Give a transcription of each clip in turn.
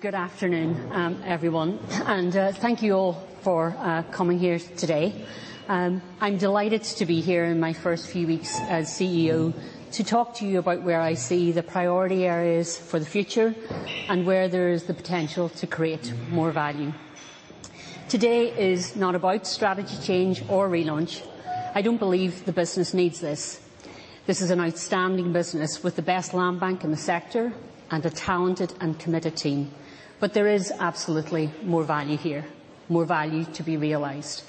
Good afternoon, everyone, and thank you all for coming here today. I'm delighted to be here in my first few weeks as CEO to talk to you about where I see the priority areas for the future and where there's the potential to create more value. Today is not about strategy change or relaunch. I don't believe the business needs this. This is an outstanding business with the best land bank in the sector and a talented and committed team. There is absolutely more value here, more value to be realized.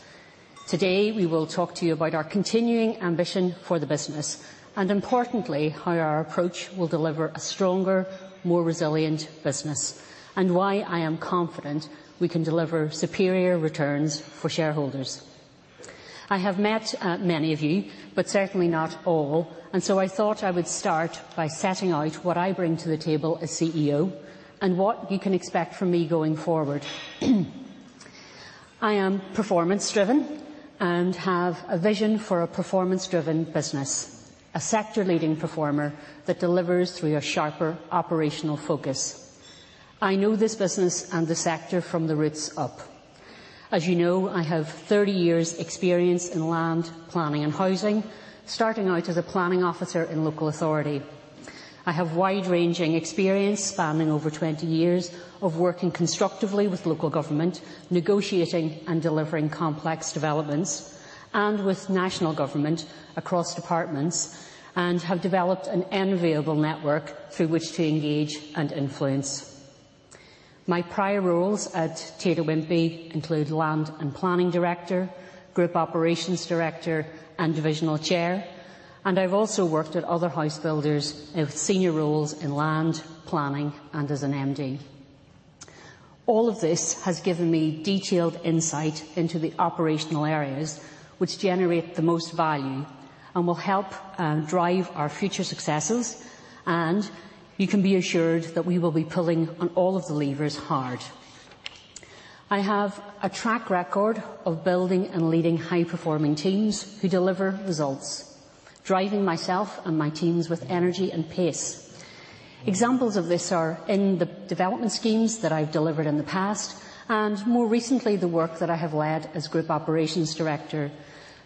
Today, we will talk to you about our continuing ambition for the business, and importantly, how our approach will deliver a stronger, more resilient business, and why I am confident we can deliver superior returns for shareholders. I have met many of you, but certainly not all, and so I thought I would start by setting out what I bring to the table as CEO and what you can expect from me going forward. I am performance driven and have a vision for a performance-driven business, a sector leading performer that delivers through a sharper operational focus. I know this business and the sector from the roots up. As you know, I have 30 years experience in land planning and housing, starting out as a planning officer in local authority. I have wide-ranging experience spanning over 20 years of working constructively with local government, negotiating and delivering complex developments, and with national government across departments, and have developed an enviable network through which to engage and influence. My prior roles at Taylor Wimpey include Land and Planning Director, Group Operations Director, and Divisional Chair, and I've also worked at other house builders in senior roles in land, planning, and as an MD. All of this has given me detailed insight into the operational areas which generate the most value and will help drive our future successes, and you can be assured that we will be pulling on all of the levers hard. I have a track record of building and leading high-performing teams who deliver results, driving myself and my teams with energy and pace. Examples of this are in the development schemes that I've delivered in the past, and more recently, the work that I have led as Group Operations Director,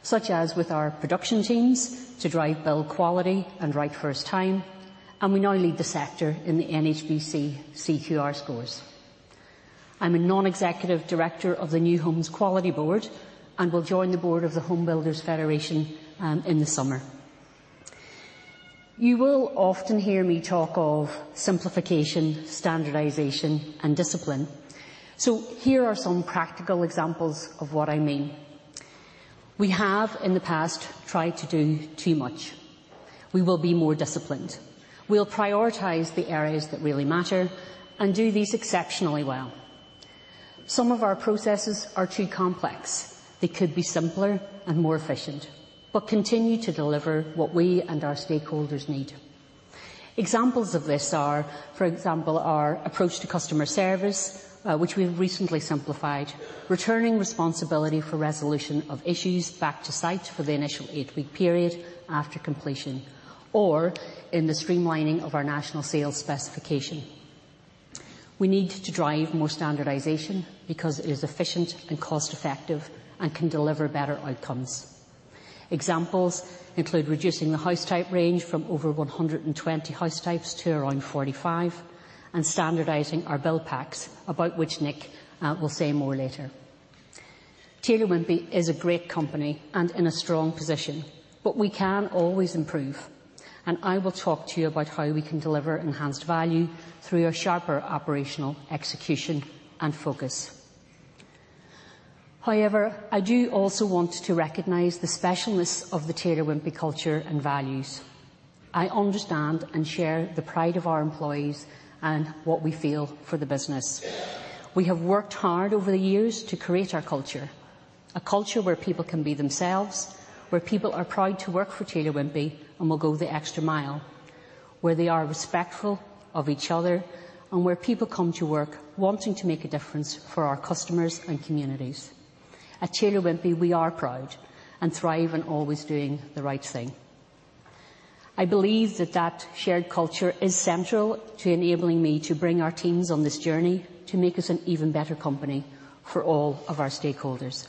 such as with our production teams to drive build quality and right first time, and we now lead the sector in the NHBC CQR scores. I'm a non-executive director of the New Homes Quality Board and will join the board of the Home Builders Federation in the summer. You will often hear me talk of simplification, standardization, and discipline. Here are some practical examples of what I mean. We have in the past tried to do too much. We will be more disciplined. We'll prioritize the areas that really matter and do these exceptionally well. Some of our processes are too complex. They could be simpler and more efficient, but continue to deliver what we and our stakeholders need. Examples of this are, for example, our approach to customer service, which we've recently simplified, returning responsibility for resolution of issues back to site for the initial eight-week period after completion, or in the streamlining of our national sales specification. We need to drive more standardization because it is efficient and cost effective and can deliver better outcomes. Examples include reducing the house type range from over 120 house types to around 45 and standardizing our build packs, about which Nick will say more later. Taylor Wimpey is a great company and in a strong position, but we can always improve, and I will talk to you about how we can deliver enhanced value through a sharper operational execution and focus. However, I do also want to recognize the specialness of the Taylor Wimpey culture and values. I understand and share the pride of our employees and what we feel for the business. We have worked hard over the years to create our culture, a culture where people can be themselves, where people are proud to work for Taylor Wimpey and will go the extra mile, where they are respectful of each other, and where people come to work wanting to make a difference for our customers and communities. At Taylor Wimpey, we are proud and thrive on always doing the right thing. I believe that that shared culture is central to enabling me to bring our teams on this journey to make us an even better company for all of our stakeholders.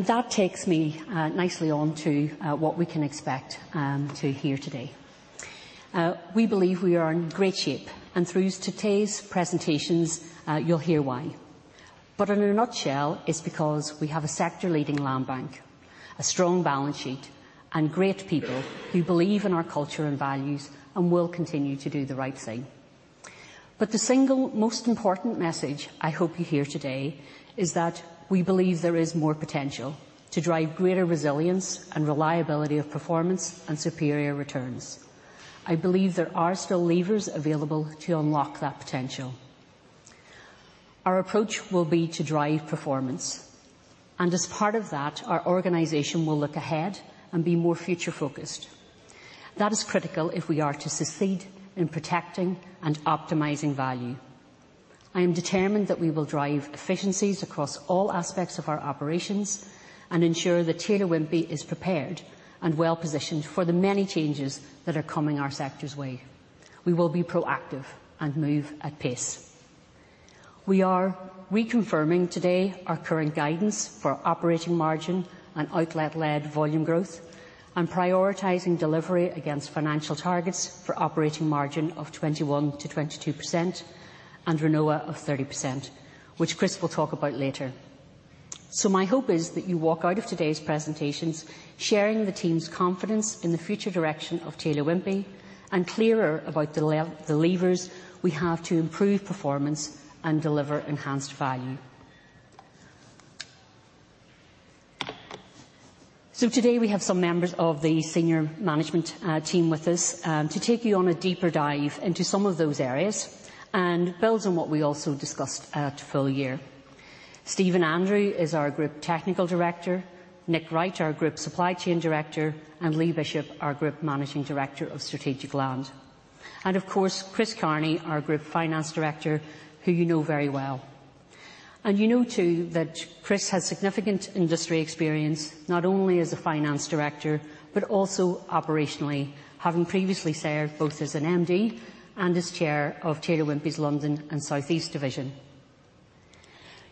That takes me nicely on to what we can expect to hear today. We believe we are in great shape, and through today's presentations, you'll hear why. In a nutshell, it's because we have a sector leading land bank, a strong balance sheet, and great people who believe in our culture and values and will continue to do the right thing. The single most important message I hope you hear today is that we believe there is more potential to drive greater resilience and reliability of performance and superior returns. I believe there are still levers available to unlock that potential. Our approach will be to drive performance. As part of that, our organization will look ahead and be more future-focused. That is critical if we are to succeed in protecting and optimizing value. I am determined that we will drive efficiencies across all aspects of our operations and ensure that Taylor Wimpey is prepared and well-positioned for the many changes that are coming our sector's way. We will be proactive and move at pace. We are reconfirming today our current guidance for operating margin and outlet-led volume growth and prioritizing delivery against financial targets for operating margin of 21%-22% and RONOA of 30%, which Chris will talk about later. My hope is that you walk out of today's presentations sharing the team's confidence in the future direction of Taylor Wimpey and clearer about the levers we have to improve performance and deliver enhanced value. Today we have some members of the senior management team with us to take you on a deeper dive into some of those areas and build on what we also discussed at full year. Stephen Andrew is our Group Technical Director, Nick Wright, our Group Supply Chain Director, and Lee Bishop, our Group Managing Director of Strategic Land. Of course, Chris Carney, our Group Finance Director, who you know very well. You know too that Chris has significant industry experience, not only as a finance director, but also operationally, having previously served both as an MD and as Chair of Taylor Wimpey's London and South East Division.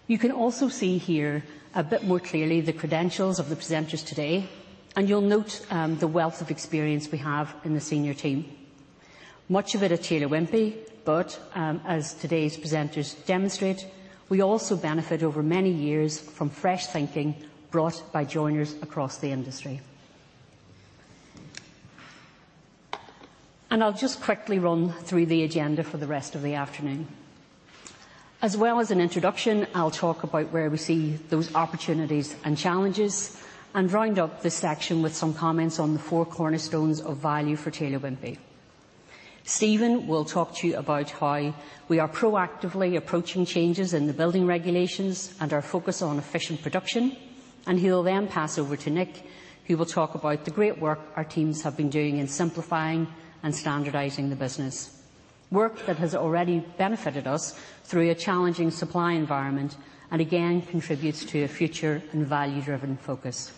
You can also see here a bit more clearly the credentials of the presenters today, and you'll note, the wealth of experience we have in the senior team. Much of it at Taylor Wimpey, but, as today's presenters demonstrate, we also benefit over many years from fresh thinking brought by joiners across the industry. I'll just quickly run through the agenda for the rest of the afternoon. As well as an introduction, I'll talk about where we see those opportunities and challenges, and round up this section with some comments on the four cornerstones of value for Taylor Wimpey. Stephen will talk to you about how we are proactively approaching changes in the building regulations and our focus on efficient production, and he will then pass over to Nick, who will talk about the great work our teams have been doing in simplifying and standardizing the business. Work that has already benefited us through a challenging supply environment and again contributes to a future and value-driven focus.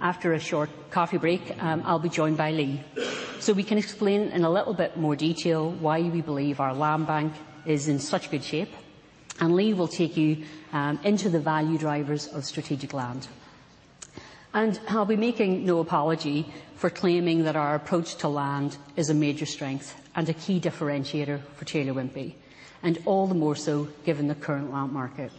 After a short coffee break, I'll be joined by Lee, so we can explain in a little bit more detail why we believe our land bank is in such good shape. Lee will take you into the value drivers of strategic land. I'll be making no apology for claiming that our approach to land is a major strength and a key differentiator for Taylor Wimpey, and all the more so given the current land market.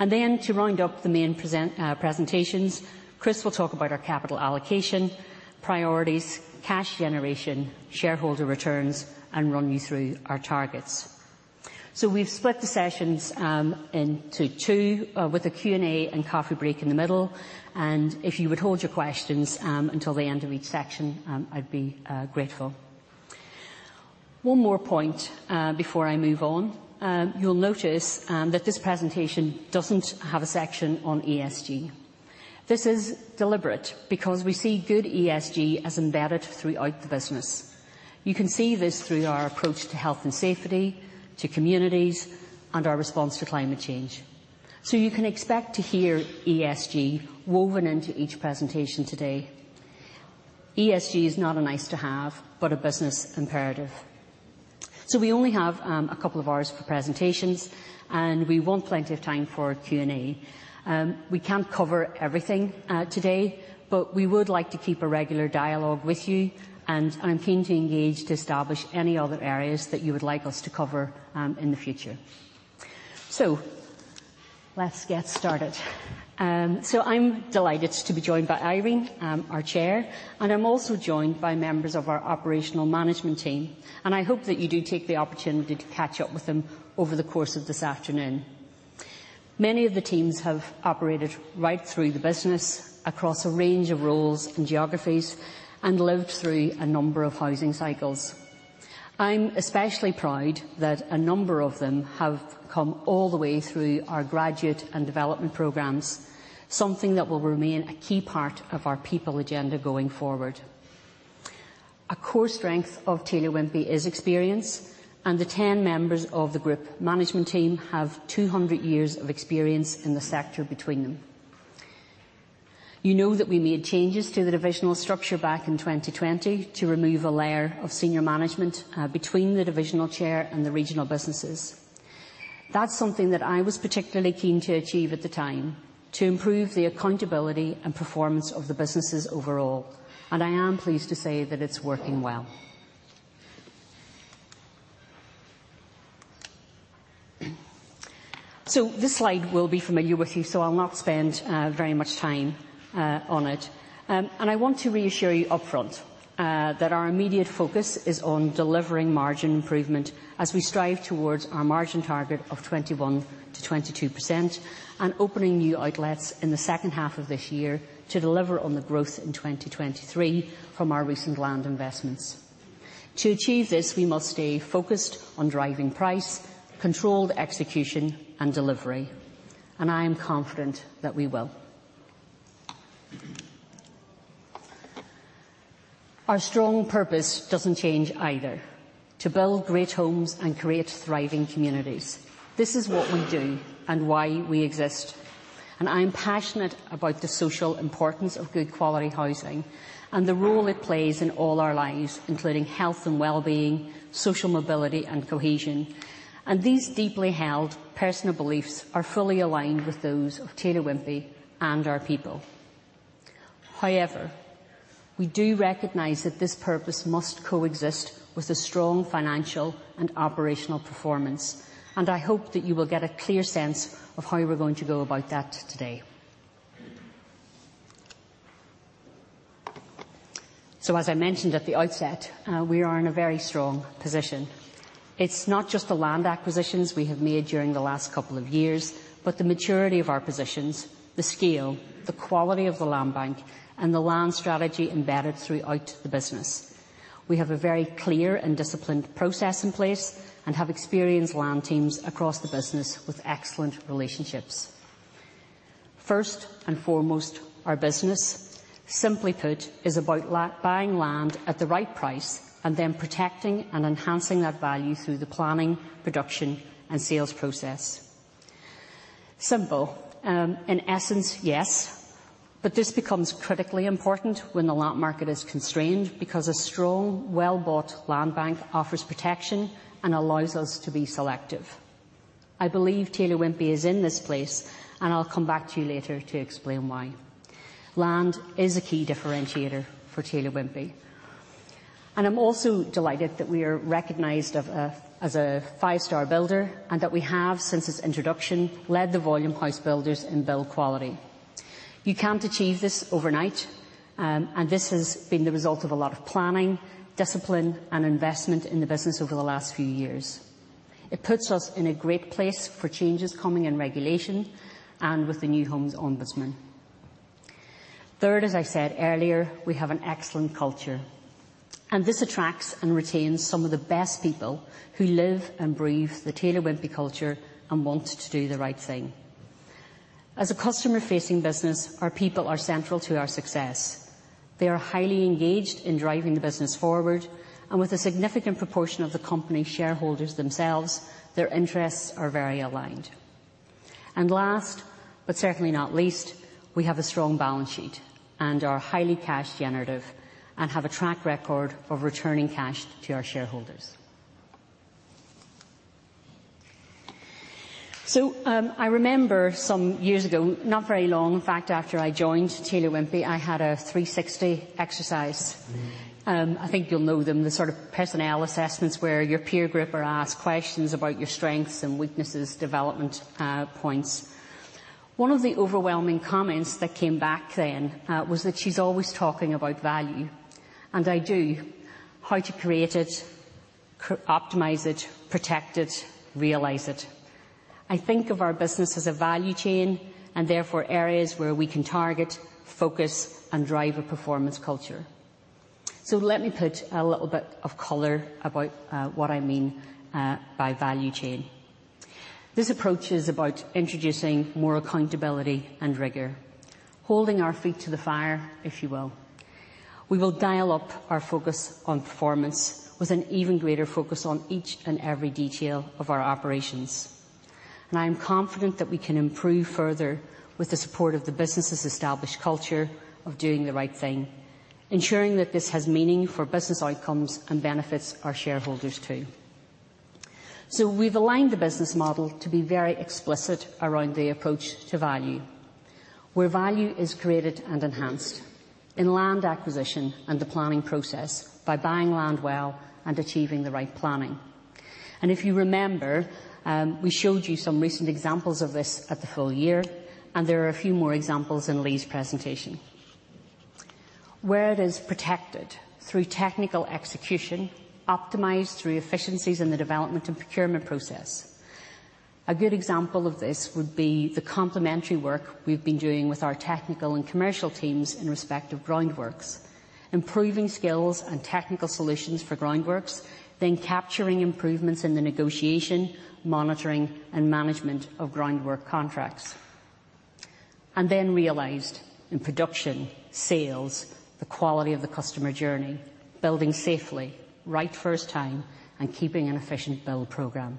To round up the main presentations, Chris will talk about our capital allocation, priorities, cash generation, shareholder returns, and run you through our targets. We've split the sessions into two, with a Q&A and coffee break in the middle. If you would hold your questions until the end of each section, I'd be grateful. One more point before I move on. You'll notice that this presentation doesn't have a section on ESG. This is deliberate because we see good ESG as embedded throughout the business. You can see this through our approach to health and safety, to communities, and our response to climate change. You can expect to hear ESG woven into each presentation today. ESG is not a nice to have, but a business imperative. We only have a couple of hours for presentations, and we want plenty of time for Q&A. We can't cover everything, today, but we would like to keep a regular dialogue with you, and I'm keen to engage to establish any other areas that you would like us to cover, in the future. Let's get started. I'm delighted to be joined by Irene, our Chair, and I'm also joined by members of our operational management team, and I hope that you do take the opportunity to catch up with them over the course of this afternoon. Many of the teams have operated right through the business across a range of roles and geographies and lived through a number of housing cycles. I'm especially proud that a number of them have come all the way through our graduate and development programs, something that will remain a key part of our people agenda going forward. A core strength of Taylor Wimpey is experience, and the 10 members of the group management team have 200 years of experience in the sector between them. You know that we made changes to the divisional structure back in 2020 to remove a layer of senior management between the divisional chair and the regional businesses. That's something that I was particularly keen to achieve at the time, to improve the accountability and performance of the businesses overall, and I am pleased to say that it's working well. This slide will be familiar with you, so I'll not spend very much time on it. I want to reassure you up front that our immediate focus is on delivering margin improvement as we strive towards our margin target of 21%-22% and opening new outlets in the second half of this year to deliver on the growth in 2023 from our recent land investments. To achieve this, we must stay focused on driving price, controlled execution, and delivery. I am confident that we will. Our strong purpose doesn't change either. To build great homes and create thriving communities. This is what we do and why we exist. I'm passionate about the social importance of good quality housing and the role it plays in all our lives, including health and well-being, social mobility, and cohesion. These deeply held personal beliefs are fully aligned with those of Taylor Wimpey and our people. However, we do recognize that this purpose must coexist with a strong financial and operational performance, and I hope that you will get a clear sense of how we're going to go about that today. As I mentioned at the outset, we are in a very strong position. It's not just the land acquisitions we have made during the last couple of years, but the maturity of our positions, the scale, the quality of the land bank, and the land strategy embedded throughout the business. We have a very clear and disciplined process in place and have experienced land teams across the business with excellent relationships. First and foremost, our business, simply put, is about buying land at the right price and then protecting and enhancing that value through the planning, production, and sales process. Simple, in essence, yes, but this becomes critically important when the land market is constrained because a strong, well-bought land bank offers protection and allows us to be selective. I believe Taylor Wimpey is in this place, and I'll come back to you later to explain why. Land is a key differentiator for Taylor Wimpey. I'm also delighted that we are recognized as a five-star builder and that we have, since its introduction, led the volume house builders in build quality. You can't achieve this overnight, and this has been the result of a lot of planning, discipline, and investment in the business over the last few years. It puts us in a great place for changes coming in regulation and with the New Homes Ombudsman. Third, as I said earlier, we have an excellent culture, and this attracts and retains some of the best people who live and breathe the Taylor Wimpey culture and want to do the right thing. As a customer-facing business, our people are central to our success. They are highly engaged in driving the business forward, and with a significant proportion of the company shareholders themselves, their interests are very aligned. Last, but certainly not least, we have a strong balance sheet and are highly cash generative and have a track record of returning cash to our shareholders. I remember some years ago, not very long, in fact, after I joined Taylor Wimpey, I had a 360-degree exercise. I think you'll know them, the sort of personnel assessments where your peer group are asked questions about your strengths and weaknesses, development points. One of the overwhelming comments that came back then was that she's always talking about value, and I do. How to create it, optimize it, protect it, realize it. I think of our business as a value chain and therefore areas where we can target, focus, and drive a performance culture. Let me put a little bit of color about what I mean by value chain. This approach is about introducing more accountability and rigor, holding our feet to the fire, if you will. We will dial up our focus on performance with an even greater focus on each and every detail of our operations. I am confident that we can improve further with the support of the business' established culture of doing the right thing, ensuring that this has meaning for business outcomes and benefits our shareholders too. We've aligned the business model to be very explicit around the approach to value, where value is created and enhanced in land acquisition and the planning process by buying land well and achieving the right planning. If you remember, we showed you some recent examples of this at the full year, and there are a few more examples in Lee's presentation. Where it is protected through technical execution, optimized through efficiencies in the development and procurement process. A good example of this would be the complementary work we've been doing with our technical and commercial teams in respect of groundworks, improving skills and technical solutions for groundworks, then capturing improvements in the negotiation, monitoring, and management of groundwork contracts. Realized in production, sales, the quality of the customer journey, building safely, right first time, and keeping an efficient build program,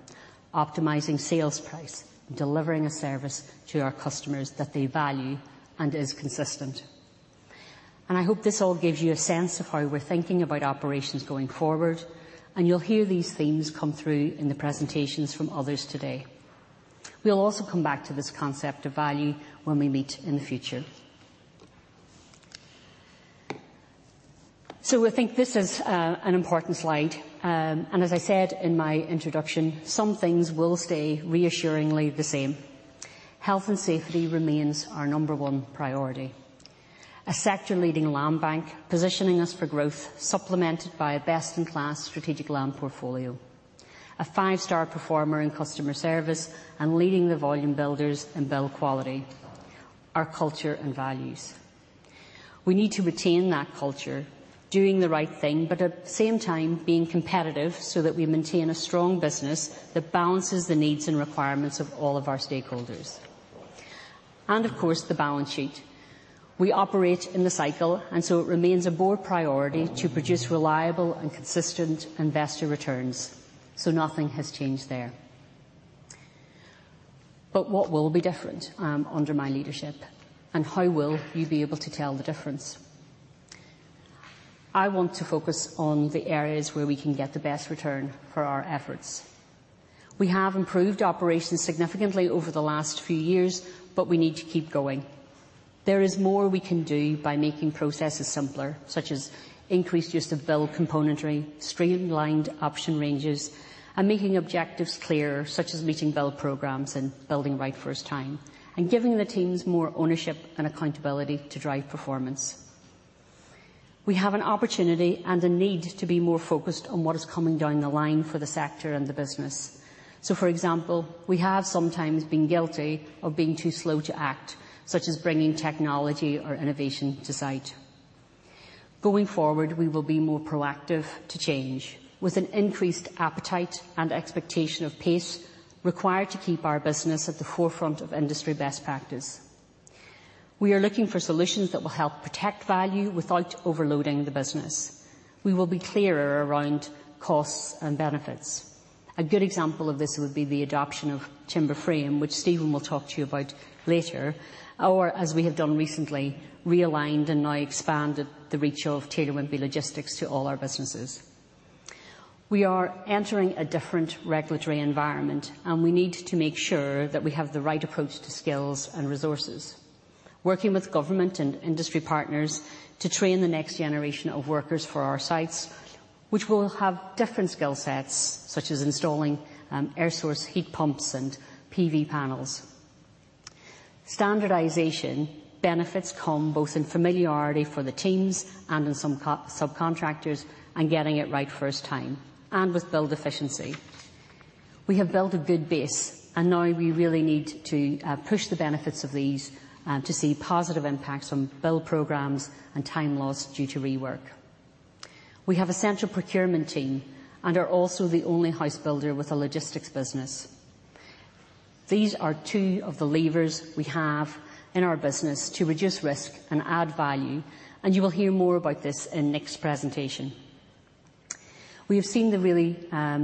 optimizing sales price, delivering a service to our customers that they value and is consistent. I hope this all gives you a sense of how we're thinking about operations going forward, and you'll hear these themes come through in the presentations from others today. We'll also come back to this concept of value when we meet in the future. I think this is an important slide. As I said in my introduction, some things will stay reassuringly the same. Health and safety remains our number one priority. A sector-leading land bank positioning us for growth, supplemented by a best-in-class strategic land portfolio. A five-star performer in customer service and leading the volume builders in build quality. Our culture and values. We need to retain that culture, doing the right thing, but at the same time, being competitive so that we maintain a strong business that balances the needs and requirements of all of our stakeholders. Of course, the balance sheet. We operate in the cycle, and so it remains a board priority to produce reliable and consistent investor returns. Nothing has changed there. What will be different under my leadership, and how will you be able to tell the difference? I want to focus on the areas where we can get the best return for our efforts. We have improved operations significantly over the last few years, but we need to keep going. There is more we can do by making processes simpler, such as increased use of build componentry, streamlined option ranges, and making objectives clear, such as meeting build programs and building right first time, and giving the teams more ownership and accountability to drive performance. We have an opportunity and a need to be more focused on what is coming down the line for the sector and the business. For example, we have sometimes been guilty of being too slow to act, such as bringing technology or innovation to site. Going forward, we will be more proactive to change with an increased appetite and expectation of pace required to keep our business at the forefront of industry best practice. We are looking for solutions that will help protect value without overloading the business. We will be clearer around costs and benefits. A good example of this would be the adoption of timber frame, which Stephen will talk to you about later. As we have done recently, realigned and now expanded the reach of Taylor Wimpey Logistics to all our businesses. We are entering a different regulatory environment, and we need to make sure that we have the right approach to skills and resources. Working with government and industry partners to train the next generation of workers for our sites, which will have different skill sets, such as installing air source heat pumps and PV panels. Standardization benefits come both in familiarity for the teams and in some subcontractors and getting it right first time and with build efficiency. We have built a good base, and now we really need to push the benefits of these to see positive impacts on build programs and time lost due to rework. We have a central procurement team and are also the only house builder with a logistics business. These are two of the levers we have in our business to reduce risk and add value, and you will hear more about this in Nick's presentation. We have seen the really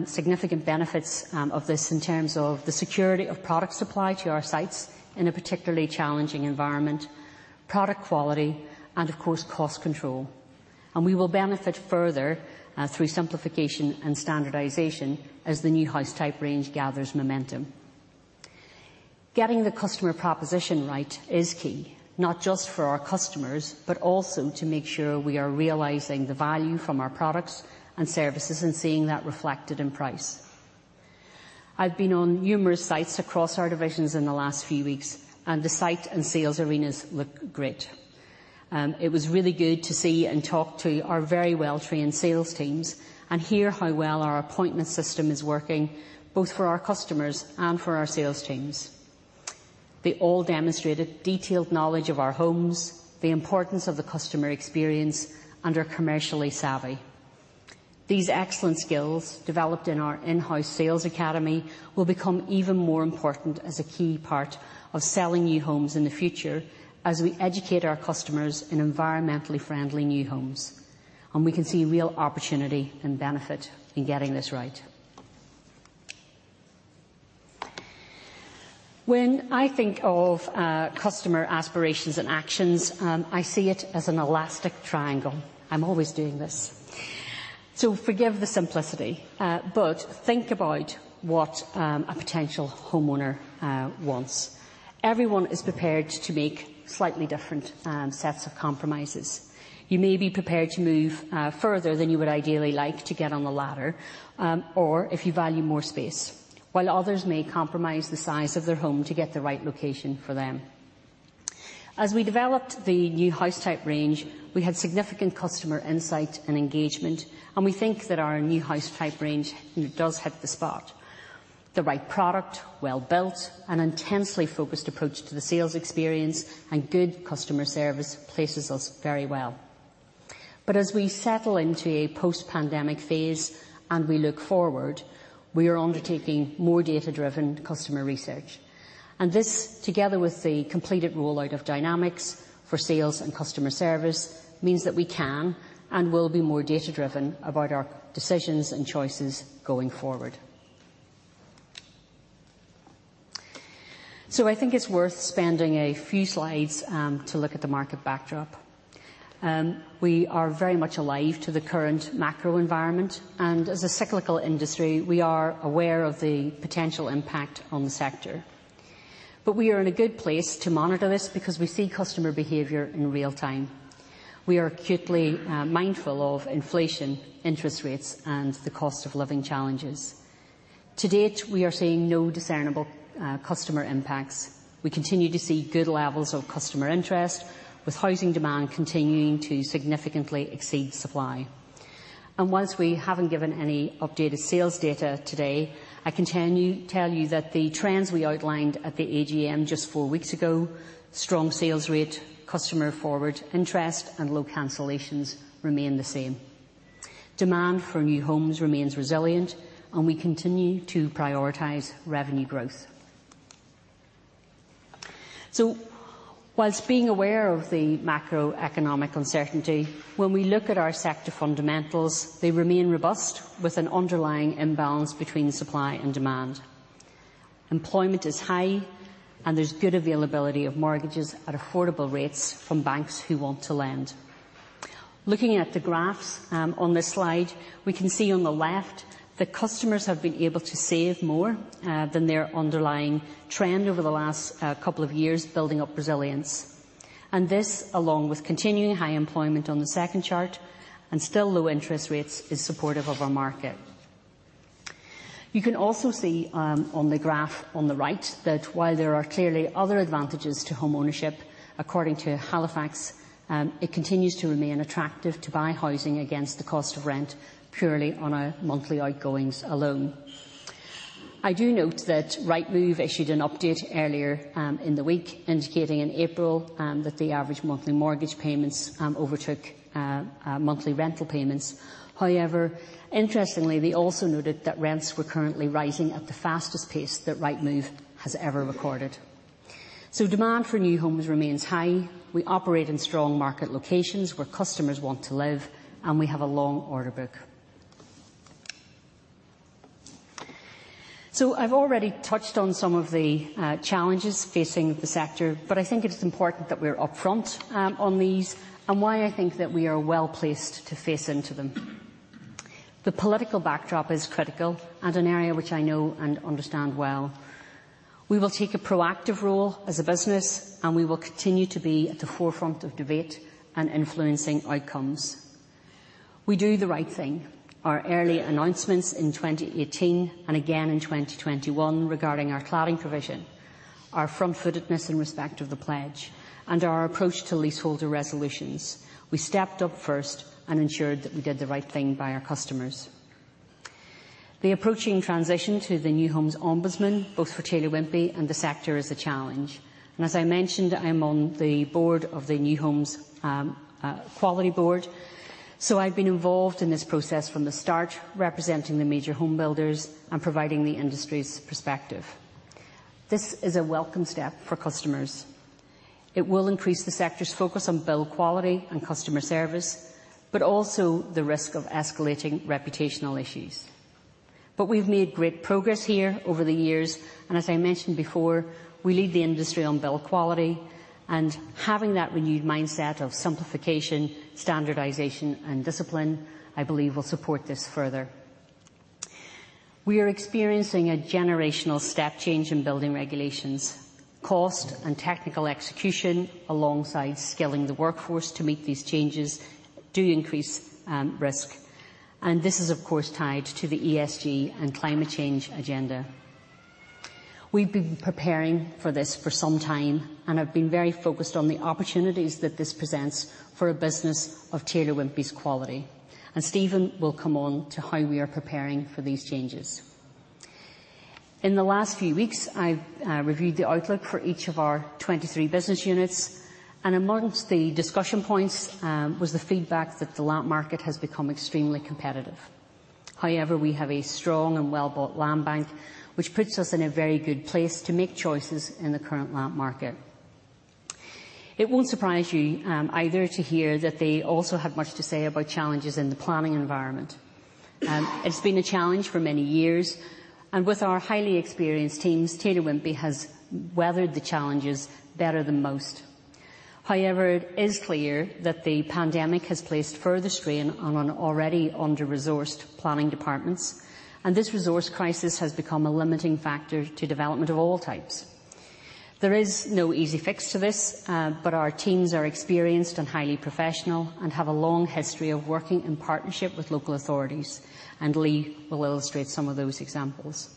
significant benefits of this in terms of the security of product supply to our sites in a particularly challenging environment, product quality, and of course, cost control. We will benefit further through simplification and standardization as the new house type range gathers momentum. Getting the customer proposition right is key, not just for our customers, but also to make sure we are realizing the value from our products and services and seeing that reflected in price. I've been on numerous sites across our divisions in the last few weeks, and the site and sales arenas look great. It was really good to see and talk to our very well-trained sales teams and hear how well our appointment system is working, both for our customers and for our sales teams. They all demonstrated detailed knowledge of our homes, the importance of the customer experience, and are commercially savvy. These excellent skills developed in our in-house sales academy will become even more important as a key part of selling new homes in the future as we educate our customers in environmentally friendly new homes. We can see real opportunity and benefit in getting this right. When I think of customer aspirations and actions, I see it as an elastic triangle. I'm always doing this. Forgive the simplicity, but think about what a potential homeowner wants. Everyone is prepared to make slightly different sets of compromises. You may be prepared to move further than you would ideally like to get on the ladder, or if you value more space. While others may compromise the size of their home to get the right location for them. As we developed the new house type range, we had significant customer insight and engagement, and we think that our new house type range does hit the spot. The right product, well built, an intensely focused approach to the sales experience, and good customer service places us very well. As we settle into a post-pandemic phase and we look forward, we are undertaking more data-driven customer research. This, together with the completed rollout of Dynamics for sales and customer service, means that we can and will be more data-driven about our decisions and choices going forward. I think it's worth spending a few slides to look at the market backdrop. We are very much alive to the current macro environment, and as a cyclical industry, we are aware of the potential impact on the sector. We are in a good place to monitor this because we see customer behavior in real time. We are acutely mindful of inflation, interest rates, and the cost of living challenges. To date, we are seeing no discernible customer impacts. We continue to see good levels of customer interest, with housing demand continuing to significantly exceed supply. As we haven't given any updated sales data today, I can tell you that the trends we outlined at the AGM just four weeks ago, strong sales rate, customer forward interest, and low cancellations remain the same. Demand for new homes remains resilient, and we continue to prioritize revenue growth. While being aware of the macroeconomic uncertainty, when we look at our sector fundamentals, they remain robust, with an underlying imbalance between supply and demand. Employment is high, and there's good availability of mortgages at affordable rates from banks who want to lend. Looking at the graphs on this slide, we can see on the left that customers have been able to save more than their underlying trend over the last couple of years, building up resilience. This, along with continuing high employment on the second chart and still low interest rates, is supportive of our market. You can also see on the graph on the right that while there are clearly other advantages to home ownership, according to Halifax, it continues to remain attractive to buy housing against the cost of rent purely on monthly outgoings alone. I do note that Rightmove issued an update earlier in the week, indicating in April that the average monthly mortgage payments overtook monthly rental payments. However, interestingly, they also noted that rents were currently rising at the fastest pace that Rightmove has ever recorded. Demand for new homes remains high. We operate in strong market locations where customers want to live, and we have a long order book. I've already touched on some of the challenges facing the sector, but I think it is important that we're upfront on these and why I think that we are well-placed to face into them. The political backdrop is critical and an area which I know and understand well. We will take a proactive role as a business, and we will continue to be at the forefront of debate and influencing outcomes. We do the right thing. Our early announcements in 2018 and again in 2021 regarding our cladding provision, our front-footedness in respect of the pledge, and our approach to leaseholder resolutions. We stepped up first and ensured that we did the right thing by our customers. The approaching transition to the New Homes Ombudsman, both for Taylor Wimpey and the sector, is a challenge. As I mentioned, I'm on the board of the New Homes Quality Board. I've been involved in this process from the start, representing the major home builders and providing the industry's perspective. This is a welcome step for customers. It will increase the sector's focus on build quality and customer service, but also the risk of escalating reputational issues. We've made great progress here over the years, and as I mentioned before, we lead the industry on build quality, and having that renewed mindset of simplification, standardization, and discipline, I believe will support this further. We are experiencing a generational step change in building regulations. Cost and technical execution, alongside skilling the workforce to meet these changes, do increase risk. This is of course tied to the ESG and climate change agenda. We've been preparing for this for some time and have been very focused on the opportunities that this presents for a business of Taylor Wimpey's quality. Stephen will come on to how we are preparing for these changes. In the last few weeks, I've reviewed the outlook for each of our 23 business units, and amongst the discussion points was the feedback that the land market has become extremely competitive. However, we have a strong and well-bought land bank, which puts us in a very good place to make choices in the current land market. It won't surprise you either to hear that they also have much to say about challenges in the planning environment. It's been a challenge for many years, and with our highly experienced teams, Taylor Wimpey has weathered the challenges better than most. However, it is clear that the pandemic has placed further strain on an already under-resourced planning departments, and this resource crisis has become a limiting factor to development of all types. There is no easy fix to this, but our teams are experienced and highly professional and have a long history of working in partnership with local authorities. Lee will illustrate some of those examples.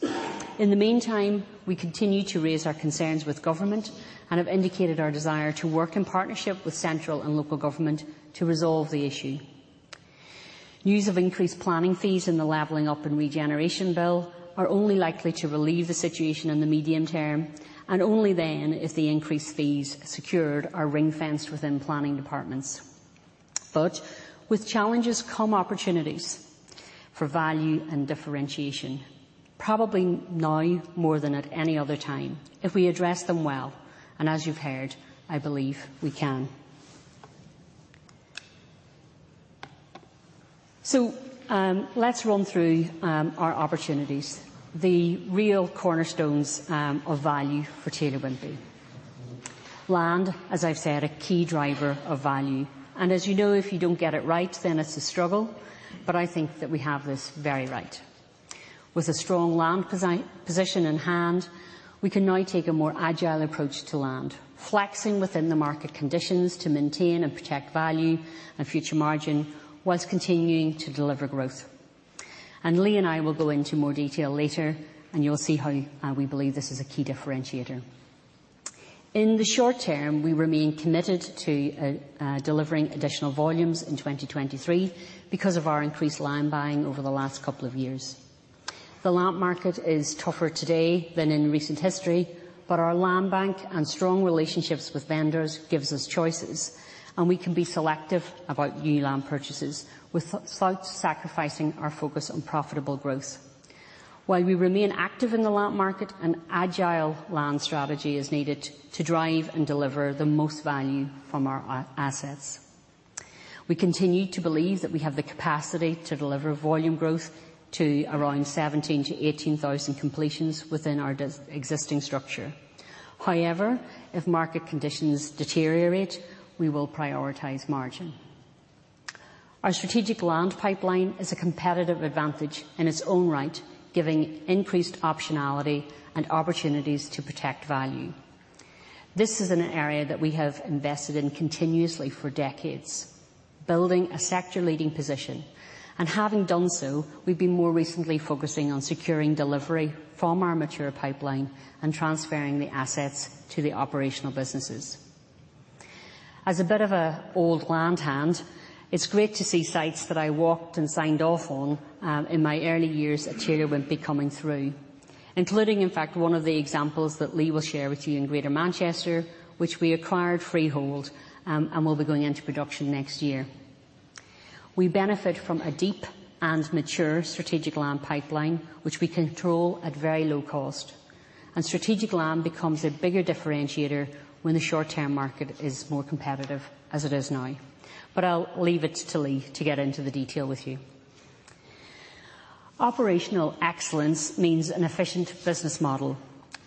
In the meantime, we continue to raise our concerns with government and have indicated our desire to work in partnership with central and local government to resolve the issue. News of increased planning fees in the Levelling-up and Regeneration Bill are only likely to relieve the situation in the medium term, and only then if the increased fees secured are ring-fenced within planning departments. With challenges come opportunities for value and differentiation, probably now more than at any other time, if we address them well, and as you've heard, I believe we can. Let's run through our opportunities, the real cornerstones, of value for Taylor Wimpey. Land, as I've said, a key driver of value. As you know, if you don't get it right, then it's a struggle. I think that we have this very right. With a strong land position in hand, we can now take a more agile approach to land, flexing within the market conditions to maintain and protect value and future margin while continuing to deliver growth. Lee and I will go into more detail later, and you'll see how, we believe this is a key differentiator. In the short term, we remain committed to delivering additional volumes in 2023 because of our increased land buying over the last couple of years. The land market is tougher today than in recent history, but our land bank and strong relationships with vendors gives us choices, and we can be selective about new land purchases without sacrificing our focus on profitable growth. While we remain active in the land market, an agile land strategy is needed to drive and deliver the most value from our a-assets. We continue to believe that we have the capacity to deliver volume growth to around 17,000-18,000 completions within our existing structure. However, if market conditions deteriorate, we will prioritize margin. Our strategic land pipeline is a competitive advantage in its own right, giving increased optionality and opportunities to protect value. This is an area that we have invested in continuously for decades, building a sector-leading position. Having done so, we've been more recently focusing on securing delivery from our mature pipeline and transferring the assets to the operational businesses. As a bit of an old land hand, it's great to see sites that I walked and signed off on in my early years at Taylor Wimpey coming through, including, in fact, one of the examples that Lee will share with you in Greater Manchester, which we acquired freehold and will be going into production next year. We benefit from a deep and mature strategic land pipeline, which we control at very low cost. Strategic land becomes a bigger differentiator when the short-term market is more competitive, as it is now. I'll leave it to Lee to get into the detail with you. Operational excellence means an efficient business model.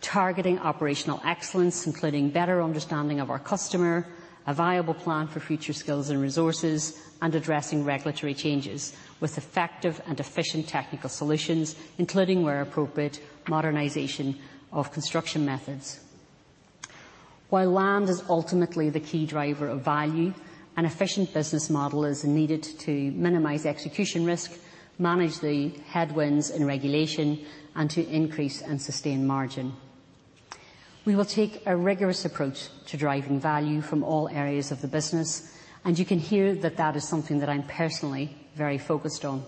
Targeting operational excellence, including better understanding of our customer, a viable plan for future skills and resources, and addressing regulatory changes with effective and efficient technical solutions, including where appropriate, modernization of construction methods. While land is ultimately the key driver of value, an efficient business model is needed to minimize execution risk, manage the headwinds in regulation, and to increase and sustain margin. We will take a rigorous approach to driving value from all areas of the business, and you can hear that is something that I'm personally very focused on.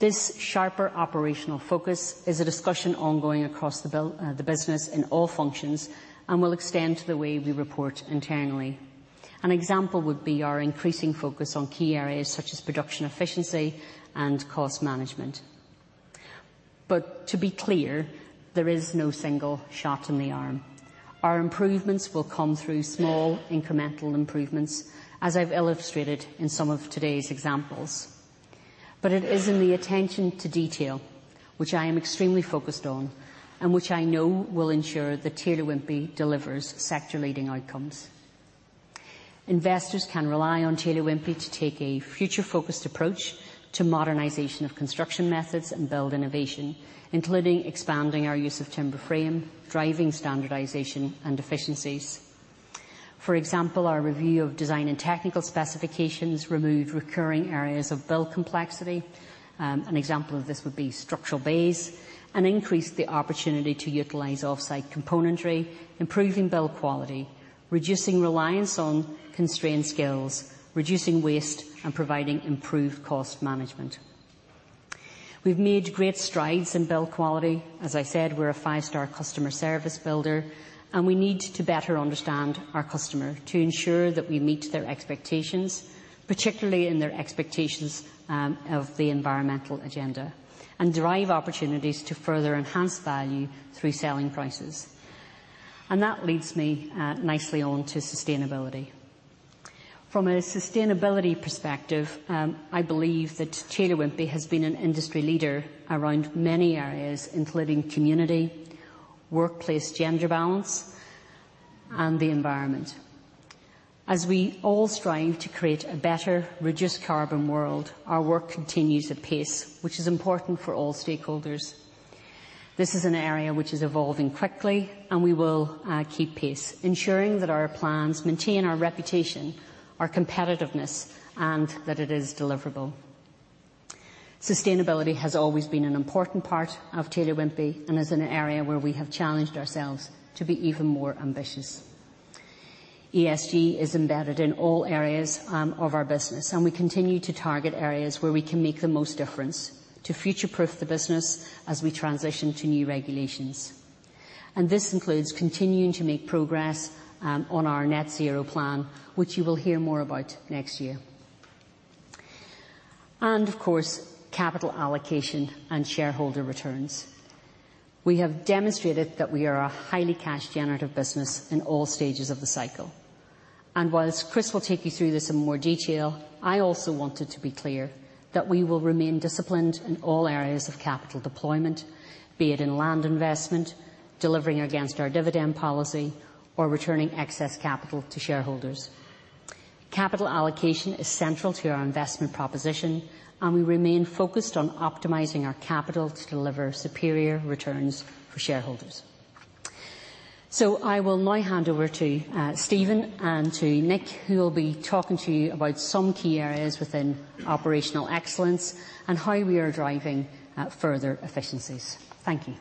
This sharper operational focus is a discussion ongoing across the business in all functions and will extend to the way we report internally. An example would be our increasing focus on key areas such as production efficiency and cost management. To be clear, there is no single shot in the arm. Our improvements will come through small incremental improvements, as I've illustrated in some of today's examples. It is in the attention to detail which I am extremely focused on and which I know will ensure that Taylor Wimpey delivers sector-leading outcomes. Investors can rely on Taylor Wimpey to take a future-focused approach to modernization of construction methods and build innovation, including expanding our use of timber frame, driving standardization and efficiencies. For example, our review of design and technical specifications removed recurring areas of build complexity, an example of this would be structural bays, and increased the opportunity to utilize off-site componentry, improving build quality, reducing reliance on constrained skills, reducing waste, and providing improved cost management. We've made great strides in build quality. As I said, we're a five-star customer service builder, and we need to better understand our customer to ensure that we meet their expectations, particularly in their expectations of the environmental agenda, and derive opportunities to further enhance value through selling prices. That leads me, nicely on to sustainability. From a sustainability perspective, I believe that Taylor Wimpey has been an industry leader around many areas, including community, workplace gender balance, and the environment. As we all strive to create a better reduced carbon world, our work continues at pace, which is important for all stakeholders. This is an area which is evolving quickly, and we will, keep pace, ensuring that our plans maintain our reputation, our competitiveness, and that it is deliverable. Sustainability has always been an important part of Taylor Wimpey and is an area where we have challenged ourselves to be even more ambitious. ESG is embedded in all areas of our business, and we continue to target areas where we can make the most difference to future-proof the business as we transition to new regulations. This includes continuing to make progress on our net zero plan, which you will hear more about next year. Of course, capital allocation and shareholder returns. We have demonstrated that we are a highly cash generative business in all stages of the cycle. While Chris will take you through this in more detail, I also wanted to be clear that we will remain disciplined in all areas of capital deployment, be it in land investment, delivering against our dividend policy, or returning excess capital to shareholders. Capital allocation is central to our investment proposition, and we remain focused on optimizing our capital to deliver superior returns for shareholders. I will now hand over to Stephen and to Nick, who will be talking to you about some key areas within operational excellence and how we are driving further efficiencies. Thank you.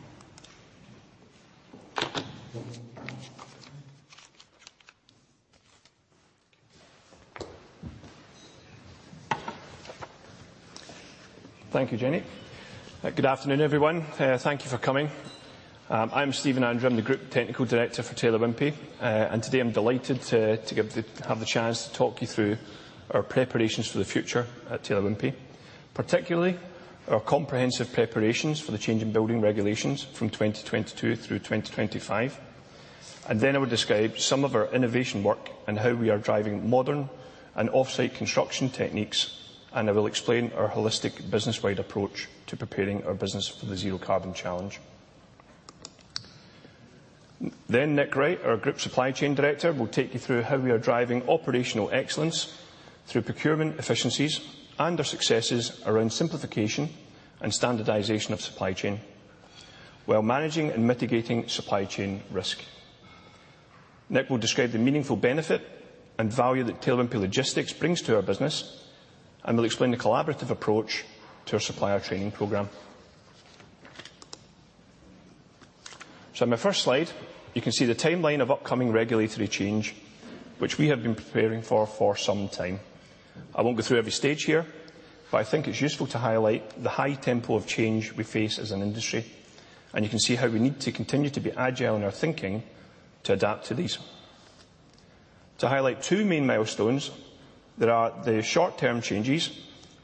Thank you, Jenny. Good afternoon, everyone. Thank you for coming. I'm Stephen Andrew. I'm the Group Technical Director for Taylor Wimpey. Today I'm delighted to have the chance to talk you through our preparations for the future at Taylor Wimpey. Particularly, our comprehensive preparations for the change in building regulations from 2022 through 2025. I will describe some of our innovation work and how we are driving modern and offsite construction techniques, and I will explain our holistic business-wide approach to preparing our business for the zero carbon challenge. Nick Wright, our Group Supply Chain Director, will take you through how we are driving operational excellence through procurement efficiencies and our successes around simplification and standardization of supply chain, while managing and mitigating supply chain risk. Nick will describe the meaningful benefit and value that Taylor Wimpey Logistics brings to our business and will explain the collaborative approach to our supplier training program. In my first slide, you can see the timeline of upcoming regulatory change, which we have been preparing for some time. I won't go through every stage here, but I think it's useful to highlight the high tempo of change we face as an industry, and you can see how we need to continue to be agile in our thinking to adapt to these. To highlight two main milestones, there are the short-term changes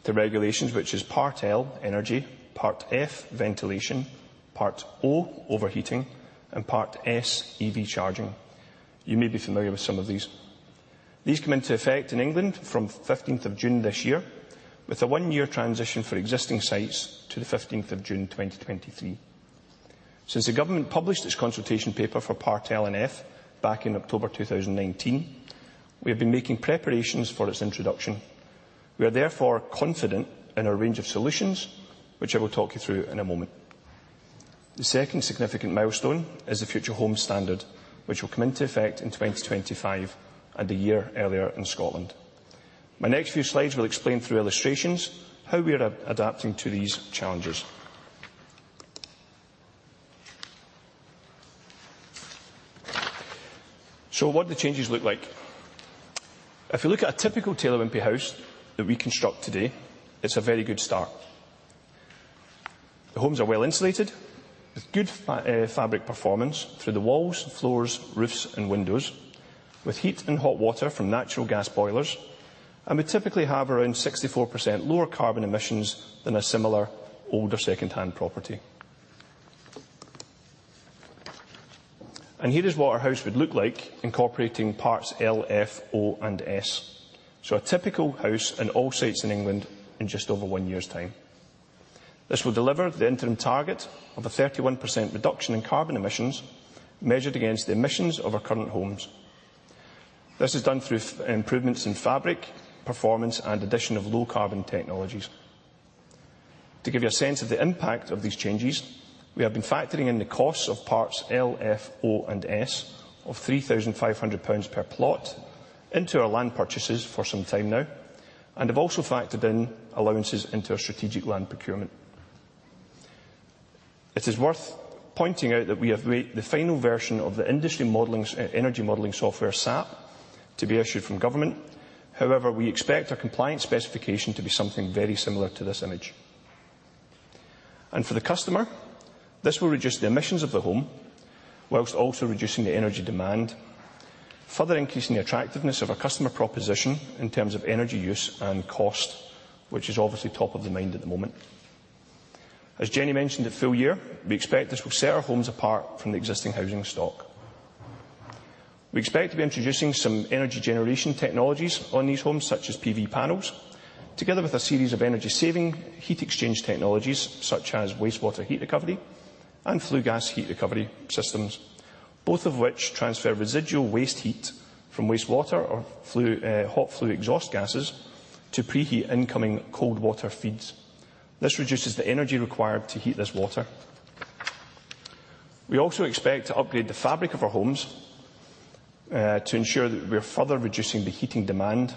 to regulations, which is Part L, energy, Part F, ventilation, Part O, overheating, and Part S, EV charging. You may be familiar with some of these. These come into effect in England from 15th of June this year, with a one-year transition for existing sites to the 15th of June, 2023. Since the government published its consultation paper for Part L and F back in October 2019, we have been making preparations for its introduction. We are therefore confident in our range of solutions, which I will talk you through in a moment. The second significant milestone is the Future Homes Standard, which will come into effect in 2025 and a year earlier in Scotland. My next few slides will explain through illustrations how we are adapting to these challenges. What do the changes look like? If you look at a typical Taylor Wimpey house that we construct today, it's a very good start. The homes are well insulated with good fabric performance through the walls, floors, roofs, and windows, with heat and hot water from natural gas boilers, and we typically have around 64% lower carbon emissions than a similar older secondhand property. Here is what our house would look like incorporating Parts L, F, O, and S. A typical house on all sites in England in just over one year's time. This will deliver the interim target of a 31% reduction in carbon emissions measured against the emissions of our current homes. This is done through improvements in fabric, performance, and addition of low carbon technologies. To give you a sense of the impact of these changes, we have been factoring in the costs of Parts L, F, O, and S of 3,500 pounds per plot into our land purchases for some time now and have also factored in allowances into our strategic land procurement. It is worth pointing out that we await the final version of the energy modeling software, SAP, to be issued from government. However, we expect our compliance specification to be something very similar to this image. For the customer, this will reduce the emissions of the home while also reducing the energy demand, further increasing the attractiveness of our customer proposition in terms of energy use and cost, which is obviously top of the mind at the moment. As Jenny mentioned at full year, we expect this will set our homes apart from the existing housing stock. We expect to be introducing some energy generation technologies on these homes, such as PV panels, together with a series of energy-saving heat exchange technologies, such as wastewater heat recovery and flue gas heat recovery systems, both of which transfer residual waste heat from wastewater or flue, hot flue exhaust gases to pre-heat incoming cold water feeds. This reduces the energy required to heat this water. We also expect to upgrade the fabric of our homes, to ensure that we're further reducing the heating demand.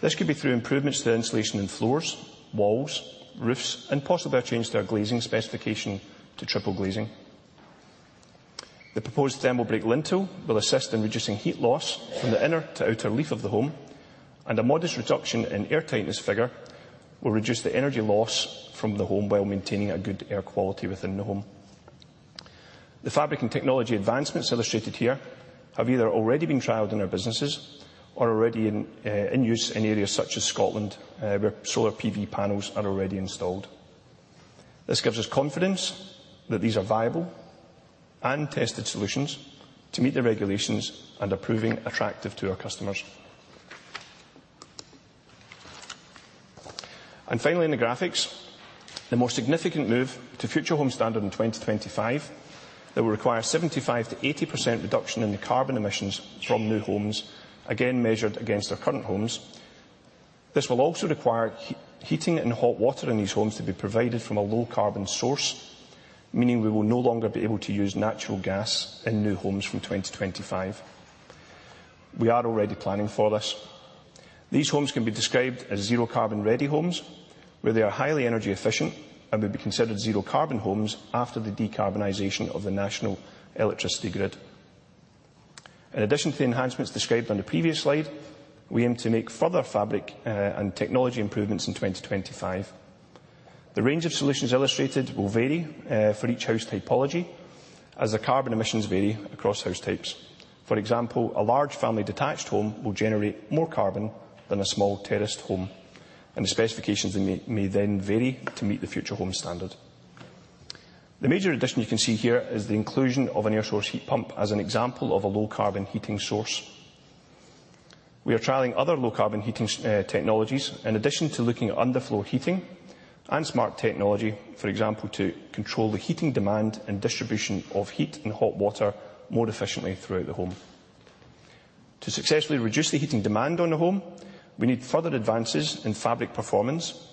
This could be through improvements to the insulation in floors, walls, roofs, and possibly a change to our glazing specification to triple glazing. The proposed thermal break lintel will assist in reducing heat loss from the inner to outer leaf of the home, and a modest reduction in air tightness figure will reduce the energy loss from the home while maintaining a good air quality within the home. The fabric and technology advancements illustrated here have either already been trialed in our businesses or are already in use in areas such as Scotland, where solar PV panels are already installed. This gives us confidence that these are viable and tested solutions to meet the regulations and are proving attractive to our customers. Finally in the graphics, the more significant move to Future Homes Standard in 2025 that will require 75%-80% reduction in the carbon emissions from new homes, again, measured against our current homes. This will also require heating and hot water in these homes to be provided from a low carbon source, meaning we will no longer be able to use natural gas in new homes from 2025. We are already planning for this. These homes can be described as zero carbon-ready homes, where they are highly energy efficient and will be considered zero carbon homes after the decarbonization of the national electricity grid. In addition to the enhancements described on the previous slide, we aim to make further fabric and technology improvements in 2025. The range of solutions illustrated will vary for each house typology as the carbon emissions vary across house types. For example, a large family detached home will generate more carbon than a small terraced home, and the specifications may then vary to meet the Future Homes Standard. The major addition you can see here is the inclusion of an air source heat pump as an example of a low-carbon heating source. We are trialing other low-carbon heating technologies in addition to looking at underfloor heating and smart technology, for example, to control the heating demand and distribution of heat and hot water more efficiently throughout the home. To successfully reduce the heating demand on the home, we need further advances in fabric performance,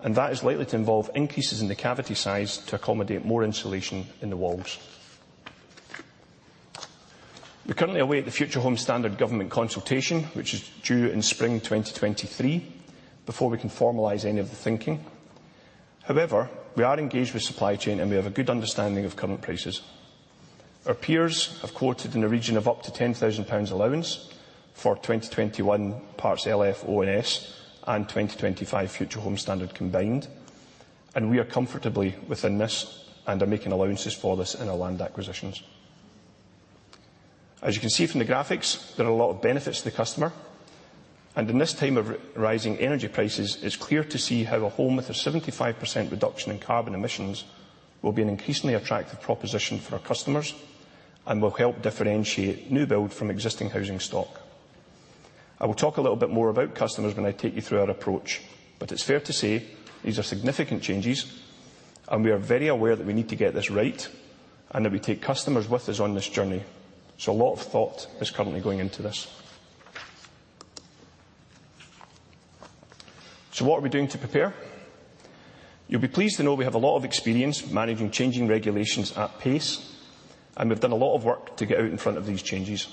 and that is likely to involve increases in the cavity size to accommodate more insulation in the walls. We currently await the Future Homes Standard government consultation, which is due in spring 2023, before we can formalize any of the thinking. However, we are engaged with supply chain, and we have a good understanding of current prices. Our peers have quoted in the region of up to 10,000 pounds allowance for 2021 Parts L, F, O, and S and 2025 Future Homes Standard combined, and we are comfortably within this and are making allowances for this in our land acquisitions. As you can see from the graphics, there are a lot of benefits to the customer. In this time of rising energy prices, it's clear to see how a home with a 75% reduction in carbon emissions will be an increasingly attractive proposition for our customers and will help differentiate new build from existing housing stock. I will talk a little bit more about customers when I take you through our approach, but it's fair to say these are significant changes, and we are very aware that we need to get this right and that we take customers with us on this journey. A lot of thought is currently going into this. What are we doing to prepare? You'll be pleased to know we have a lot of experience managing changing regulations at pace, and we've done a lot of work to get out in front of these changes.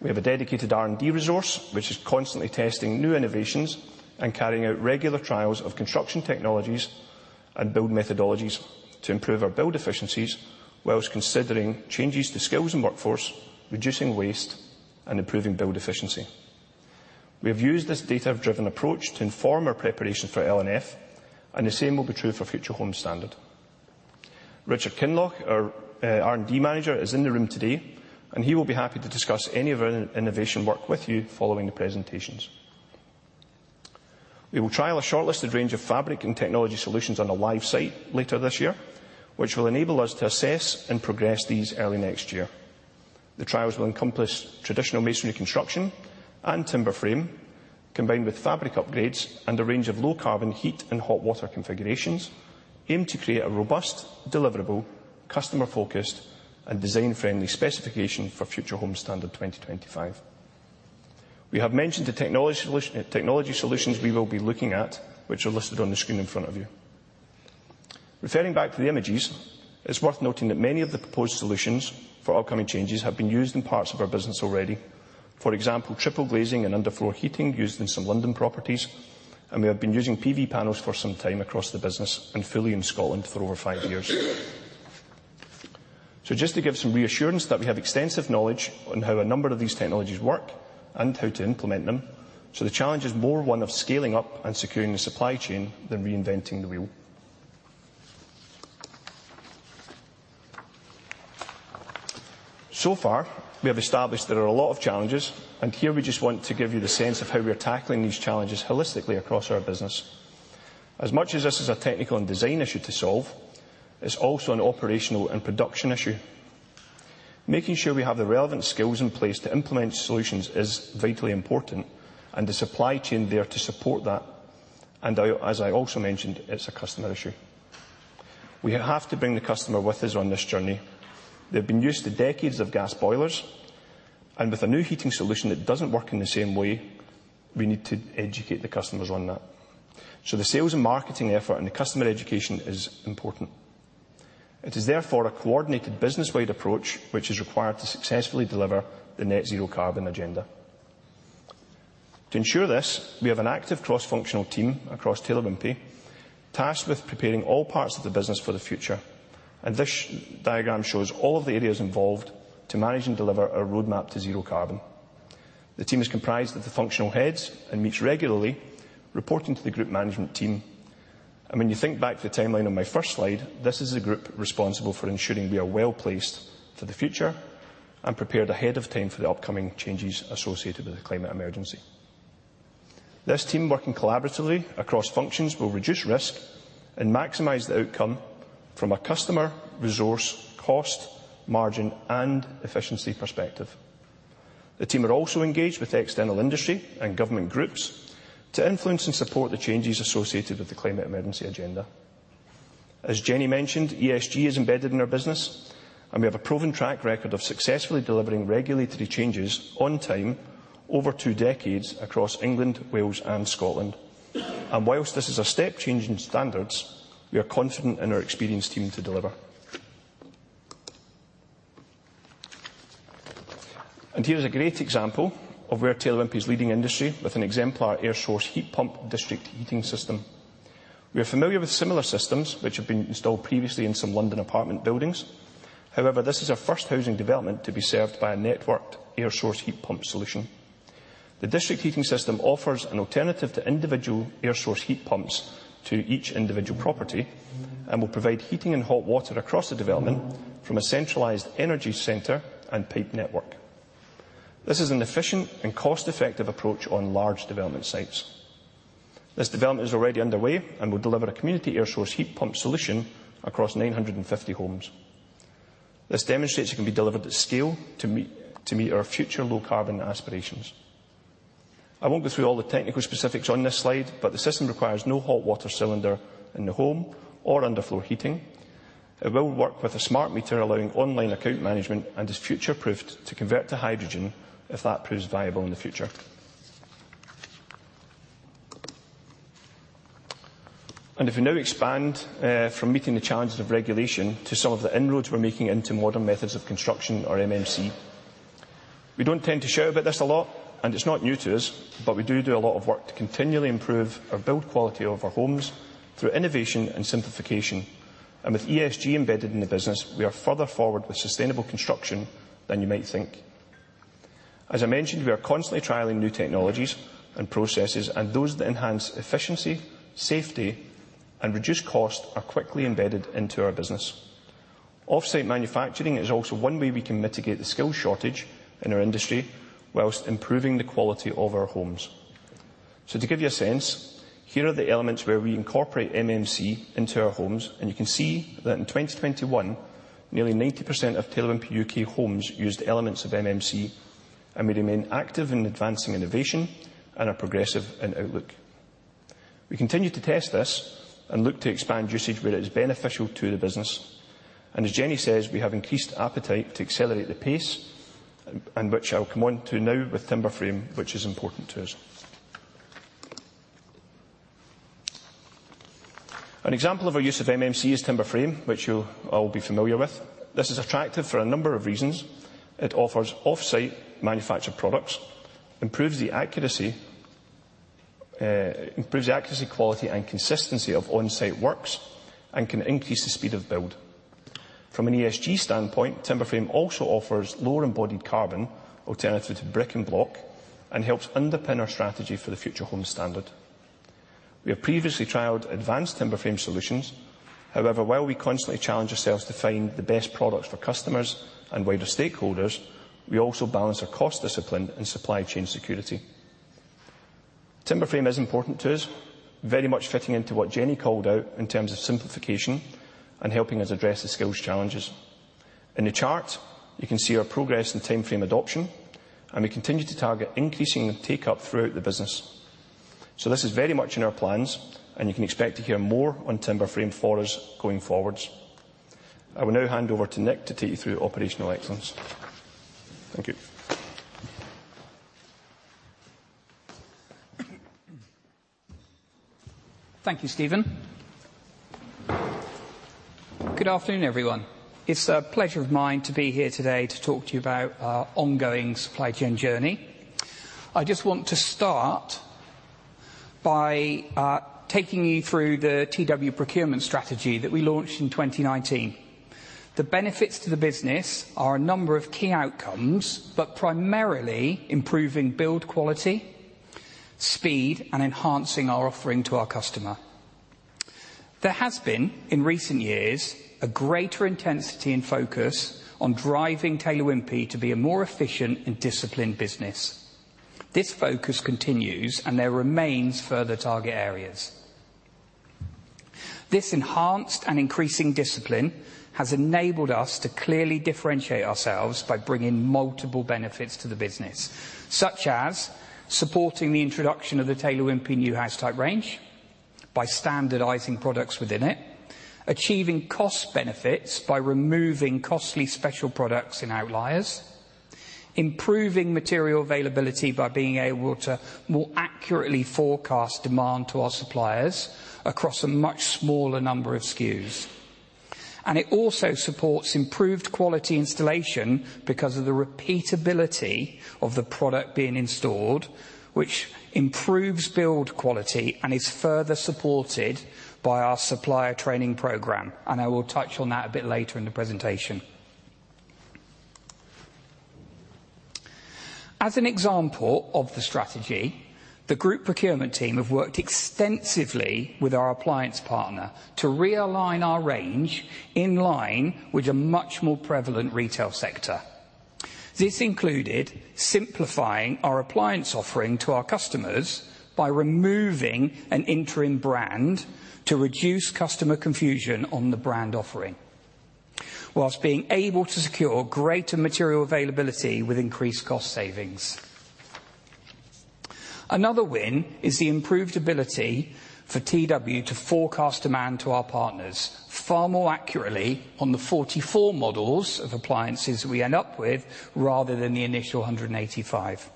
We have a dedicated R&D resource which is constantly testing new innovations and carrying out regular trials of construction technologies and build methodologies to improve our build efficiencies whilst considering changes to skills and workforce, reducing waste, and improving build efficiency. We have used this data-driven approach to inform our preparation for L&F, and the same will be true for Future Homes Standard. Richard Kinloch, our R&D manager, is in the room today, and he will be happy to discuss any of our innovation work with you following the presentations. We will trial a shortlisted range of fabric and technology solutions on a live site later this year, which will enable us to assess and progress these early next year. The trials will encompass traditional masonry construction and timber frame, combined with fabric upgrades and a range of low-carbon heat and hot water configurations, aimed to create a robust, deliverable, customer-focused, and design-friendly specification for Future Homes Standard 2025. We have mentioned the technology solution, technology solutions we will be looking at, which are listed on the screen in front of you. Referring back to the images, it's worth noting that many of the proposed solutions for upcoming changes have been used in parts of our business already. For example, triple glazing and underfloor heating used in some London properties, and we have been using PV panels for some time across the business and fully in Scotland for over five years. Just to give some reassurance that we have extensive knowledge on how a number of these technologies work and how to implement them, so the challenge is more one of scaling up and securing the supply chain than reinventing the wheel. So far, we have established there are a lot of challenges, and here we just want to give you the sense of how we are tackling these challenges holistically across our business. As much as this is a technical and design issue to solve, it's also an operational and production issue. Making sure we have the relevant skills in place to implement solutions is vitally important and the supply chain there to support that. I, as I also mentioned, it's a customer issue. We have to bring the customer with us on this journey. They've been used to decades of gas boilers, and with a new heating solution that doesn't work in the same way, we need to educate the customers on that. The sales and marketing effort and the customer education is important. It is therefore a coordinated business-wide approach which is required to successfully deliver the net zero carbon agenda. To ensure this, we have an active cross-functional team across Taylor Wimpey tasked with preparing all parts of the business for the future. This diagram shows all of the areas involved to manage and deliver our roadmap to zero carbon. The team is comprised of the functional heads and meets regularly, reporting to the group management team. When you think back to the timeline on my first slide, this is the group responsible for ensuring we are well-placed for the future and prepared ahead of time for the upcoming changes associated with the climate emergency. This team working collaboratively across functions will reduce risk and maximize the outcome from a customer, resource, cost, margin, and efficiency perspective. The team are also engaged with external industry and government groups to influence and support the changes associated with the climate emergency agenda. As Jenny mentioned, ESG is embedded in our business, and we have a proven track record of successfully delivering regulatory changes on time over two decades across England, Wales, and Scotland. While this is a step change in standards, we are confident in our experienced team to deliver. Here's a great example of where Taylor Wimpey is leading industry with an exemplar air source heat pump district heating system. We are familiar with similar systems which have been installed previously in some London apartment buildings. However, this is our first housing development to be served by a networked air source heat pump solution. The district heating system offers an alternative to individual air source heat pumps to each individual property and will provide heating and hot water across the development from a centralized energy center and pipe network. This is an efficient and cost effective approach on large development sites. This development is already underway and will deliver a community air source heat pump solution across 950 homes. This demonstrates it can be delivered at scale to meet our future low carbon aspirations. I won't go through all the technical specifics on this slide, but the system requires no hot water cylinder in the home or underfloor heating. It will work with a smart meter allowing online account management and is future proofed to convert to hydrogen if that proves viable in the future. If we now expand from meeting the challenges of regulation to some of the inroads we're making into modern methods of construction or MMC. We don't tend to shout about this a lot, and it's not new to us, but we do do a lot of work to continually improve our build quality of our homes through innovation and simplification. With ESG embedded in the business, we are further forward with sustainable construction than you might think. As I mentioned, we are constantly trialing new technologies and processes, and those that enhance efficiency, safety, and reduce cost are quickly embedded into our business. Off-site manufacturing is also one way we can mitigate the skills shortage in our industry while improving the quality of our homes. To give you a sense, here are the elements where we incorporate MMC into our homes, and you can see that in 2021, nearly 90% of Taylor Wimpey UK homes used elements of MMC, and we remain active in advancing innovation and are progressive in outlook. We continue to test this and look to expand usage where it is beneficial to the business. As Jenny says, we have increased appetite to accelerate the pace at which I'll come onto now with timber frame, which is important to us. An example of our use of MMC is timber frame, which you'll all be familiar with. This is attractive for a number of reasons. It offers off-site manufactured products, improves the accuracy, quality, and consistency of on-site works, and can increase the speed of build. From an ESG standpoint, timber frame also offers lower embodied carbon alternative to brick and block and helps underpin our strategy for the Future Homes Standard. We have previously trialed advanced timber frame solutions. However, while we constantly challenge ourselves to find the best products for customers and wider stakeholders, we also balance our cost discipline and supply chain security. Timber frame is important to us, very much fitting into what Jenny called out in terms of simplification and helping us address the skills challenges. In the chart, you can see our progress in time frame adoption, and we continue to target increasing the take-up throughout the business. This is very much in our plans, and you can expect to hear more on timber frame for us going forwards. I will now hand over to Nick to take you through operational excellence. Thank you. Thank you, Stephen. Good afternoon, everyone. It's a pleasure of mine to be here today to talk to you about our ongoing supply chain journey. I just want to start by taking you through the TW procurement strategy that we launched in 2019. The benefits to the business are a number of key outcomes, but primarily improving build quality, speed, and enhancing our offering to our customer. There has been, in recent years, a greater intensity and focus on driving Taylor Wimpey to be a more efficient and disciplined business. This focus continues and there remains further target areas. This enhanced and increasing discipline has enabled us to clearly differentiate ourselves by bringing multiple benefits to the business, such as supporting the introduction of the Taylor Wimpey new house type range by standardizing products within it. Achieving cost benefits by removing costly special products in outliers. Improving material availability by being able to more accurately forecast demand to our suppliers across a much smaller number of SKUs. It also supports improved quality installation because of the repeatability of the product being installed, which improves build quality and is further supported by our supplier training program. I will touch on that a bit later in the presentation. As an example of the strategy, the group procurement team have worked extensively with our appliance partner to realign our range in line with a much more prevalent retail sector. This included simplifying our appliance offering to our customers by removing an interim brand to reduce customer confusion on the brand offering, while being able to secure greater material availability with increased cost savings. Another win is the improved ability for TW to forecast demand to our partners far more accurately on the 44 models of appliances we end up with rather than the initial 185.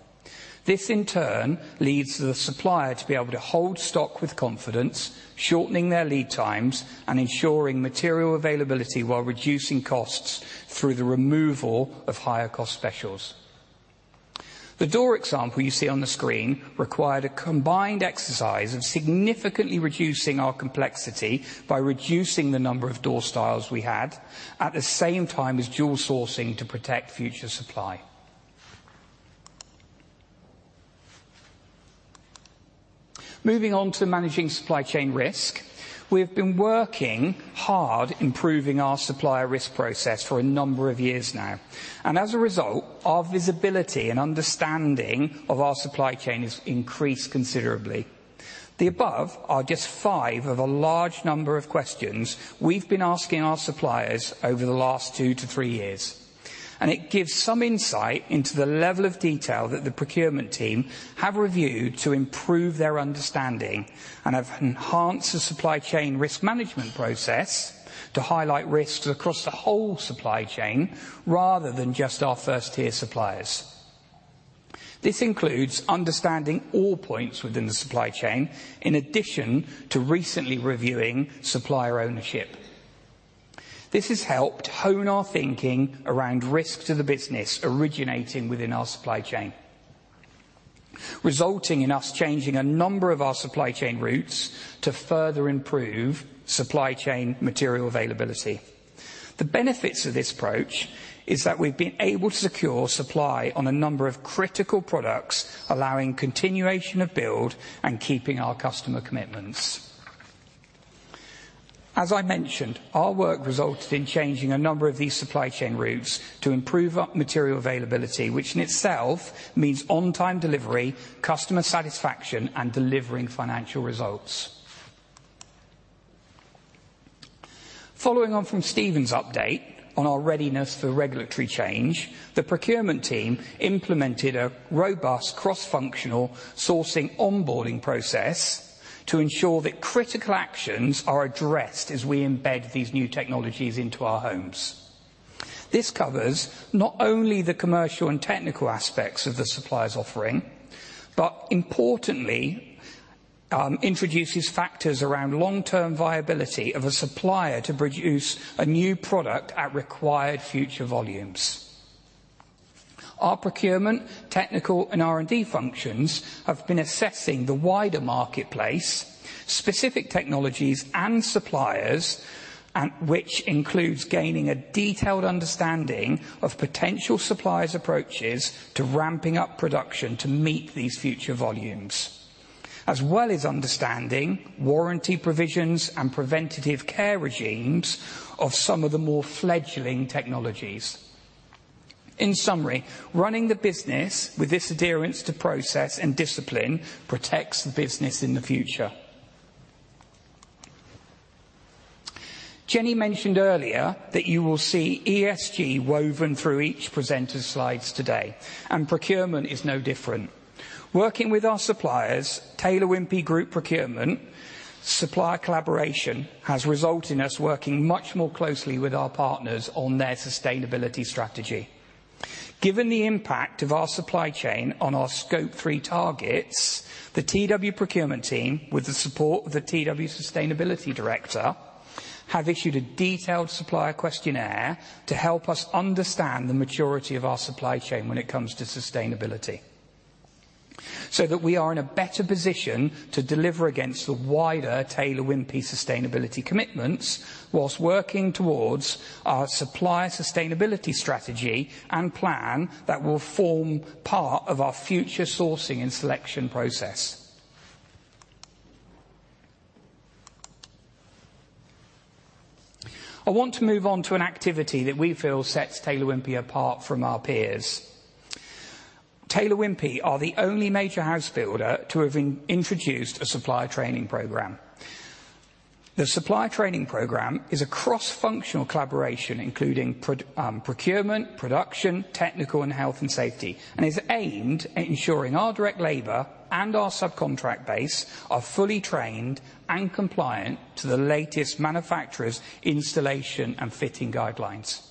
This in turn leads the supplier to be able to hold stock with confidence, shortening their lead times and ensuring material availability while reducing costs through the removal of higher cost specials. The door example you see on the screen required a combined exercise of significantly reducing our complexity by reducing the number of door styles we had, at the same time as dual sourcing to protect future supply. Moving on to managing supply chain risk. We have been working hard improving our supplier risk process for a number of years now. As a result, our visibility and understanding of our supply chain has increased considerably. The above are just five of a large number of questions we've been asking our suppliers over the last two to three years. It gives some insight into the level of detail that the procurement team have reviewed to improve their understanding and have enhanced the supply chain risk management process to highlight risks across the whole supply chain rather than just our first tier suppliers. This includes understanding all points within the supply chain in addition to recently reviewing supplier ownership. This has helped hone our thinking around risks to the business originating within our supply chain, resulting in us changing a number of our supply chain routes to further improve supply chain material availability. The benefits of this approach is that we've been able to secure supply on a number of critical products, allowing continuation of build and keeping our customer commitments. As I mentioned, our work resulted in changing a number of these supply chain routes to improve our material availability, which in itself means on-time delivery, customer satisfaction, and delivering financial results. Following on from Stephen's update on our readiness for regulatory change, the procurement team implemented a robust cross-functional sourcing onboarding process to ensure that critical actions are addressed as we embed these new technologies into our homes. This covers not only the commercial and technical aspects of the supplier's offering, but importantly, introduces factors around long-term viability of a supplier to produce a new product at required future volumes. Our procurement, technical, and R&D functions have been assessing the wider marketplace, specific technologies and suppliers, and which includes gaining a detailed understanding of potential suppliers' approaches to ramping up production to meet these future volumes. As well as understanding warranty provisions and preventative care regimes of some of the more fledgling technologies. In summary, running the business with this adherence to process and discipline protects the business in the future. Jenny mentioned earlier that you will see ESG woven through each presenter's slides today, and procurement is no different. Working with our suppliers, Taylor Wimpey Group Procurement, supplier collaboration has resulted in us working much more closely with our partners on their sustainability strategy. Given the impact of our supply chain on our Scope 3 targets, the TW procurement team, with the support of the TW sustainability director, have issued a detailed supplier questionnaire to help us understand the maturity of our supply chain when it comes to sustainability. That we are in a better position to deliver against the wider Taylor Wimpey sustainability commitments while working towards our supplier sustainability strategy and plan that will form part of our future sourcing and selection process. I want to move on to an activity that we feel sets Taylor Wimpey apart from our peers. Taylor Wimpey are the only major house builder to have introduced a supplier training program. The supplier training program is a cross-functional collaboration, including procurement, production, technical, and health and safety, and is aimed at ensuring our direct labor and our subcontract base are fully trained and compliant to the latest manufacturer's installation and fitting guidelines.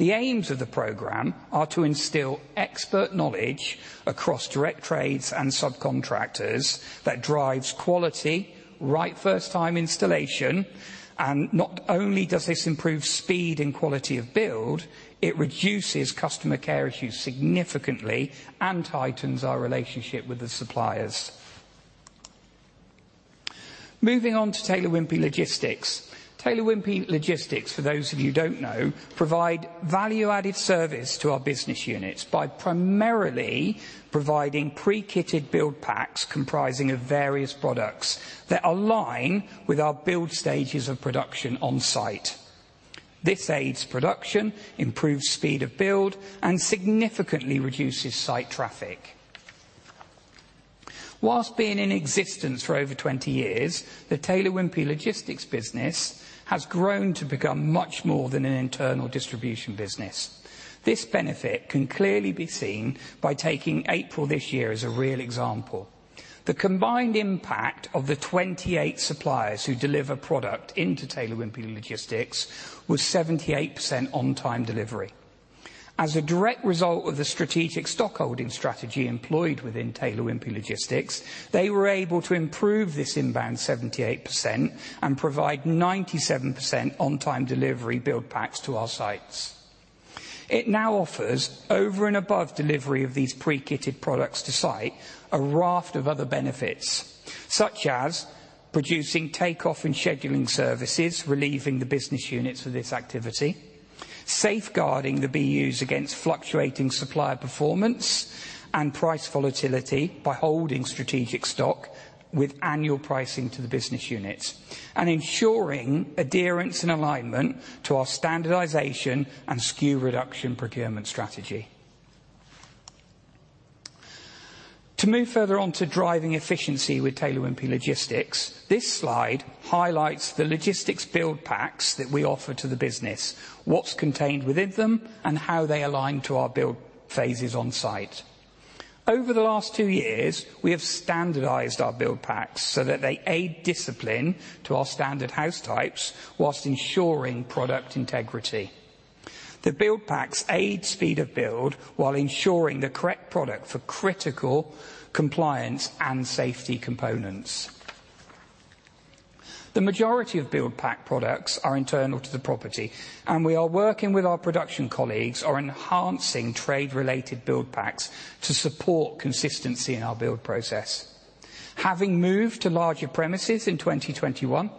The aims of the program are to instill expert knowledge across direct trades and subcontractors that drives quality, right first time installation. Not only does this improve speed and quality of build, it reduces customer care issues significantly and tightens our relationship with the suppliers. Moving on to Taylor Wimpey Logistics. Taylor Wimpey Logistics, for those of you who don't know, provide value-added service to our business units by primarily providing pre-kitted build packs comprising of various products that align with our build stages of production on site. This aids production, improves speed of build, and significantly reduces site traffic. While being in existence for over 20 years, the Taylor Wimpey Logistics business has grown to become much more than an internal distribution business. This benefit can clearly be seen by taking April this year as a real example. The combined impact of the 28 suppliers who deliver product into Taylor Wimpey Logistics was 78% on-time delivery. As a direct result of the strategic stockholding strategy employed within Taylor Wimpey Logistics, they were able to improve this inbound 78% and provide 97% on-time delivery build packs to our sites. It now offers over and above delivery of these pre-kitted products to site, a raft of other benefits, such as producing takeoff and scheduling services, relieving the business units of this activity. Safeguarding the BUs against fluctuating supplier performance and price volatility by holding strategic stock with annual pricing to the business units, and ensuring adherence and alignment to our standardization and SKU reduction procurement strategy. To move further on to driving efficiency with Taylor Wimpey Logistics, this slide highlights the logistics build packs that we offer to the business, what's contained within them, and how they align to our build phases on site. Over the last two years, we have standardized our build packs so that they aid discipline to our standard house types while ensuring product integrity. The build packs aid speed of build while ensuring the correct product for critical compliance and safety components. The majority of build pack products are internal to the property, and we are working with our production colleagues on enhancing trade related build packs to support consistency in our build process. Having moved to larger premises in 2021,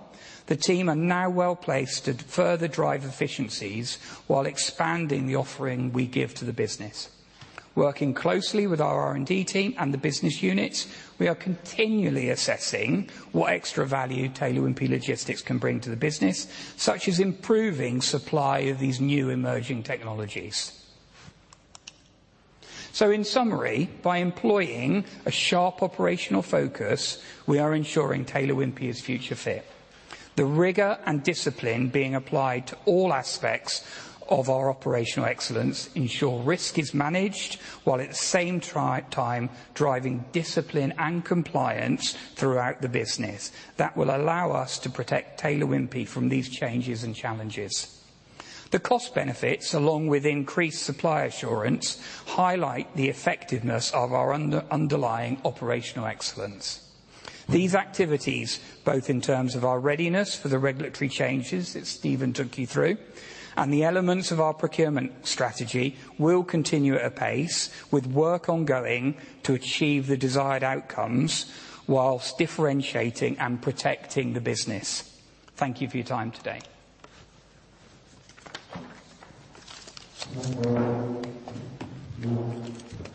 the team are now well-placed to further drive efficiencies while expanding the offering we give to the business. Working closely with our R&D team and the business units, we are continually assessing what extra value Taylor Wimpey Logistics can bring to the business, such as improving supply of these new emerging technologies. In summary, by employing a sharp operational focus, we are ensuring Taylor Wimpey is future fit. The rigor and discipline being applied to all aspects of our operational excellence ensure risk is managed while at the same time driving discipline and compliance throughout the business that will allow us to protect Taylor Wimpey from these changes and challenges. The cost benefits, along with increased supply assurance, highlight the effectiveness of our underlying operational excellence. These activities, both in terms of our readiness for the regulatory changes that Stephen took you through and the elements of our procurement strategy, will continue at a pace with work ongoing to achieve the desired outcomes while differentiating and protecting the business. Thank you for your time today. Okay. I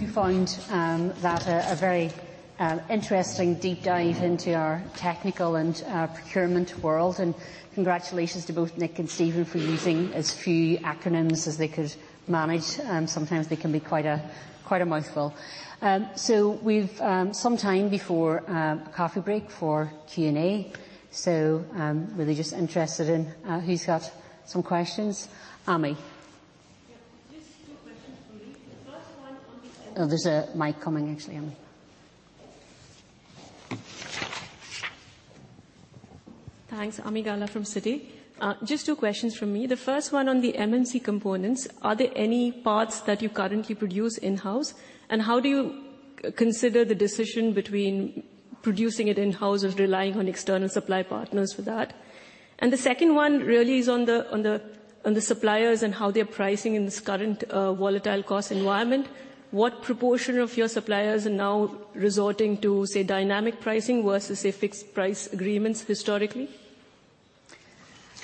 hope you found that a very interesting deep dive into our technical and procurement world, and congratulations to both Nick and Stephen for using as few acronyms as they could manage. Sometimes they can be quite a mouthful. We've some time before coffee break for Q&A. Really just interested in who's got some questions. Ami? Yeah. Just two questions from me. The first one on the- Oh, there's a mic coming actually, Ami. Thanks. Ami Galla from Citi. Just two questions from me. The first one on the MMC components, are there any parts that you currently produce in-house? How do you consider the decision between producing it in-house or relying on external supply partners for that? The second one really is on the suppliers and how they're pricing in this current volatile cost environment. What proportion of your suppliers are now resorting to, say, dynamic pricing versus, say, fixed price agreements historically?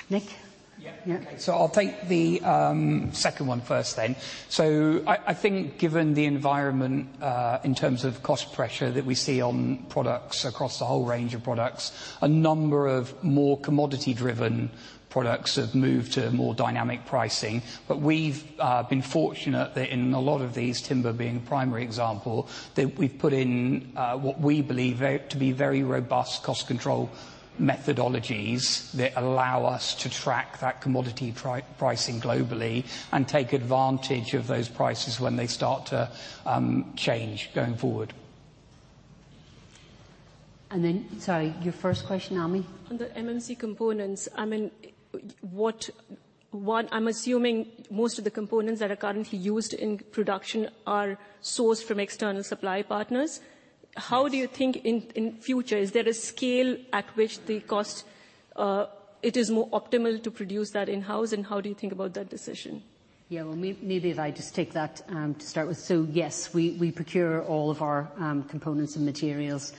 Nick? Yeah. Yeah. Okay. I'll take the second one first then. I think given the environment in terms of cost pressure that we see on products across the whole range of products, a number of more commodity-driven products have moved to more dynamic pricing. We've been fortunate that in a lot of these, timber being a primary example, that we've put in what we believe to be very robust cost control methodologies that allow us to track that commodity pricing globally and take advantage of those prices when they start to change going forward. Sorry, your first question, Ami. On the MMC components, I mean, I'm assuming most of the components that are currently used in production are sourced from external supply partners. How do you think in future, is there a scale at which the cost, it is more optimal to produce that in-house, and how do you think about that decision? Well, maybe if I just take that to start with. Yes, we procure all of our components and materials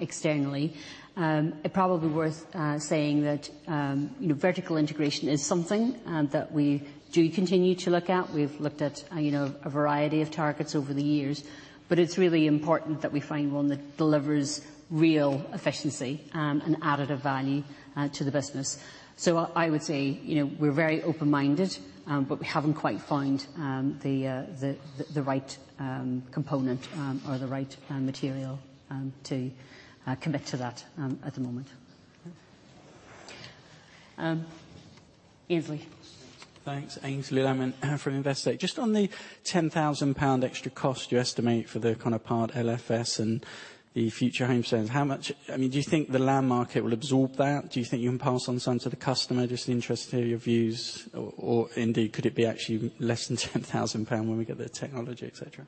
externally. It's probably worth saying that, you know, vertical integration is something that we do continue to look at. We've looked at, you know, a variety of targets over the years, but it's really important that we find one that delivers real efficiency and added value to the business. I would say, you know, we're very open-minded, but we haven't quite found the right component or the right material to commit to that at the moment. Aynsley? Thanks. Aynsley Lammin from Investec. Just on the 10,000 pound extra cost you estimate for the kind of Part L, F, S and the Future Homes Standard, how much, I mean, do you think the land market will absorb that? Do you think you can pass on some to the customer? Just interested to hear your views or indeed, could it be actually less than 10,000 pounds when we get the technology, et cetera?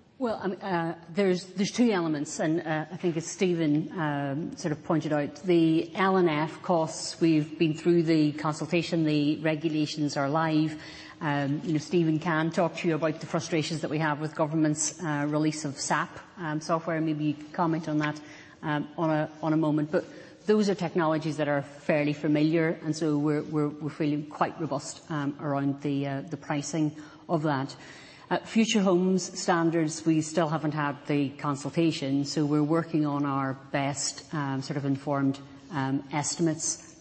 There's two elements. I think as Stephen sort of pointed out, the L&F costs, we've been through the consultation. The regulations are live. You know, Stephen can talk to you about the frustrations that we have with the government's release of SAP software. Maybe you could comment on that in a moment. Those are technologies that are fairly familiar, and so we're feeling quite robust around the pricing of that. At Future Homes standards, we still haven't had the consultation, so we're working on our best sort of informed estimates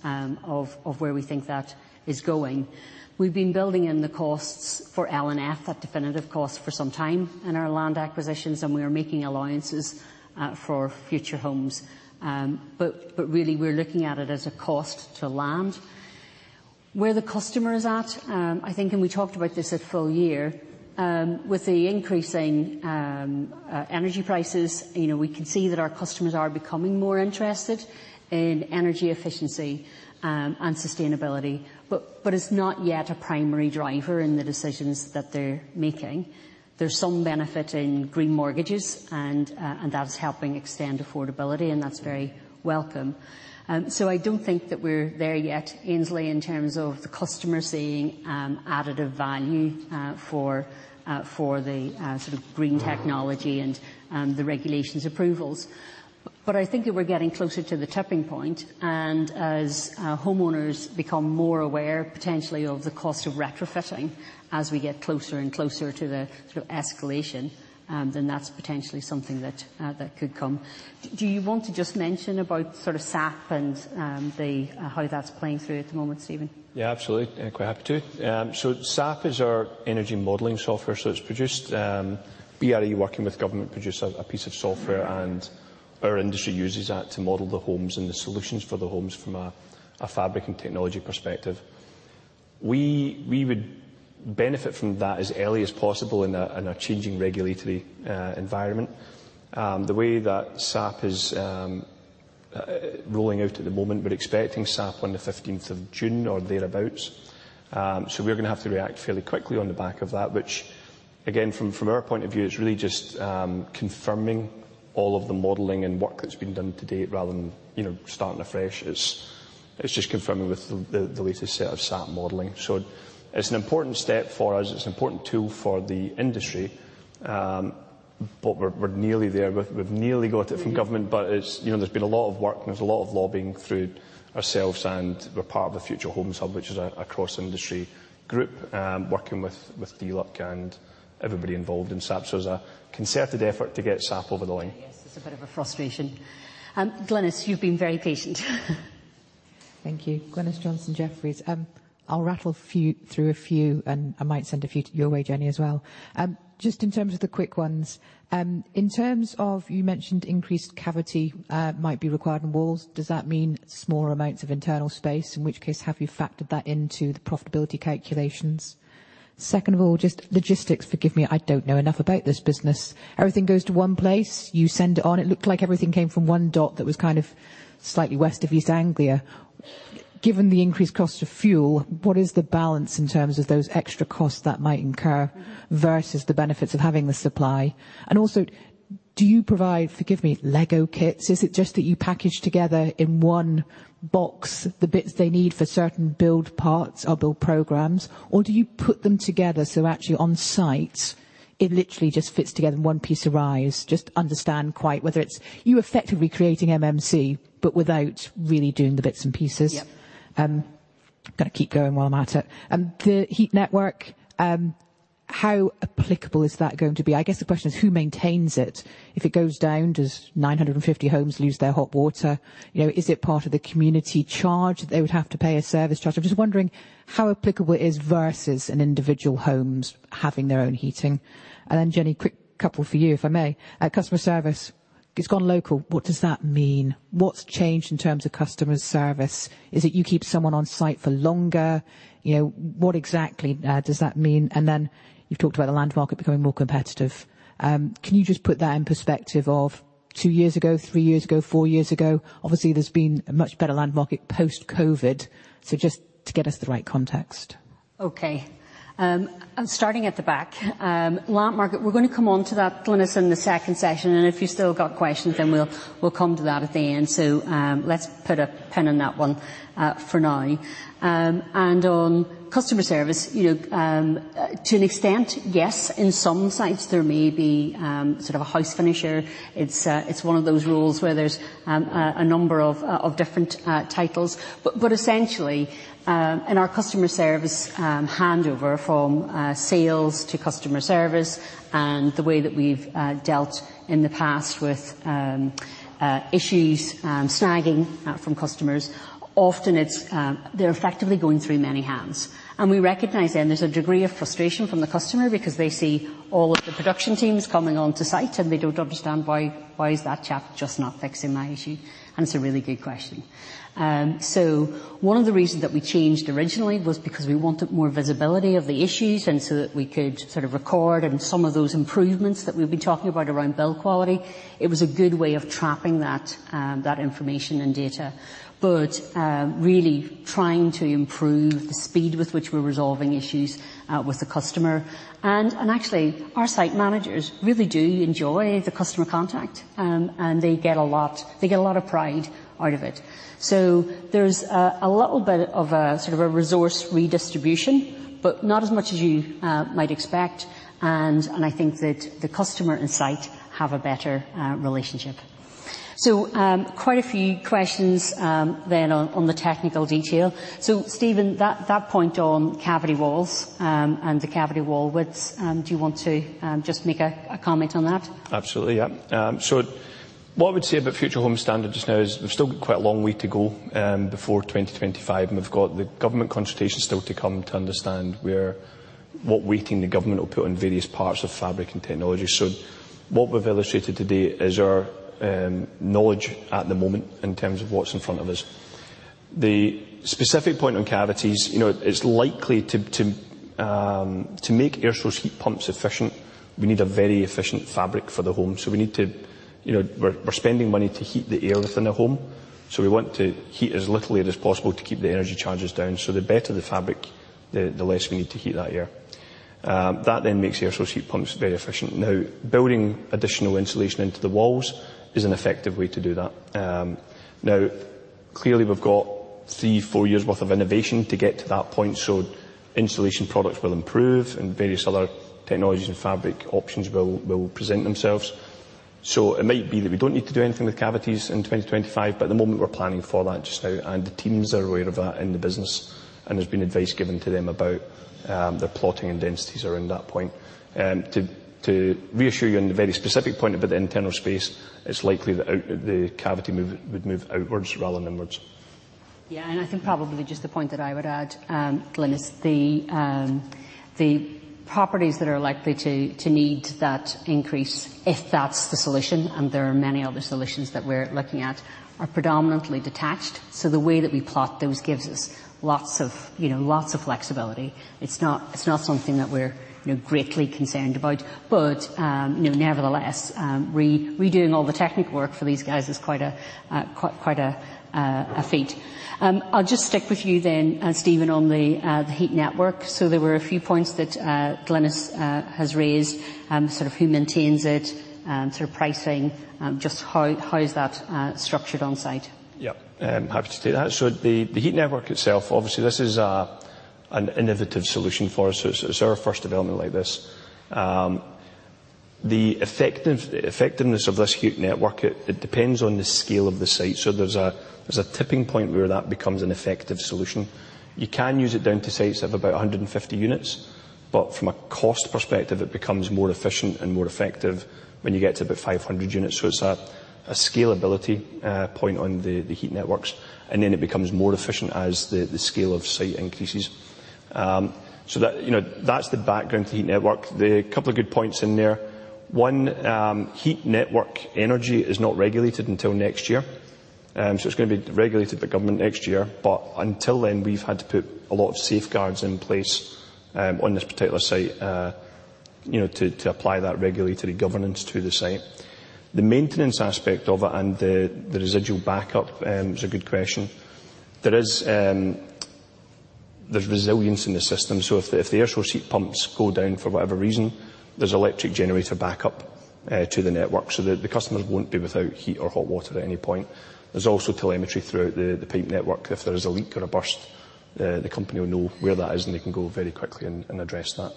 of where we think that is going. We've been building in the costs for L&F, that definitive cost for some time in our land acquisitions, and we are making alliances for Future Homes. Really, we're looking at it as a cost to land. Where the customer is at, I think, and we talked about this at full year, with the increasing energy prices, you know, we can see that our customers are becoming more interested in energy efficiency and sustainability. It's not yet a primary driver in the decisions that they're making. There's some benefit in green mortgages and that is helping extend affordability, and that's very welcome. I don't think that we're there yet, Aynsley, in terms of the customer seeing additive value for the sort of green technology and the regulatory approvals. I think that we're getting closer to the tipping point, and as homeowners become more aware potentially of the cost of retrofitting as we get closer and closer to the sort of escalation, then that's potentially something that could come. Do you want to just mention about sort of SAP and the how that's playing through at the moment, Stephen? Yeah, absolutely. Quite happy to. SAP is our energy modeling software. It's produced by BRE working with government produced a piece of software, and our industry uses that to model the homes and the solutions for the homes from a fabric and technology perspective. We would benefit from that as early as possible in a changing regulatory environment. The way that SAP is rolling out at the moment, we're expecting SAP on the 15th of June or thereabout. We're gonna have to react fairly quickly on the back of that, which again from our point of view, it's really just confirming all of the modeling and work that's been done to date rather than, you know, starting afresh. It's just confirming with the latest set of SAP modeling. It's an important step for us. It's an important tool for the industry. But we're nearly there. We've nearly got it from government, but it's, you know, there's been a lot of work, and there's a lot of lobbying through ourselves, and we're part of the Future Homes Hub, which is a cross-industry group, working with DLUHC and everybody involved in SAP. It's a concerted effort to get SAP over the line. Yes, it's a bit of a frustration. Glynis, you've been very patient. Thank you. Glynis Johnson, Jefferies. I'll rattle through a few, and I might send a few your way, Jenny, as well. Just in terms of the quick ones, in terms of you mentioned increased cavity might be required in walls. Does that mean smaller amounts of internal space, in which case, have you factored that into the profitability calculations? Second of all, just logistics. Forgive me, I don't know enough about this business. Everything goes to one place, you send it on. It looked like everything came from one depot that was kind of slightly west of East Anglia. Given the increased cost of fuel, what is the balance in terms of those extra costs that might incur versus the benefits of having the supply? And also, do you provide, forgive me, Lego kits? Is it just that you package together in one box the bits they need for certain build parts or build programs, or do you put them together so actually on site it literally just fits together in one piece of rise? Just understand quite whether it's you effectively creating MMC but without really doing the bits and pieces. Yep. Gonna keep going while I'm at it. The heat network, how applicable is that going to be? I guess the question is who maintains it? If it goes down, does 950 homes lose their hot water? You know, is it part of the community charge? They would have to pay a service charge. I'm just wondering how applicable it is versus an individual homes having their own heating. Jenny, quick couple for you, if I may. Customer service, it's gone local. What does that mean? What's changed in terms of customer service? Is it you keep someone on site for longer? You know, what exactly does that mean? You've talked about the land market becoming more competitive. Can you just put that in perspective of two years ago, three years ago, four years ago? Obviously, there's been a much better land market post-COVID, so just to get us the right context. Okay. I'm starting at the back. Land market, we're gonna come on to that, Glynis, in the second session, and if you've still got questions, then we'll come to that at the end. Let's put a pin on that one, for now. And on customer service, you know, to an extent, yes, in some sites there may be sort of a house finisher. It's one of those roles where there's a number of different titles. But essentially, in our customer service, handover from sales to customer service and the way that we've dealt in the past with issues, snagging, from customers, often it's they're effectively going through many hands. We recognize then there's a degree of frustration from the customer because they see all of the production teams coming onto site, and they don't understand why is that chap just not fixing my issue. It's a really good question. One of the reasons that we changed originally was because we wanted more visibility of the issues, and so that we could sort of record and some of those improvements that we've been talking about around build quality. It was a good way of trapping that information and data. Really trying to improve the speed with which we're resolving issues with the customer. Actually, our site managers really do enjoy the customer contact, and they get a lot of pride out of it. There's a little bit of a sort of a resource redistribution, but not as much as you might expect. I think that the customer and site have a better relationship. Quite a few questions then on the technical detail. Stephen, that point on cavity walls and the cavity wall widths, do you want to just make a comment on that? Absolutely, yeah. What I would say about Future Homes Standard just now is we've still got quite a long way to go before 2025, and we've got the government consultation still to come to understand what weighting the government will put on various parts of fabric and technology. What we've illustrated today is our knowledge at the moment in terms of what's in front of us. The specific point on cavities, you know, it's likely to make air source heat pumps efficient. We need a very efficient fabric for the home. You know, we're spending money to heat the air within a home, so we want to heat as little air as possible to keep the energy charges down. The better the fabric, the less we need to heat that air. That then makes air source heat pumps very efficient. Now, building additional insulation into the walls is an effective way to do that. Now clearly we've got three to four years worth of innovation to get to that point. Insulation products will improve and various other technologies and fabric options will present themselves. It might be that we don't need to do anything with cavities in 2025, but at the moment we're planning for that just now, and the teams are aware of that in the business, and there's been advice given to them about their plotting and densities around that point. To reassure you on the very specific point about the internal space, it's likely that the cavity would move outwards rather than inwards. Yeah. I think probably just the point that I would add, Glynis, the properties that are likely to need that increase, if that's the solution, and there are many other solutions that we're looking at, are predominantly detached. The way that we plot those gives us lots of, you know, lots of flexibility. It's not something that we're, you know, greatly concerned about. Nevertheless, you know, redoing all the technical work for these guys is quite a feat. I'll just stick with you then, Stephen, on the heat network. There were a few points that Glynis has raised, sort of who maintains it, sort of pricing, just how is that structured on site? Yeah. Happy to take that. The heat network itself, obviously this is an innovative solution for us. It's our first development like this. The effectiveness of this heat network, it depends on the scale of the site. There's a tipping point where that becomes an effective solution. You can use it down to sites of about 150 units, but from a cost perspective, it becomes more efficient and more effective when you get to about 500 units. It's a scalability point on the heat networks, and then it becomes more efficient as the scale of site increases. You know, that's the background to heat network. Couple of good points in there. One, heat network energy is not regulated until next year. It's gonna be regulated by government next year, but until then, we've had to put a lot of safeguards in place, on this particular site, you know, to apply that regulatory governance to the site. The maintenance aspect of it and the residual backup is a good question. There's resilience in the system, so if the air source heat pumps go down for whatever reason, there's electric generator backup to the network, so the customers won't be without heat or hot water at any point. There's also telemetry throughout the pipe network. If there is a leak or a burst, the company will know where that is, and they can go very quickly and address that.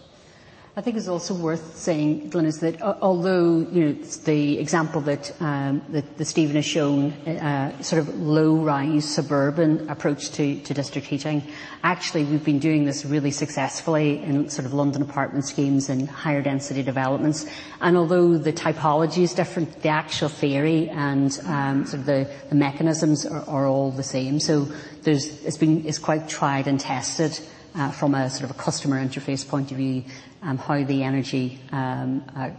I think it's also worth saying, Glynis, that although, you know, the example that Stephen has shown, sort of low-rise suburban approach to district heating, actually we've been doing this really successfully in sort of London apartment schemes and higher density developments. Although the typology is different, the actual theory and the mechanisms are all the same. It's been quite tried and tested from a customer interface point of view, how the energy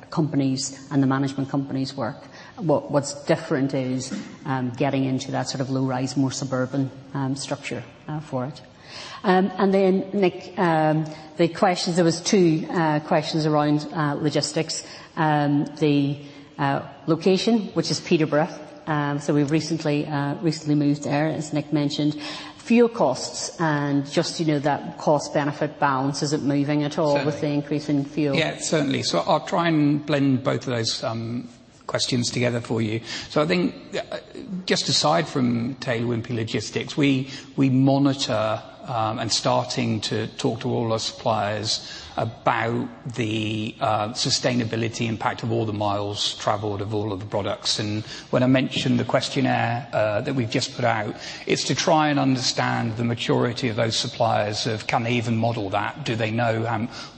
companies and the management companies work. What's different is getting into that sort of low-rise, more suburban structure for it. Nick, the questions, there was two questions around logistics. The location, which is Peterborough, so we've recently moved there, as Nick mentioned. Fuel costs and just, you know, that cost-benefit balance, is it moving at all? Certainly. With the increase in fuel? Yeah, certainly. I'll try and blend both of those questions together for you. I think, just aside from Taylor Wimpey Logistics, we monitor and starting to talk to all our suppliers about the sustainability impact of all the miles traveled of all of the products. When I mentioned the questionnaire that we've just put out, it's to try and understand the maturity of those suppliers of can they even model that? Do they know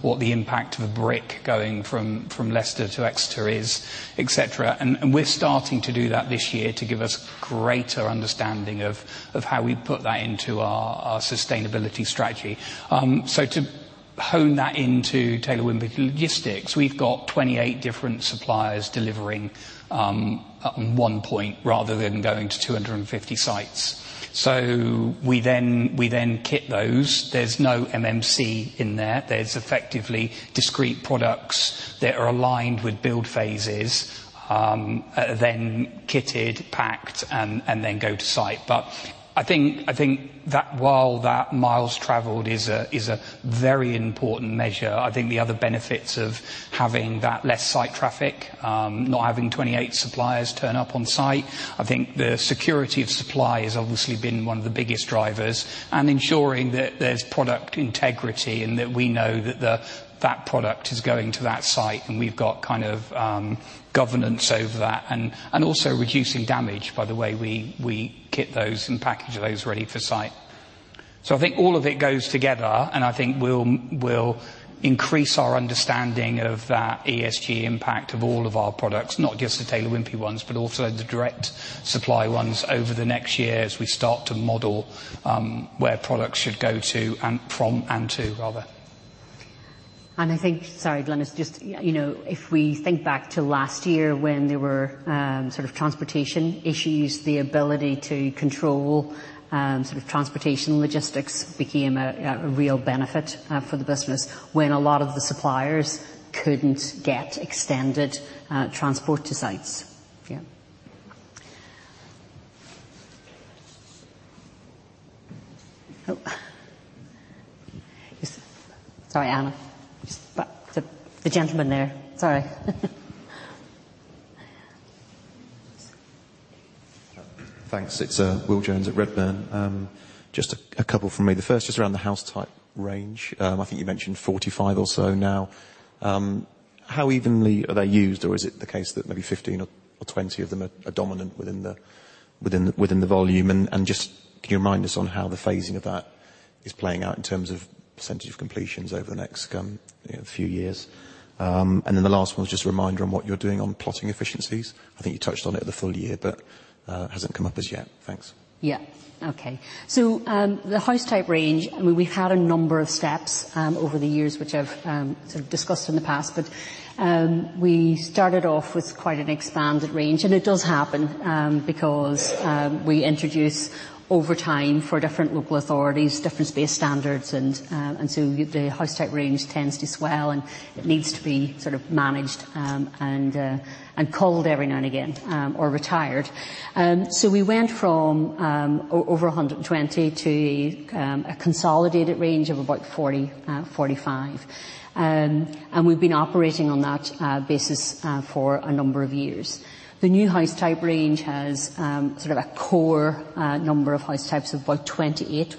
what the impact of a brick going from Leicester to Exeter is, et cetera. We're starting to do that this year to give us greater understanding of how we put that into our sustainability strategy. To hone that into Taylor Wimpey Logistics, we've got 28 different suppliers delivering at one point rather than going to 250 sites. We kit those. There's no MMC in there. There's effectively discrete products that are aligned with build phases, then kitted, packed, and then go to site. I think that while that miles traveled is a very important measure, I think the other benefits of having that less site traffic, not having 28 suppliers turn up on site. I think the security of supply has obviously been one of the biggest drivers, and ensuring that there's product integrity and that we know that product is going to that site, and we've got kind of governance over that and also reducing damage by the way we kit those and package those ready for site. I think all of it goes together, and I think we'll increase our understanding of that ESG impact of all of our products, not just the Taylor Wimpey ones, but also the direct supply ones over the next year as we start to model where products should go to and from, and to, rather. I think. Sorry, Glynis, it's just, you know, if we think back to last year when there were sort of transportation issues, the ability to control sort of transportation logistics became a real benefit for the business when a lot of the suppliers couldn't get extended transport to sites. Yeah. Oh. Sorry, Anna. Just the gentleman there. Sorry. Thanks. It's Will Jones at Redburn. Just a couple from me. The first is around the house type range. I think you mentioned 45 or so now. How evenly are they used, or is it the case that maybe 15 or 20 of them are dominant within the volume? Just can you remind us on how the phasing of that is playing out in terms of percentage of completions over the next, you know, few years? The last one was just a reminder on what you're doing on plotting efficiencies. I think you touched on it at the full year, but hasn't come up as yet. Thanks. Yeah. Okay. The house type range, I mean, we've had a number of steps over the years, which I've sort of discussed in the past. We started off with quite an expanded range. It does happen because we introduce over time for different local authorities different space standards, and the house type range tends to swell, and it needs to be sort of managed and culled every now and again or retired. We went from over 120 to a consolidated range of about 40-45. We've been operating on that basis for a number of years. The new house type range has sort of a core number of house types of about 28,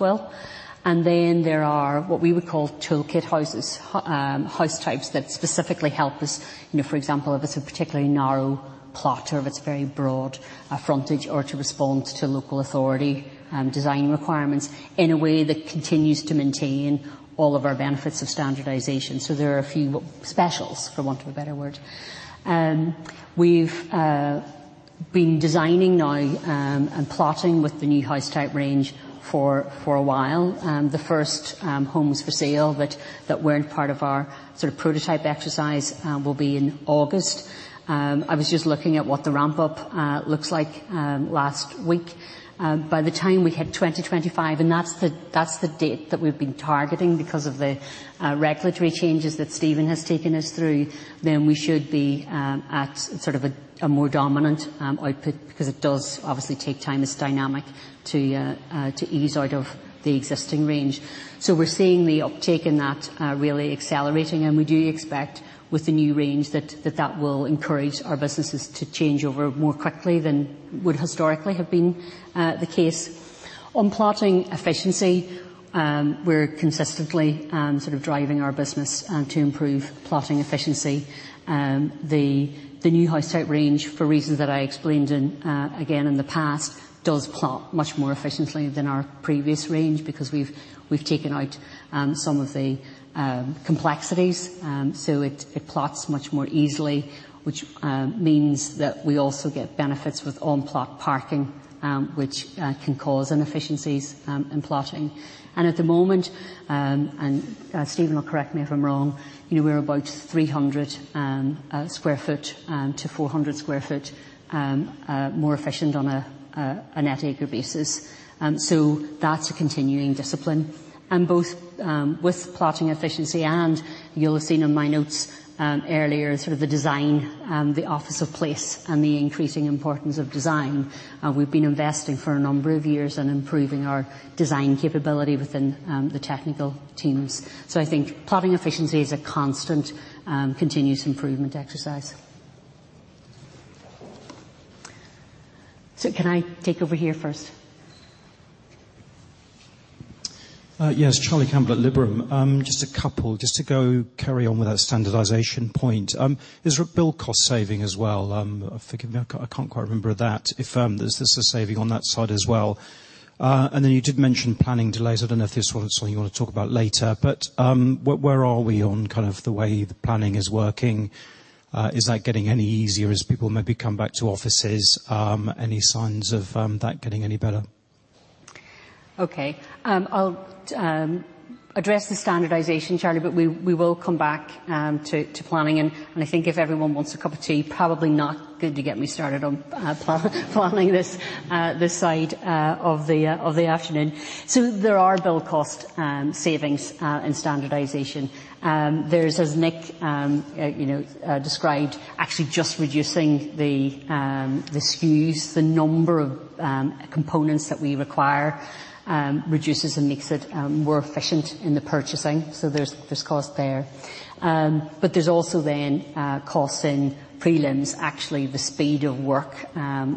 and then there are what we would call toolkit houses. House types that specifically help us, you know, for example, if it's a particularly narrow plot or if it's very broad frontage or to respond to local authority design requirements in a way that continues to maintain all of our benefits of standardization. There are a few specials, for want of a better word. We've been designing now and plotting with the new house type range for a while. The first homes for sale that weren't part of our sort of prototype exercise will be in August. I was just looking at what the ramp up looks like last week. By the time we hit 2025, and that's the date that we've been targeting because of the regulatory changes that Stephen has taken us through, we should be at sort of a more dominant output because it does obviously take time for Dynamics to ease out of the existing range. We're seeing the uptake in that really accelerating, and we do expect with the new range that that will encourage our businesses to change over more quickly than would historically have been the case. On plotting efficiency, we're consistently sort of driving our business to improve plotting efficiency. The new house type range, for reasons that I explained again in the past, does plot much more efficiently than our previous range because we've taken out some of the complexities. It plots much more easily, which means that we also get benefits with on-plot parking, which can cause inefficiencies in plotting. At the moment, Stephen will correct me if I'm wrong, you know, we're about 300 sq ft to 400 sq ft more efficient on a net acre basis. That's a continuing discipline. Both, with plot efficiency and you'll have seen in my notes, earlier sort of the design, the Office for Place and the increasing importance of design, we've been investing for a number of years in improving our design capability within, the technical teams. I think plot efficiency is a constant, continuous improvement exercise. Can I take over here first? Yes. Charlie Campbell at Liberum. Just a couple. Just to go carry on with that standardization point. Is there a build cost saving as well? Forgive me, I can't quite remember that. If there's a saving on that side as well. You did mention planning delays. I don't know if this one is something you want to talk about later, but where are we on kind of the way the planning is working? Is that getting any easier as people maybe come back to offices? Any signs of that getting any better? Okay. I'll address the standardization, Charlie, but we will come back to planning. I think if everyone wants a cup of tea, probably not good to get me started on planning this side of the afternoon. There are build cost savings in standardization. There's, as Nick you know described, actually just reducing the SKUs, the number of components that we require, reduces and makes it more efficient in the purchasing. There's cost there. There's also then cost in prelims, actually the speed of work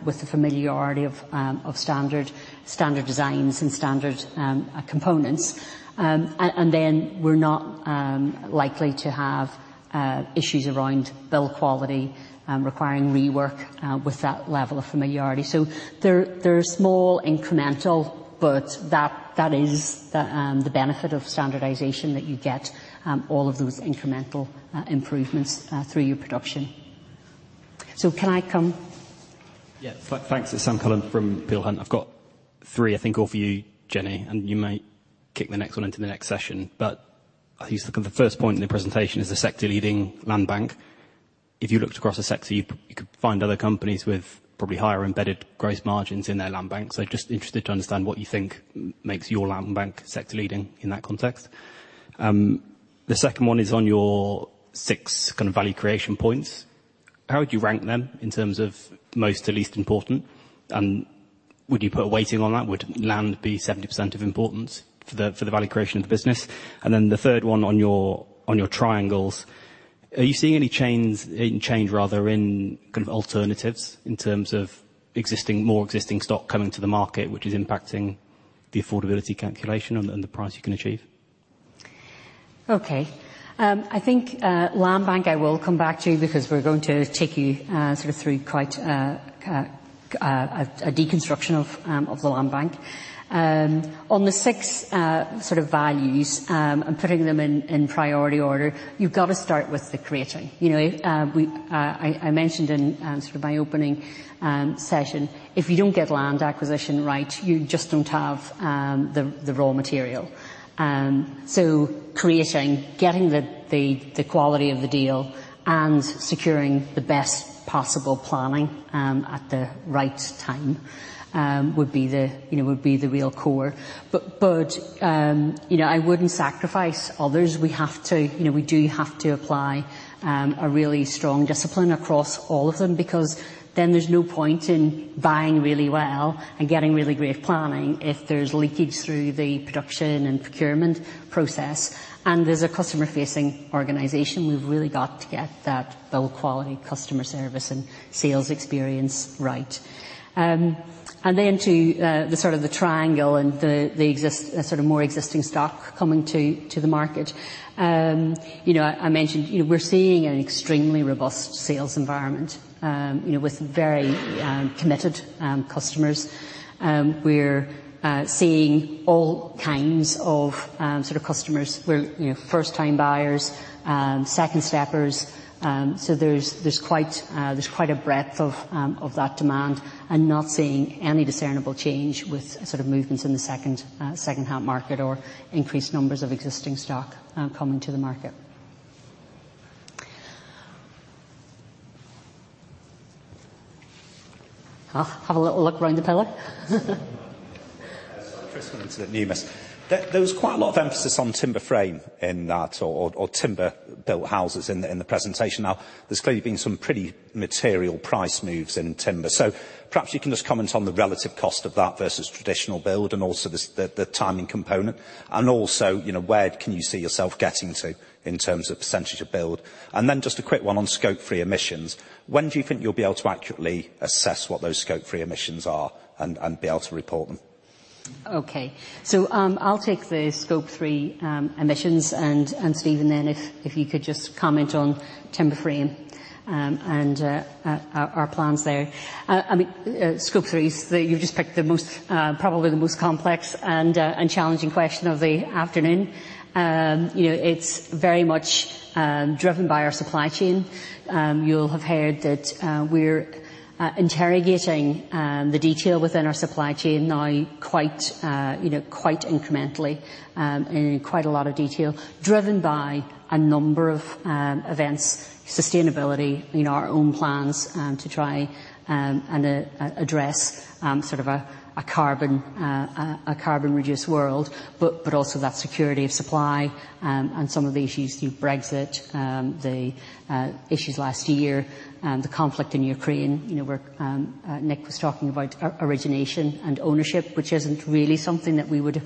with the familiarity of standard designs and standard components. We're not likely to have issues around build quality requiring rework with that level of familiarity. They're small incremental, but that is the benefit of standardization that you get all of those incremental improvements through your production. Can I come? Thanks. It's Sam Cullen from Peel Hunt. I've got three, I think, all for you, Jenny, and you may kick the next one into the next session. I think it's, like, on the first point in the presentation is the sector-leading land bank. If you looked across the sector, you could find other companies with probably higher embedded gross margins in their land bank. Just interested to understand what you think makes your land bank sector-leading in that context. The second one is on your six kind of value creation points. How would you rank them in terms of most to least important? Would you put a weighting on that? Would land be 70% of importance for the value creation of the business? The third one on your triangles. Are you seeing any change rather in kind of alternatives in terms of existing stock coming to the market, which is impacting the affordability calculation and the price you can achieve? Okay. I think land bank, I will come back to you because we're going to take you sort of through quite a deconstruction of the land bank. On the six sort of values and putting them in priority order, you've got to start with the creating. You know, I mentioned in sort of my opening session, if you don't get land acquisition right, you just don't have the raw material. So creating, getting the quality of the deal and securing the best possible planning at the right time would be the real core. You know, I wouldn't sacrifice others. We have to, you know, we do have to apply a really strong discipline across all of them because then there's no point in buying really well and getting really great planning if there's leakage through the production and procurement process. As a customer-facing organization, we've really got to get that build quality customer service and sales experience right. Then to the sort of triangle and the sort of more existing stock coming to the market. You know, I mentioned, you know, we're seeing an extremely robust sales environment, you know, with very committed customers. We're seeing all kinds of sort of customers. We're, you know, first-time buyers, second steppers. There's quite a breadth of that demand and not seeing any discernible change with sort of movements in the second-hand market or increased numbers of existing stock coming to the market. Have a little look around the pillar. Tristan at Numis. There was quite a lot of emphasis on timber frame in that or timber-built houses in the presentation. Now, there's clearly been some pretty material price moves in timber. So perhaps you can just comment on the relative cost of that versus traditional build and also the timing component. And also, you know, where can you see yourself getting to in terms of percentage of build? And then just a quick one on Scope 3 emissions. When do you think you'll be able to accurately assess what those Scope 3 emissions are and be able to report them? Okay. I'll take the Scope 3 emissions and Stephen then if you could just comment on timber frame and our plans there. I mean, Scope 3 is the. You've just picked probably the most complex and challenging question of the afternoon. You know, it's very much driven by our supply chain. You'll have heard that we're interrogating the detail within our supply chain now quite, you know, quite incrementally, in quite a lot of detail, driven by a number of events, sustainability, you know, our own plans, to try and address sort of a carbon reduced world, but also that security of supply and some of the issues through Brexit, the issues last year, the conflict in Ukraine. You know, where Nick was talking about origination and ownership, which isn't really something that we would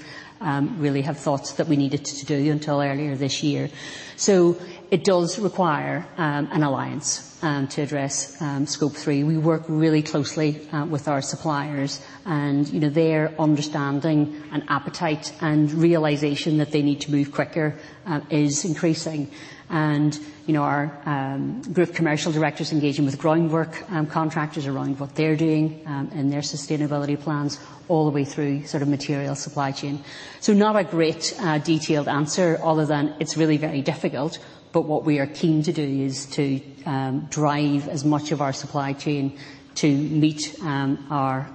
really have thought that we needed to do until earlier this year. It does require an alliance to address Scope 3. We work really closely with our suppliers and, you know, their understanding and appetite and realization that they need to move quicker is increasing. You know, our group commercial directors engaging with groundwork contractors around what they're doing and their sustainability plans all the way through sort of material supply chain. Not a great detailed answer other than it's really very difficult. What we are keen to do is to drive as much of our supply chain to meet our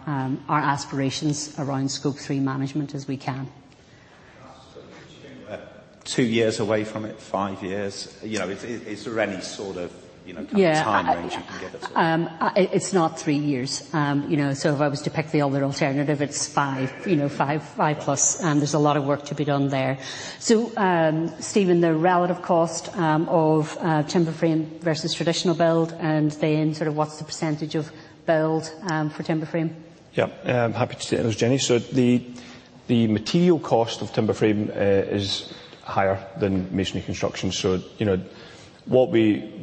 aspirations around Scope 3 management as we can. Can I ask, so do you think we're two years away from it? five years? You know, is there any sort of, you know, kind of time range you can give us at all? It's not three years. You know, if I was to pick the other alternative, it's five plus. There's a lot of work to be done there. Stephen, the relative cost of timber frame versus traditional build, and then sort of what's the percentage of build for timber frame? Yeah. I'm happy to take those, Jenny. The material cost of timber frame is higher than masonry construction. You know, what we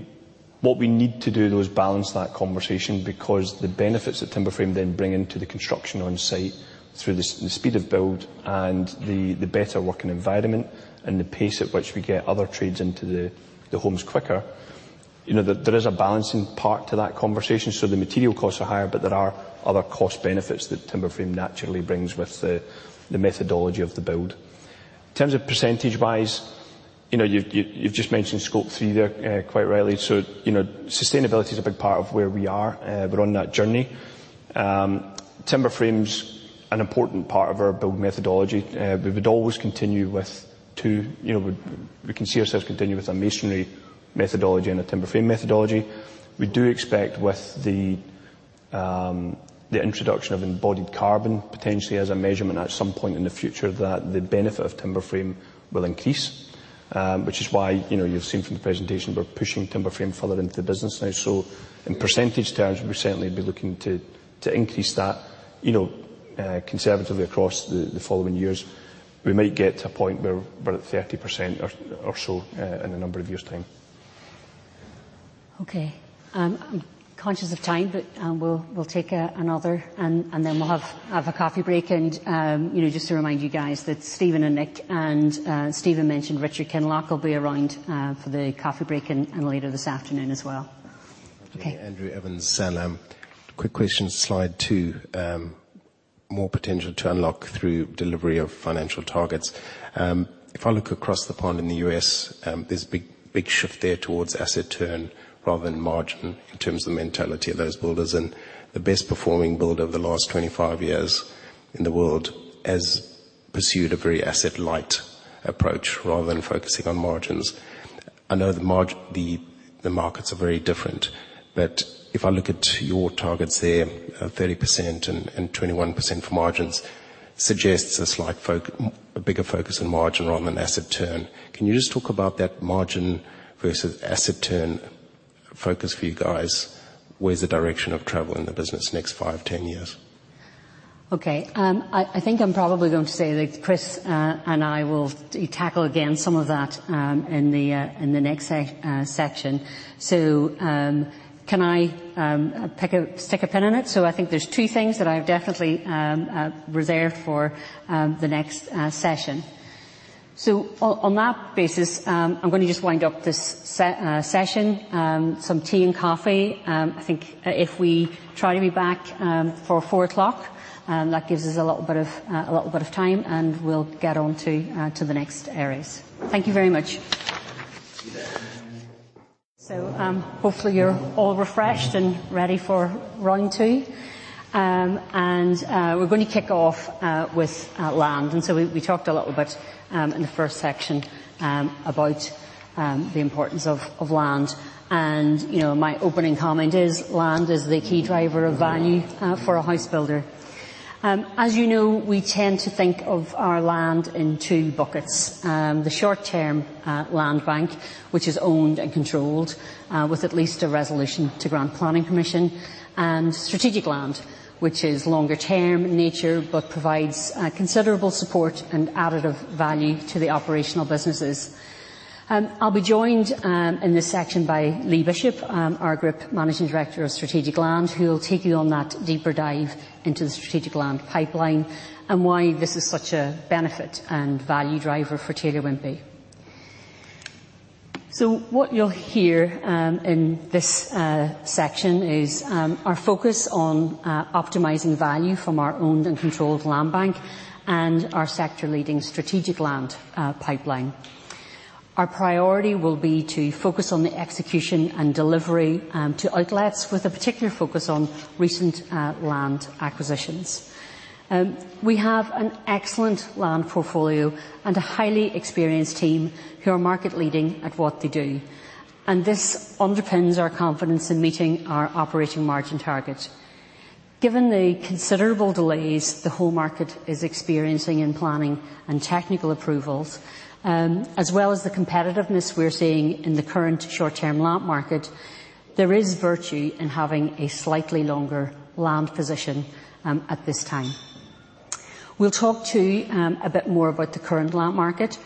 need to do though is balance that conversation because the benefits that timber frame then bring into the construction on site through the speed of build and the better working environment and the pace at which we get other trades into the homes quicker. You know, there is a balancing part to that conversation. The material costs are higher, but there are other cost benefits that timber frame naturally brings with the methodology of the build. In terms of percentage wise, you know, you've just mentioned Scope 3 there, quite rightly. You know, sustainability is a big part of where we are. We're on that journey. Timber frame's an important part of our build methodology. We would always continue with. You know, we can see ourselves continue with a masonry methodology and a timber frame methodology. We do expect with the introduction of embodied carbon potentially as a measurement at some point in the future, that the benefit of timber frame will increase. Which is why, you know, you've seen from the presentation, we're pushing timber frame further into the business now. In percentage terms, we'd certainly be looking to increase that, you know, conservatively across the following years. We might get to a point where we're at 30% or so in a number of years' time. Okay. I'm conscious of time, but we'll take another and then we'll have a coffee break. You know, just to remind you guys that Stephen and Nick and Stephen mentioned Richard Kinloch will be around for the coffee break and later this afternoon as well. Okay. Andrew Evans. Quick question, slide two. More potential to unlock through delivery of financial targets. If I look across the pond in the U.S., there's a big shift there towards asset turn rather than margin in terms of the mentality of those builders. The best performing builder of the last 25 years in the world has pursued a very asset light approach rather than focusing on margins. I know the markets are very different. If I look at your targets there, 30% and 21% for margins suggests a bigger focus on margin rather than asset turn. Can you just talk about that margin versus asset turn focus for you guys? Where's the direction of travel in the business next five, 10 years? Okay. I think I'm probably going to say that Chris and I will tackle again some of that in the next section. Can I stick a pin in it? I think there are two things that I've definitely reserved for the next session. On that basis, I'm gonna just wind up this session. Some tea and coffee. I think if we try to be back for four o'clock, that gives us a little bit of time, and we'll get on to the next areas. Thank you very much. Hopefully you're all refreshed and ready for round two. We're gonna kick off with land. We talked a little bit in the first section about the importance of land. You know, my opening comment is land is the key driver of value for a house builder. As you know, we tend to think of our land in two buckets. The short term land bank, which is owned and controlled with at least a resolution to grant planning permission, and strategic land, which is longer term in nature, but provides considerable support and additive value to the operational businesses. I'll be joined in this section by Lee Bishop, our Group Managing Director of Strategic Land, who will take you on that deeper dive into the strategic land pipeline and why this is such a benefit and value driver for Taylor Wimpey. What you'll hear in this section is our focus on optimizing value from our owned and controlled land bank and our sector leading strategic land pipeline. Our priority will be to focus on the execution and delivery to outlets with a particular focus on recent land acquisitions. We have an excellent land portfolio and a highly experienced team who are market leading at what they do, and this underpins our confidence in meeting our operating margin target. Given the considerable delays the whole market is experiencing in planning and technical approvals, as well as the competitiveness we're seeing in the current short-term land market, there is virtue in having a slightly longer land position at this time. We'll talk too a bit more about the current land market.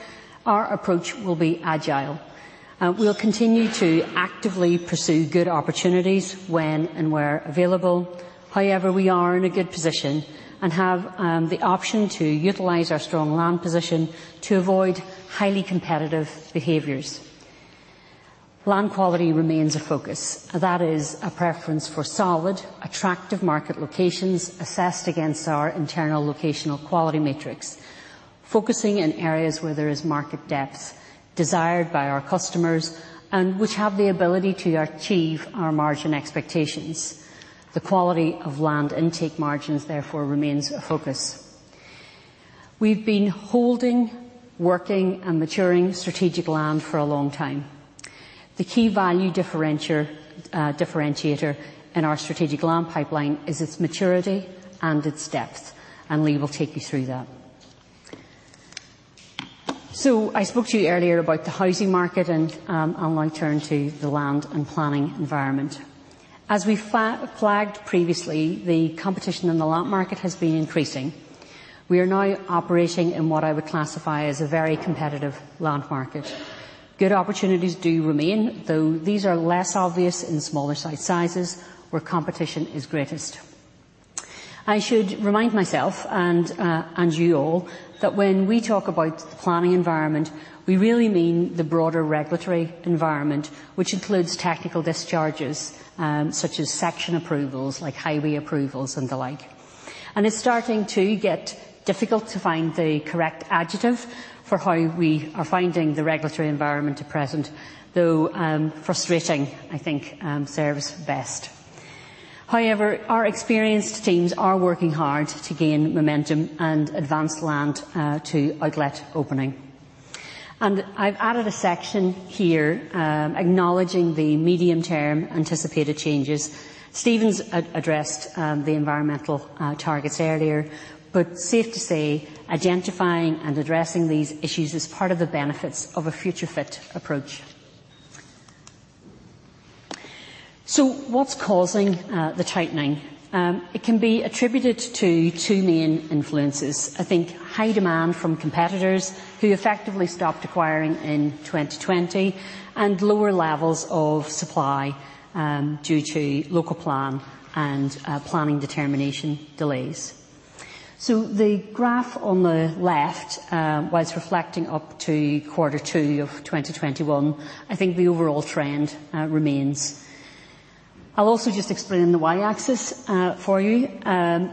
Our approach will be agile. We'll continue to actively pursue good opportunities when and where available. However, we are in a good position and have the option to utilize our strong land position to avoid highly competitive behaviors. Land quality remains a focus. That is a preference for solid, attractive market locations assessed against our internal locational quality matrix, focusing in areas where there is market depth desired by our customers and which have the ability to achieve our margin expectations. The quality of land intake margins therefore remains a focus. We've been holding, working, and maturing strategic land for a long time. The key value differentiator in our strategic land pipeline is its maturity and its depth, and Lee will take you through that. I spoke to you earlier about the housing market, and I'll now turn to the land and planning environment. As we flagged previously, the competition in the land market has been increasing. We are now operating in what I would classify as a very competitive land market. Good opportunities do remain, though these are less obvious in smaller sizes where competition is greatest. I should remind myself and you all that when we talk about the planning environment, we really mean the broader regulatory environment, which includes technical discharges, such as section approvals like highway approvals and the like. It's starting to get difficult to find the correct adjective for how we are finding the regulatory environment at present, though frustrating, I think, serves best. However, our experienced teams are working hard to gain momentum and advance land to outlet opening. I've added a section here acknowledging the medium-term anticipated changes. Stephen has addressed the environmental targets earlier, but safe to say, identifying and addressing these issues is part of the benefits of a Future Fit approach. What's causing the tightening? It can be attributed to two main influences. I think high demand from competitors who effectively stopped acquiring in 2020, and lower levels of supply due to local plan and planning determination delays. The graph on the left, while reflecting up to quarter two of 2021, I think the overall trend remains. I'll also just explain the Y-axis for you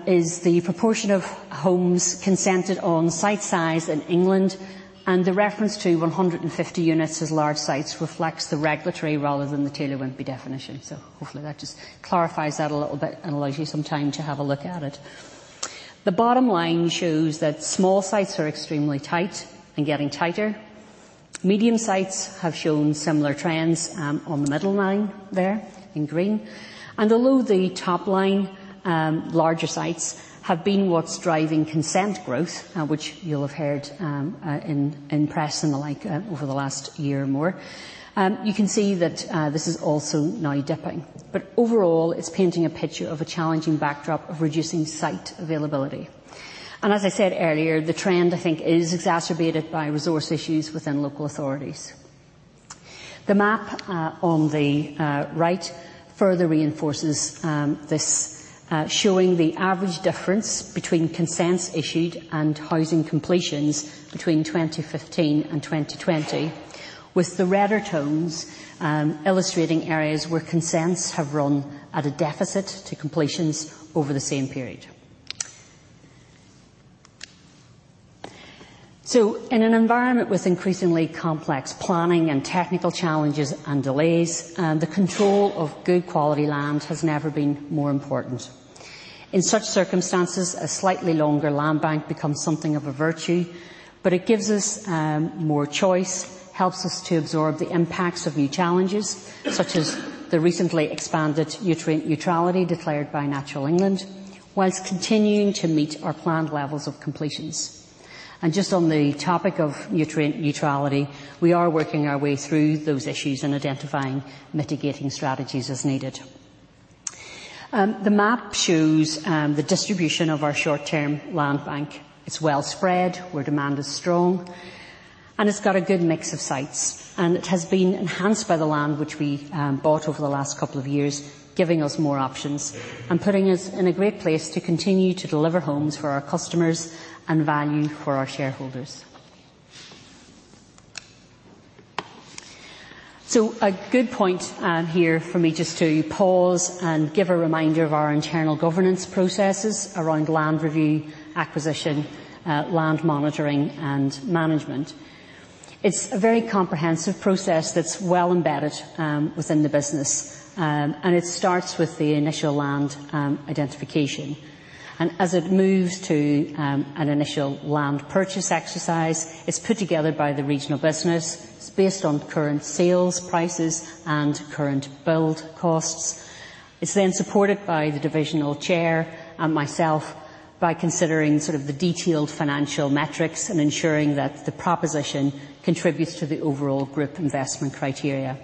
is the proportion of homes consented on site size in England, and the reference to 150 units as large sites reflects the regulatory rather than the Taylor Wimpey definition. Hopefully that just clarifies that a little bit and allows you some time to have a look at it. The bottom line shows that small sites are extremely tight and getting tighter. Medium sites have shown similar trends, on the middle line there in green. Although the top line, larger sites have been what's driving consent growth, which you'll have heard, in press and the like, over the last year or more, you can see that, this is also now dipping. Overall, it's painting a picture of a challenging backdrop of reducing site availability. As I said earlier, the trend, I think, is exacerbated by resource issues within local authorities. The map on the right further reinforces this, showing the average difference between consents issued and housing completions between 2015 and 2020, with the redder tones illustrating areas where consents have run at a deficit to completions over the same period. In an environment with increasingly complex planning and technical challenges and delays, the control of good quality land has never been more important. In such circumstances, a slightly longer land bank becomes something of a virtue, but it gives us more choice, helps us to absorb the impacts of new challenges, such as the recently expanded nutrient neutrality declared by Natural England, while continuing to meet our planned levels of completions. Just on the topic of nutrient neutrality, we are working our way through those issues and identifying mitigating strategies as needed. The map shows the distribution of our short-term land bank. It's well spread where demand is strong, and it's got a good mix of sites. It has been enhanced by the land which we bought over the last couple of years, giving us more options and putting us in a great place to continue to deliver homes for our customers and value for our shareholders. A good point here for me just to pause and give a reminder of our internal governance processes around land review, acquisition, land monitoring and management. It's a very comprehensive process that's well embedded within the business, and it starts with the initial land identification. As it moves to an initial land purchase exercise, it's put together by the regional business. It's based on current sales prices and current build costs. It's then supported by the divisional chair and myself by considering sort of the detailed financial metrics and ensuring that the proposition contributes to the overall group investment criteria.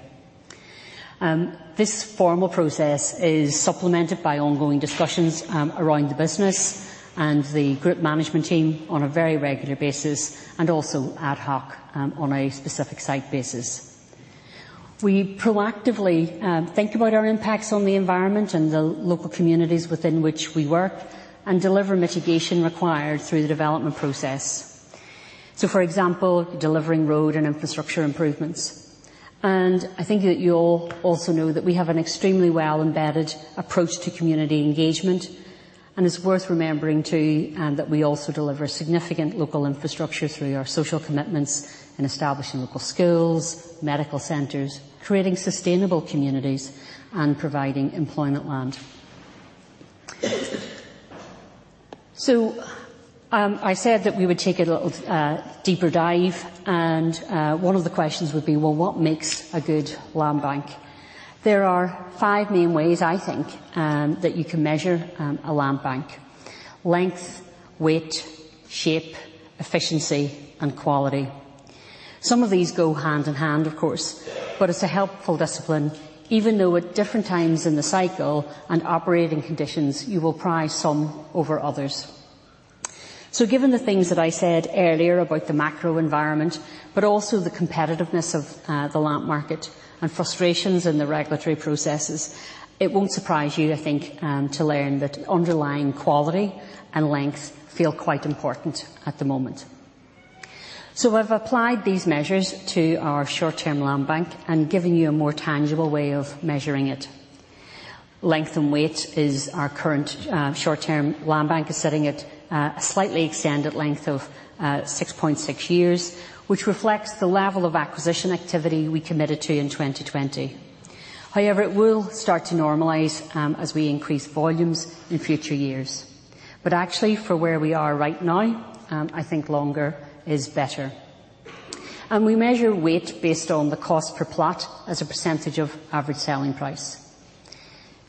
This formal process is supplemented by ongoing discussions around the business and the group management team on a very regular basis and also ad hoc on a specific site basis. We proactively think about our impacts on the environment and the local communities within which we work and deliver mitigation required through the development process. For example, delivering road and infrastructure improvements. I think that you'll also know that we have an extremely well-embedded approach to community engagement, and it's worth remembering, too, that we also deliver significant local infrastructure through our social commitments in establishing local schools, medical centers, creating sustainable communities, and providing employment land. I said that we would take a little deeper dive, and one of the questions would be, well, what makes a good land bank? There are five main ways I think that you can measure a land bank: length, weight, shape, efficiency, and quality. Some of these go hand in hand, of course, but it's a helpful discipline, even though at different times in the cycle and operating conditions, you will prize some over others. Given the things that I said earlier about the macro environment, but also the competitiveness of the land market and frustrations in the regulatory processes, it won't surprise you, I think, to learn that underlying quality and length feel quite important at the moment. We've applied these measures to our short-term land bank and given you a more tangible way of measuring it. Length and weight is our current short-term land bank is sitting at a slightly extended length of 6.6 years, which reflects the level of acquisition activity we committed to in 2020. However, it will start to normalize as we increase volumes in future years. Actually, for where we are right now, I think longer is better. We measure weight based on the cost per plot as a percentage of average selling price.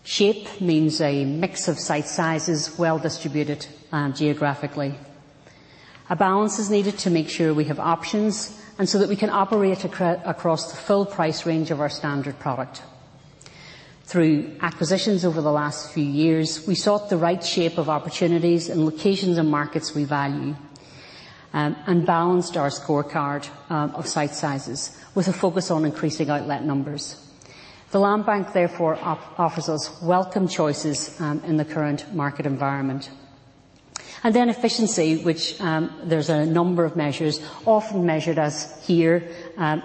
Shape means a mix of site sizes, well-distributed geographically. A balance is needed to make sure we have options and so that we can operate across the full price range of our standard product. Through acquisitions over the last few years, we sought the right shape of opportunities in locations and markets we value, and balanced our scorecard of site sizes with a focus on increasing outlet numbers. The land bank therefore offers us welcome choices in the current market environment. Efficiency, which there's a number of measures often measured as here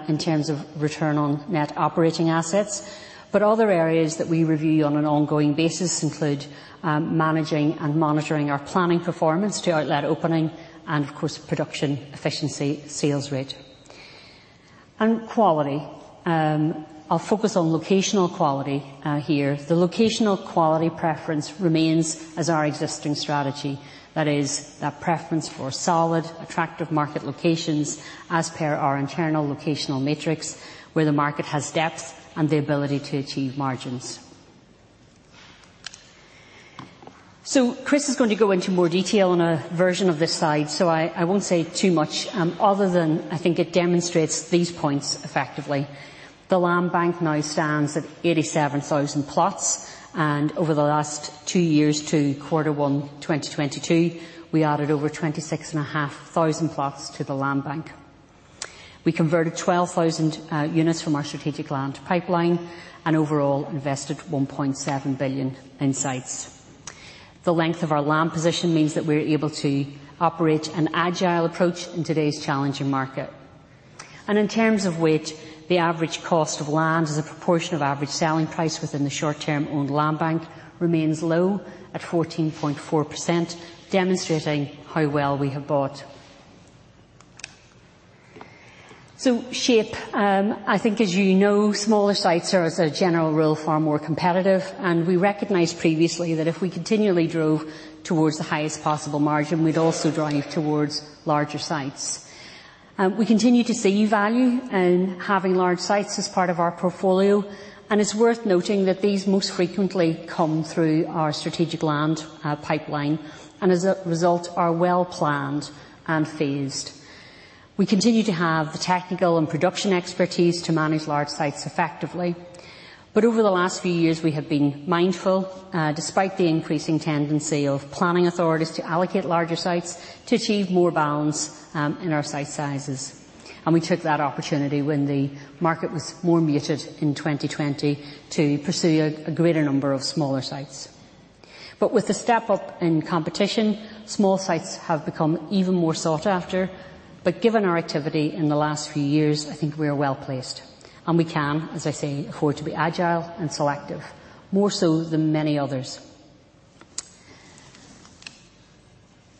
in terms of return on net operating assets. Other areas that we review on an ongoing basis include managing and monitoring our planning performance to outlet opening and of course, production efficiency sales rate. Quality, I'll focus on locational quality here. The locational quality preference remains as our existing strategy. That is that preference for solid, attractive market locations as per our internal locational matrix, where the market has depth and the ability to achieve margins. Chris is going to go into more detail on a version of this slide, I won't say too much, other than I think it demonstrates these points effectively. The land bank now stands at 87,000 plots, and over the last two years to Q1 2022, we added over 26,500 plots to the land bank. We converted 12,000 units from our strategic land pipeline, and overall invested 1.7 billion in sites. The length of our land position means that we're able to operate an agile approach in today's challenging market. In terms of weight, the average cost of land as a proportion of average selling price within the short-term owned land bank remains low at 14.4%, demonstrating how well we have bought. The shape, I think as you know, smaller sites are, as a general rule, far more competitive, and we recognized previously that if we continually drove towards the highest possible margin, we'd also drive towards larger sites. We continue to see value in having large sites as part of our portfolio, and it's worth noting that these most frequently come through our strategic land pipeline, and as a result, are well-planned and phased. We continue to have the technical and production expertise to manage large sites effectively. Over the last few years, we have been mindful, despite the increasing tendency of planning authorities to allocate larger sites to achieve more balance in our site sizes. We took that opportunity when the market was more muted in 2020 to pursue a greater number of smaller sites. With the step up in competition, small sites have become even more sought after. Given our activity in the last few years, I think we are well-placed and we can, as I say, afford to be agile and selective, more so than many others.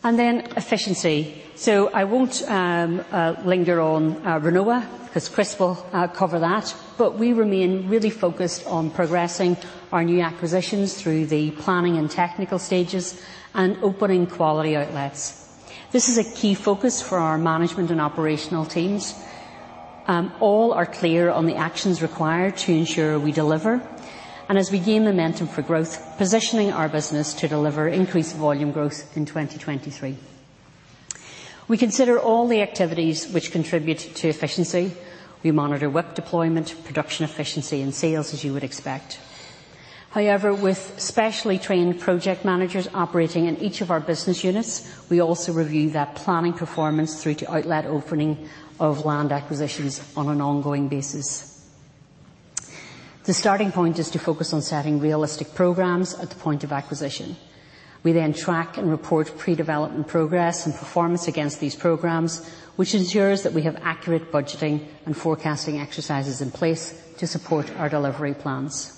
Efficiency. I won't linger on Renova because Chris will cover that, but we remain really focused on progressing our new acquisitions through the planning and technical stages and opening quality outlets. This is a key focus for our management and operational teams. All are clear on the actions required to ensure we deliver, and as we gain momentum for growth, positioning our business to deliver increased volume growth in 2023. We consider all the activities which contribute to efficiency. We monitor work deployment, production efficiency, and sales, as you would expect. However, with specially trained project managers operating in each of our business units, we also review that planning performance through to outlet opening of land acquisitions on an ongoing basis. The starting point is to focus on setting realistic programs at the point of acquisition. We then track and report pre-development progress and performance against these programs, which ensures that we have accurate budgeting and forecasting exercises in place to support our delivery plans.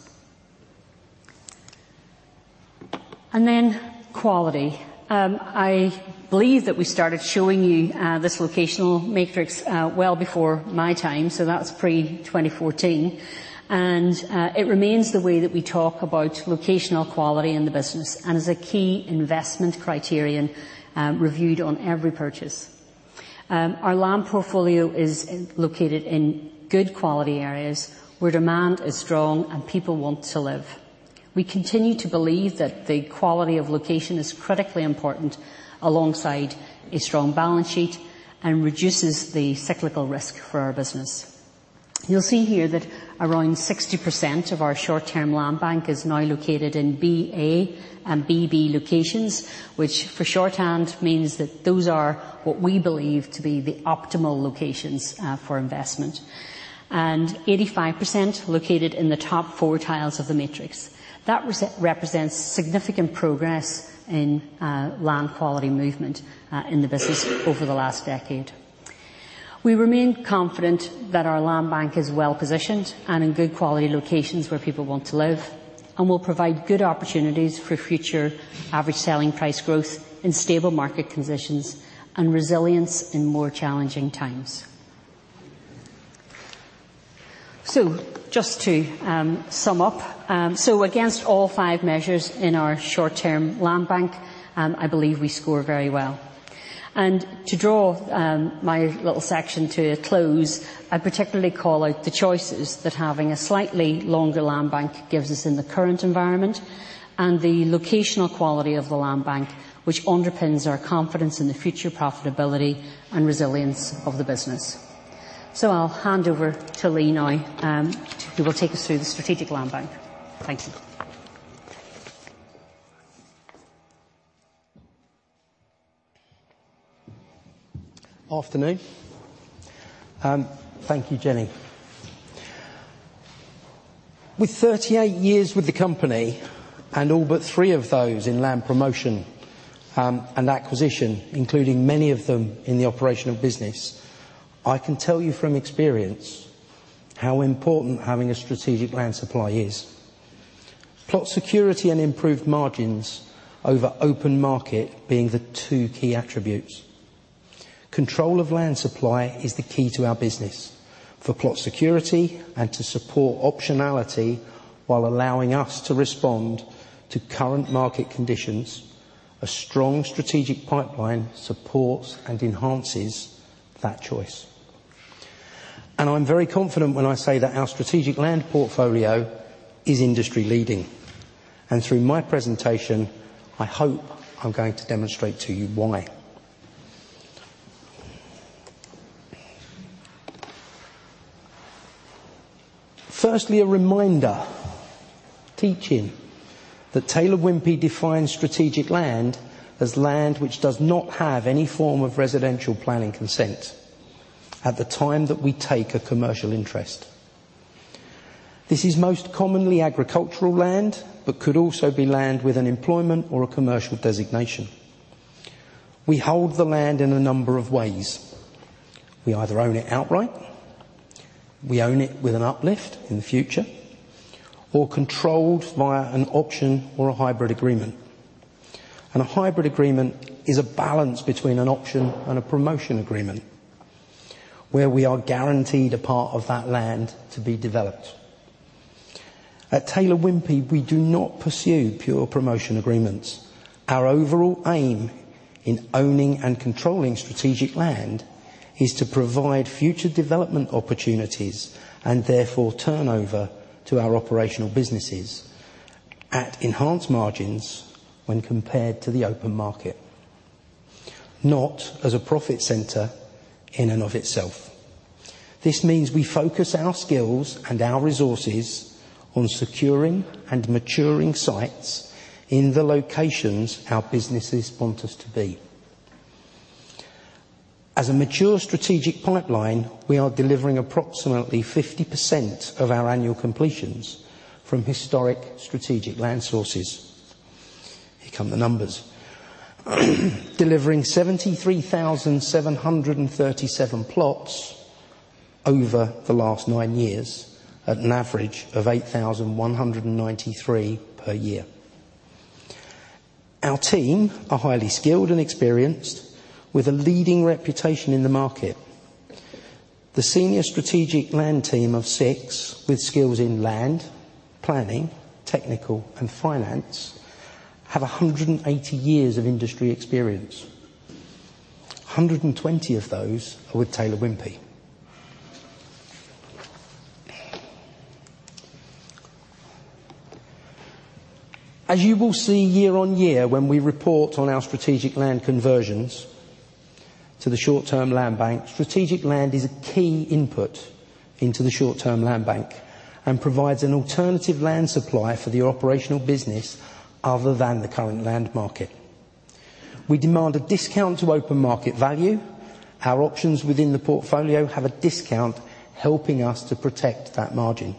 Quality. I believe that we started showing you this locational matrix well before my time, so that's pre-2014. It remains the way that we talk about locational quality in the business and is a key investment criterion reviewed on every purchase. Our land portfolio is located in good quality areas where demand is strong and people want to live. We continue to believe that the quality of location is critically important alongside a strong balance sheet and reduces the cyclical risk for our business. You'll see here that around 60% of our short-term land bank is now located in BA and BB locations, which for shorthand means that those are what we believe to be the optimal locations for investment. 85% located in the top four tiles of the matrix. That represents significant progress in land quality movement in the business over the last decade. We remain confident that our land bank is well positioned and in good quality locations where people want to live, and will provide good opportunities for future average selling price growth in stable market conditions and resilience in more challenging times. Just to sum up. Against all five measures in our short term land bank, I believe we score very well. To draw my little section to a close, I particularly call out the choices that having a slightly longer land bank gives us in the current environment and the locational quality of the land bank, which underpins our confidence in the future profitability and resilience of the business. I'll hand over to Lee now, who will take us through the strategic land bank. Thank you. Afternoon. Thank you, Jenny. With 38 years with the company and all but three of those in land promotion and acquisition, including many of them in the operational business, I can tell you from experience how important having a strategic land supply is. Plot security and improved margins over open market being the two key attributes. Control of land supply is the key to our business. For plot security and to support optionality while allowing us to respond to current market conditions, a strong strategic pipeline supports and enhances that choice. I'm very confident when I say that our strategic land portfolio is industry leading. Through my presentation, I hope I'm going to demonstrate to you why. Firstly, a reminder. Teach-in. That Taylor Wimpey defines strategic land as land which does not have any form of residential planning consent at the time that we take a commercial interest. This is most commonly agricultural land, but could also be land with an employment or a commercial designation. We hold the land in a number of ways. We either own it outright, we own it with an uplift in the future, or controlled via an option or a hybrid agreement. A hybrid agreement is a balance between an option and a promotion agreement where we are guaranteed a part of that land to be developed. At Taylor Wimpey, we do not pursue pure promotion agreements. Our overall aim in owning and controlling strategic land is to provide future development opportunities, and therefore turnover to our operational businesses at enhanced margins when compared to the open market, not as a profit center in and of itself. This means we focus our skills and our resources on securing and maturing sites in the locations our businesses want us to be. As a mature strategic pipeline, we are delivering approximately 50% of our annual completions from historic strategic land sources. Here come the numbers. Delivering 73,737 plots over the last nine years at an average of 8,193 per year. Our team are highly skilled and experienced with a leading reputation in the market. The senior strategic land team of 6, with skills in land, planning, technical, and finance, have 180 years of industry experience. 120 of those are with Taylor Wimpey. As you will see year on year when we report on our strategic land conversions to the short-term land bank, strategic land is a key input into the short-term land bank and provides an alternative land supply for the operational business other than the current land market. We demand a discount to open market value. Our options within the portfolio have a discount, helping us to protect that margin.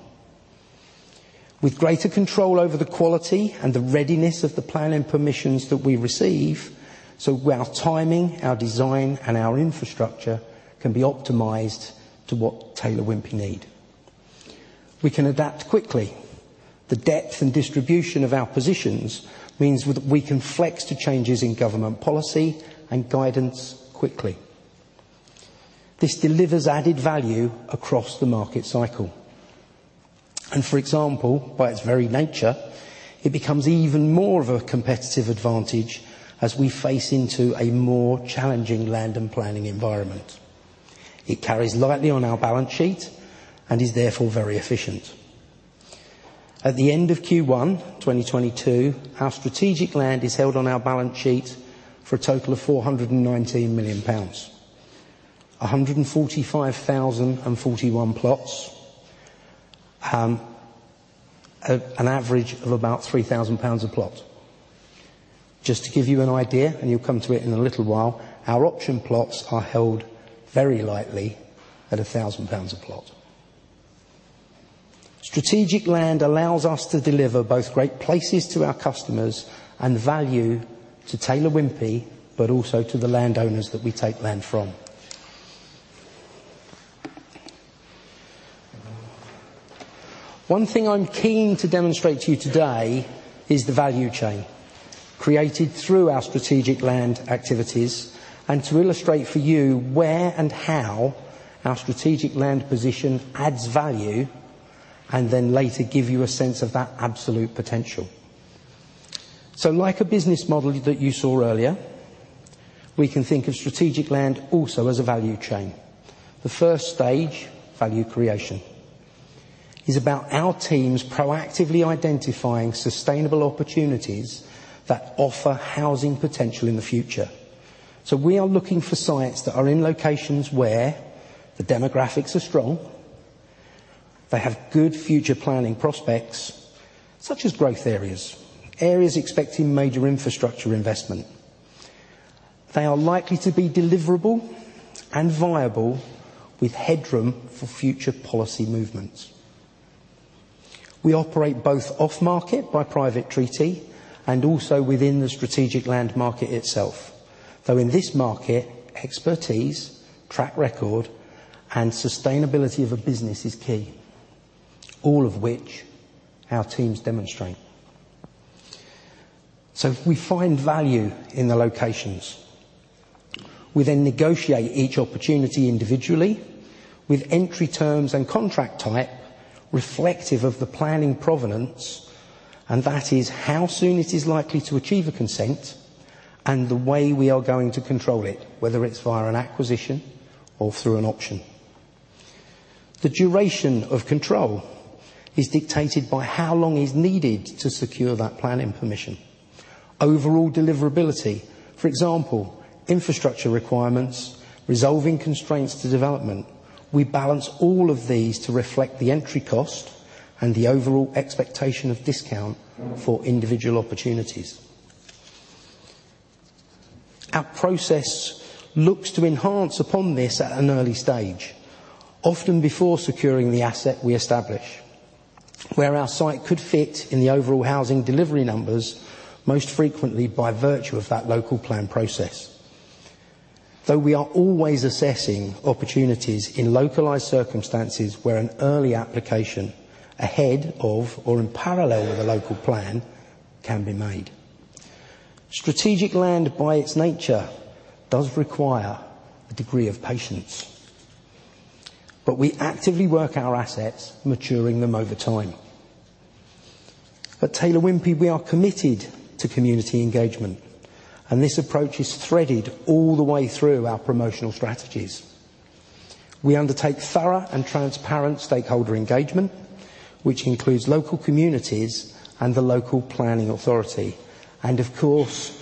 With greater control over the quality and the readiness of the planning permissions that we receive, so our timing, our design, and our infrastructure can be optimized to what Taylor Wimpey need. We can adapt quickly. The depth and distribution of our positions means we can flex to changes in government policy and guidance quickly. This delivers added value across the market cycle. For example, by its very nature, it becomes even more of a competitive advantage as we face into a more challenging land and planning environment. It carries lightly on our balance sheet and is therefore very efficient. At the end of Q1 2022, our strategic land is held on our balance sheet for a total of 419 million pounds. 145,041 plots. An average of about 3,000 pounds a plot. Just to give you an idea, and you'll come to it in a little while, our option plots are held very lightly at 1,000 pounds a plot. Strategic land allows us to deliver both great places to our customers and value to Taylor Wimpey, but also to the landowners that we take land from. One thing I'm keen to demonstrate to you today is the value chain created through our strategic land activities and to illustrate for you where and how our strategic land position adds value, and then later, give you a sense of that absolute potential. Like a business model that you saw earlier, we can think of strategic land also as a value chain. The first stage, value creation, is about our teams proactively identifying sustainable opportunities that offer housing potential in the future. We are looking for sites that are in locations where the demographics are strong, they have good future planning prospects, such as growth areas expecting major infrastructure investment. They are likely to be deliverable and viable with headroom for future policy movements. We operate both off-market by private treaty and also within the strategic land market itself. Though in this market, expertise, track record, and sustainability of a business is key, all of which our teams demonstrate. If we find value in the locations, we then negotiate each opportunity individually with entry terms and contract type reflective of the planning provenance, and that is how soon it is likely to achieve a consent and the way we are going to control it, whether it's via an acquisition or through an option. The duration of control is dictated by how long is needed to secure that planning permission. Overall deliverability, for example, infrastructure requirements, resolving constraints to development. We balance all of these to reflect the entry cost and the overall expectation of discount for individual opportunities. Our process looks to enhance upon this at an early stage. Often before securing the asset, we establish where our site could fit in the overall housing delivery numbers most frequently by virtue of that local plan process. Though we are always assessing opportunities in localized circumstances where an early application ahead of or in parallel with a local plan can be made. Strategic land, by its nature, does require a degree of patience, but we actively work our assets, maturing them over time. At Taylor Wimpey, we are committed to community engagement, and this approach is threaded all the way through our promotional strategies. We undertake thorough and transparent stakeholder engagement, which includes local communities and the local planning authority. Of course,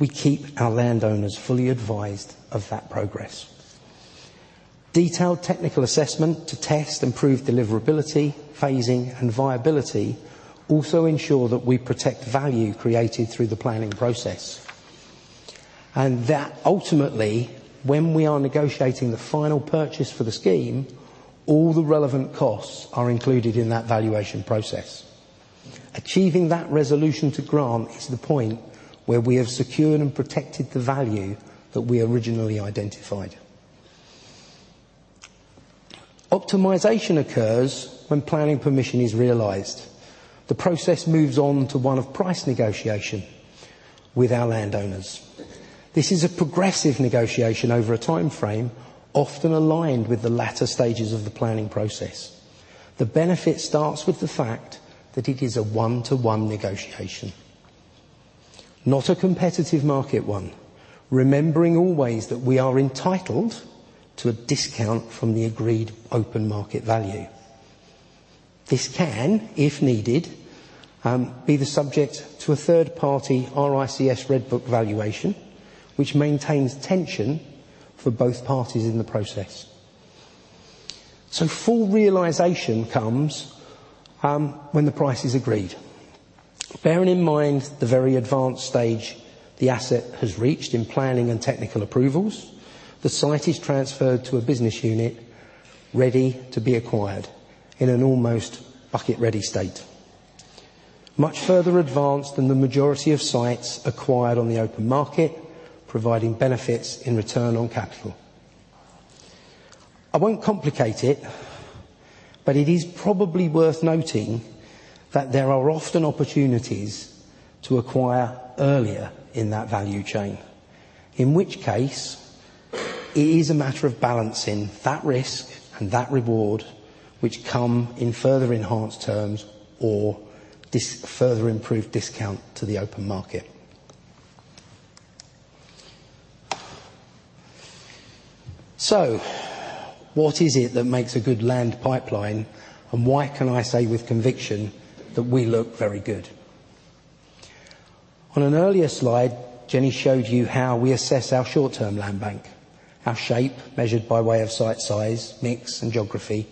we keep our landowners fully advised of that progress. Detailed technical assessment to test improved deliverability, phasing, and viability also ensure that we protect value created through the planning process. That ultimately, when we are negotiating the final purchase for the scheme, all the relevant costs are included in that valuation process. Achieving that resolution to grant is the point where we have secured and protected the value that we originally identified. Optimisation occurs when planning permission is realized. The process moves on to one of price negotiation with our landowners. This is a progressive negotiation over a time frame, often aligned with the latter stages of the planning process. The benefit starts with the fact that it is a one-to-one negotiation, not a competitive market one. Remembering always that we are entitled to a discount from the agreed open market value. This can, if needed, be the subject to a third-party RICS Red Book valuation, which maintains tension for both parties in the process. Full realization comes, when the price is agreed. Bearing in mind the very advanced stage the asset has reached in planning and technical approvals, the site is transferred to a business unit ready to be acquired in an almost shovel-ready state. Much further advanced than the majority of sites acquired on the open market, providing benefits in return on capital. I won't complicate it, but it is probably worth noting that there are often opportunities to acquire earlier in that value chain. In which case, it is a matter of balancing that risk and that reward which come in further enhanced terms or further improved discount to the open market. What is it that makes a good land pipeline, and why can I say with conviction that we look very good? On an earlier slide, Jenny showed you how we assess our short-term land bank. Our shape, measured by way of site size, mix, and geography,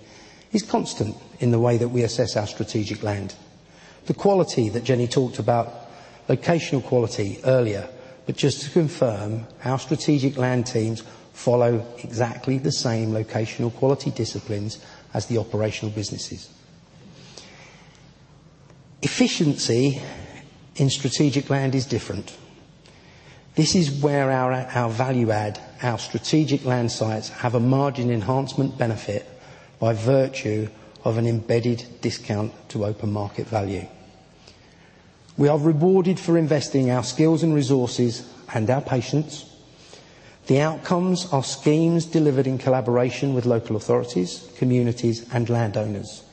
is constant in the way that we assess our strategic land. The quality that Jenny talked about, locational quality, earlier. But just to confirm, our strategic land teams follow exactly the same locational quality disciplines as the operational businesses. Efficiency in strategic land is different. This is where our value add, our strategic land sites have a margin enhancement benefit by virtue of an embedded discount to open market value. We are rewarded for investing our skills and resources and our patience. The outcomes are schemes delivered in collaboration with local authorities, communities and landowners,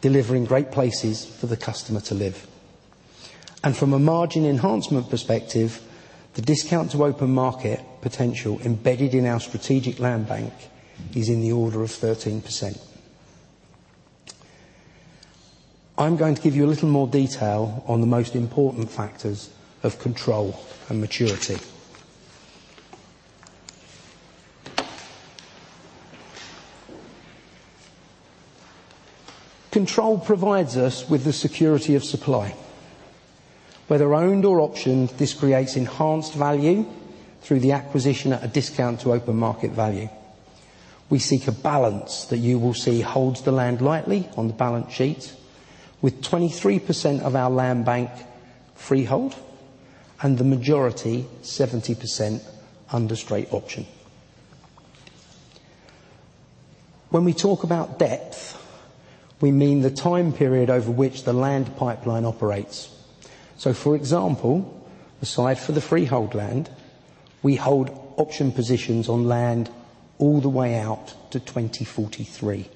delivering great places for the customer to live. From a margin enhancement perspective, the discount to open market potential embedded in our strategic land bank is in the order of 13%. I'm going to give you a little more detail on the most important factors of control and maturity. Control provides us with the security of supply. Whether owned or optioned, this creates enhanced value through the acquisition at a discount to open market value. We seek a balance that you will see holds the land lightly on the balance sheet, with 23% of our land bank freehold and the majority, 70% under straight option. When we talk about depth, we mean the time period over which the land pipeline operates. For example, aside from the freehold land, we hold option positions on land all the way out to 2043.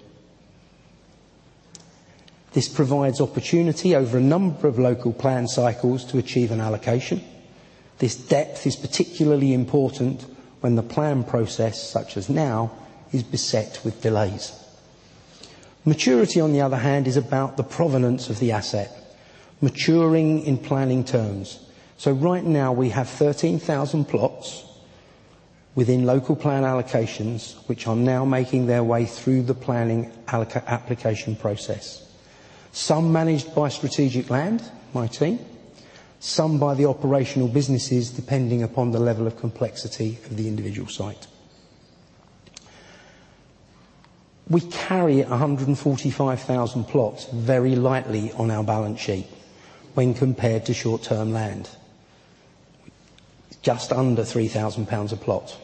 This provides opportunity over a number of local plan cycles to achieve an allocation. This depth is particularly important when the planning process, such as now, is beset with delays. Maturity, on the other hand, is about the provenance of the asset maturing in planning terms. Right now we have 13,000 plots within local plan allocations, which are now making their way through the planning application process. Some managed by strategic land, my team, some by the operational businesses, depending upon the level of complexity of the individual site. We carry 145,000 plots very lightly on our balance sheet when compared to short term land. Just under 3,000 pounds a plot,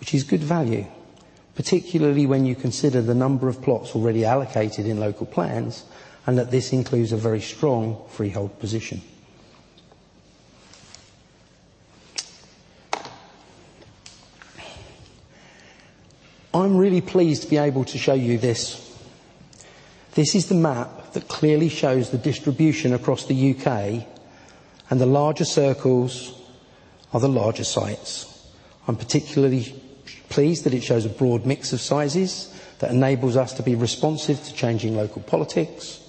which is good value, particularly when you consider the number of plots already allocated in local plans, and that this includes a very strong freehold position. I'm really pleased to be able to show you this. This is the map that clearly shows the distribution across the UK, and the larger circles are the larger sites. I'm particularly pleased that it shows a broad mix of sizes that enables us to be responsive to changing local politics,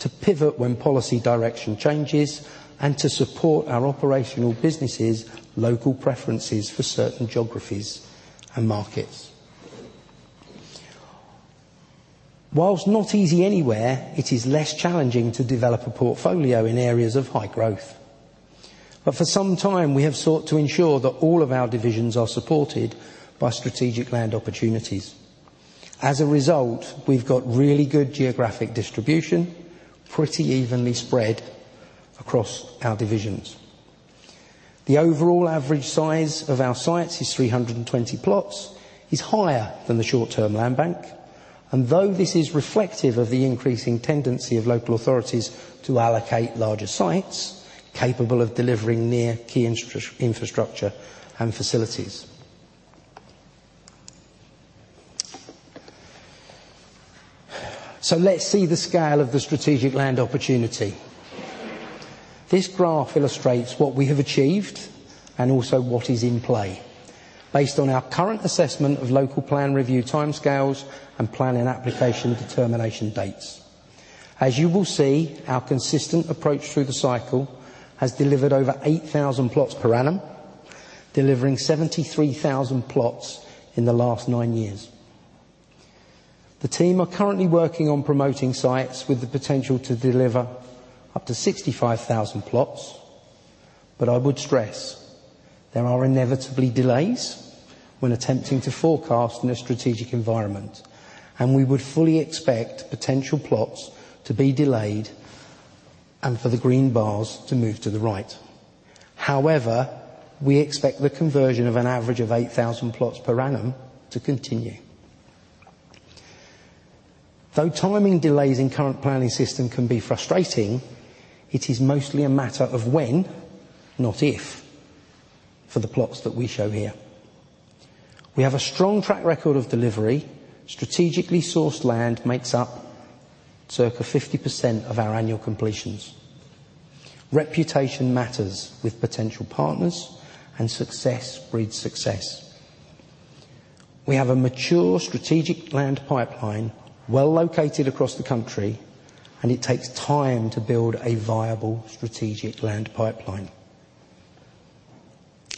to pivot when policy direction changes, and to support our operational businesses local preferences for certain geographies and markets. While not easy anywhere, it is less challenging to develop a portfolio in areas of high growth. For some time we have sought to ensure that all of our divisions are supported by strategic land opportunities. As a result, we've got really good geographic distribution, pretty evenly spread across our divisions. The overall average size of our sites is 320 plots, is higher than the short-term land bank. Though this is reflective of the increasing tendency of local authorities to allocate larger sites capable of delivering near key infrastructure and facilities. Let's see the scale of the strategic land opportunity. This graph illustrates what we have achieved and also what is in play based on our current assessment of local plan review timescales and planning application determination dates. As you will see, our consistent approach through the cycle has delivered over 8,000 plots per annum, delivering 73,000 plots in the last nine years. The team are currently working on promoting sites with the potential to deliver up to 65,000 plots. I would stress there are inevitably delays when attempting to forecast in a strategic environment, and we would fully expect potential plots to be delayed and for the green bars to move to the right. We expect the conversion of an average of 8,000 plots per annum to continue. Though timing delays in current planning system can be frustrating, it is mostly a matter of when, not if, for the plots that we show here. We have a strong track record of delivery. Strategically sourced land makes up circa 50% of our annual completions. Reputation matters with potential partners and success breeds success. We have a mature strategic land pipeline well located across the country, and it takes time to build a viable strategic land pipeline.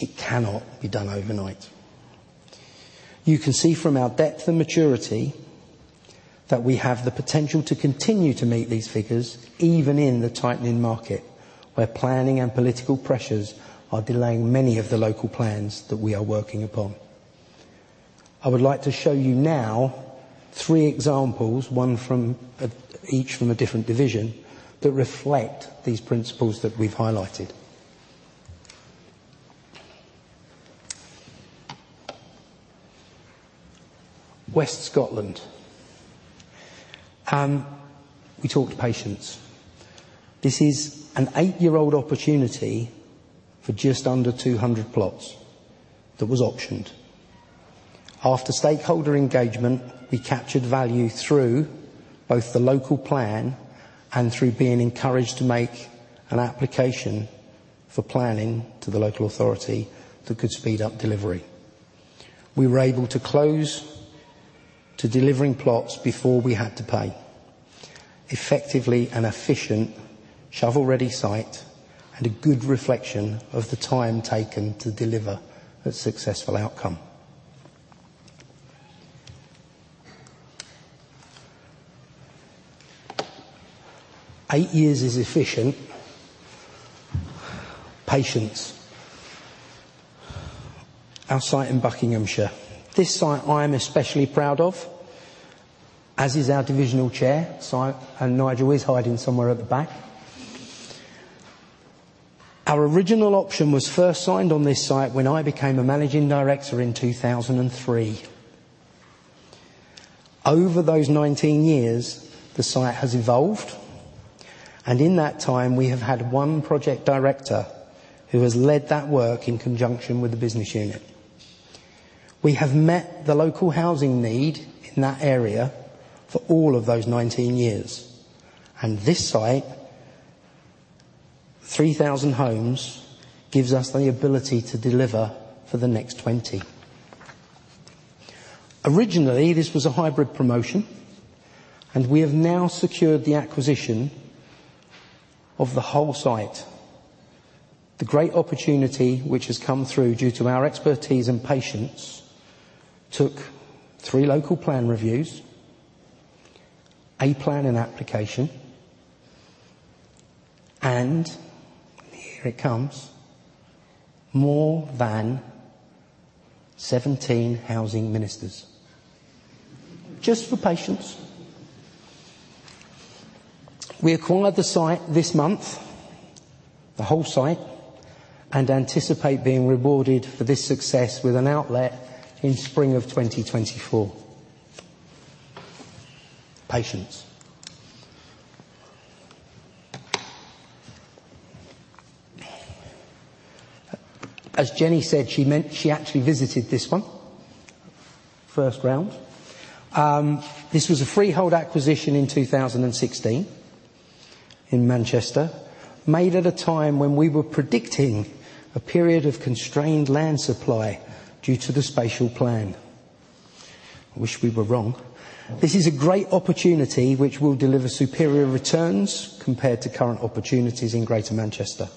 It cannot be done overnight. You can see from our depth and maturity that we have the potential to continue to meet these figures even in the tightening market, where planning and political pressures are delaying many of the local plans that we are working upon. I would like to show you now three examples, each from a different division that reflect these principles that we've highlighted. West Scotland, we talked patience. This is an eight-year-old opportunity for just under 200 plots that was optioned. After stakeholder engagement, we captured value through both the local plan and through being encouraged to make an application for planning to the local authority that could speed up delivery. We were able to close to delivering plots before we had to pay. Effectively an efficient shovel-ready site and a good reflection of the time taken to deliver a successful outcome. Eight years is efficient. Patience. Our site in Buckinghamshire. This site I am especially proud of, as is our divisional chair, and Nigel is hiding somewhere at the back. Our original option was first signed on this site when I became a managing director in 2003. Over those 19 years, the site has evolved, and in that time we have had one project director who has led that work in conjunction with the business unit. We have met the local housing need in that area for all of those 19 years, and this site, 3,000 homes, gives us the ability to deliver for the next 20. Originally, this was a hybrid promotion, and we have now secured the acquisition of the whole site. The great opportunity which has come through due to our expertise and patience took three local plan reviews, a planning application, and, here it comes, more than 17 housing ministers. Just for patience. We are calling the site this month, the whole site, and anticipate being rewarded for this success with an outlet in spring of 2024. Patience. As Jenny said, she meant she actually visited this one, first round. This was a freehold acquisition in 2016 in Manchester, made at a time when we were predicting a period of constrained land supply due to the spatial plan. I wish we were wrong. This is a great opportunity which will deliver superior returns compared to current opportunities in Greater Manchester.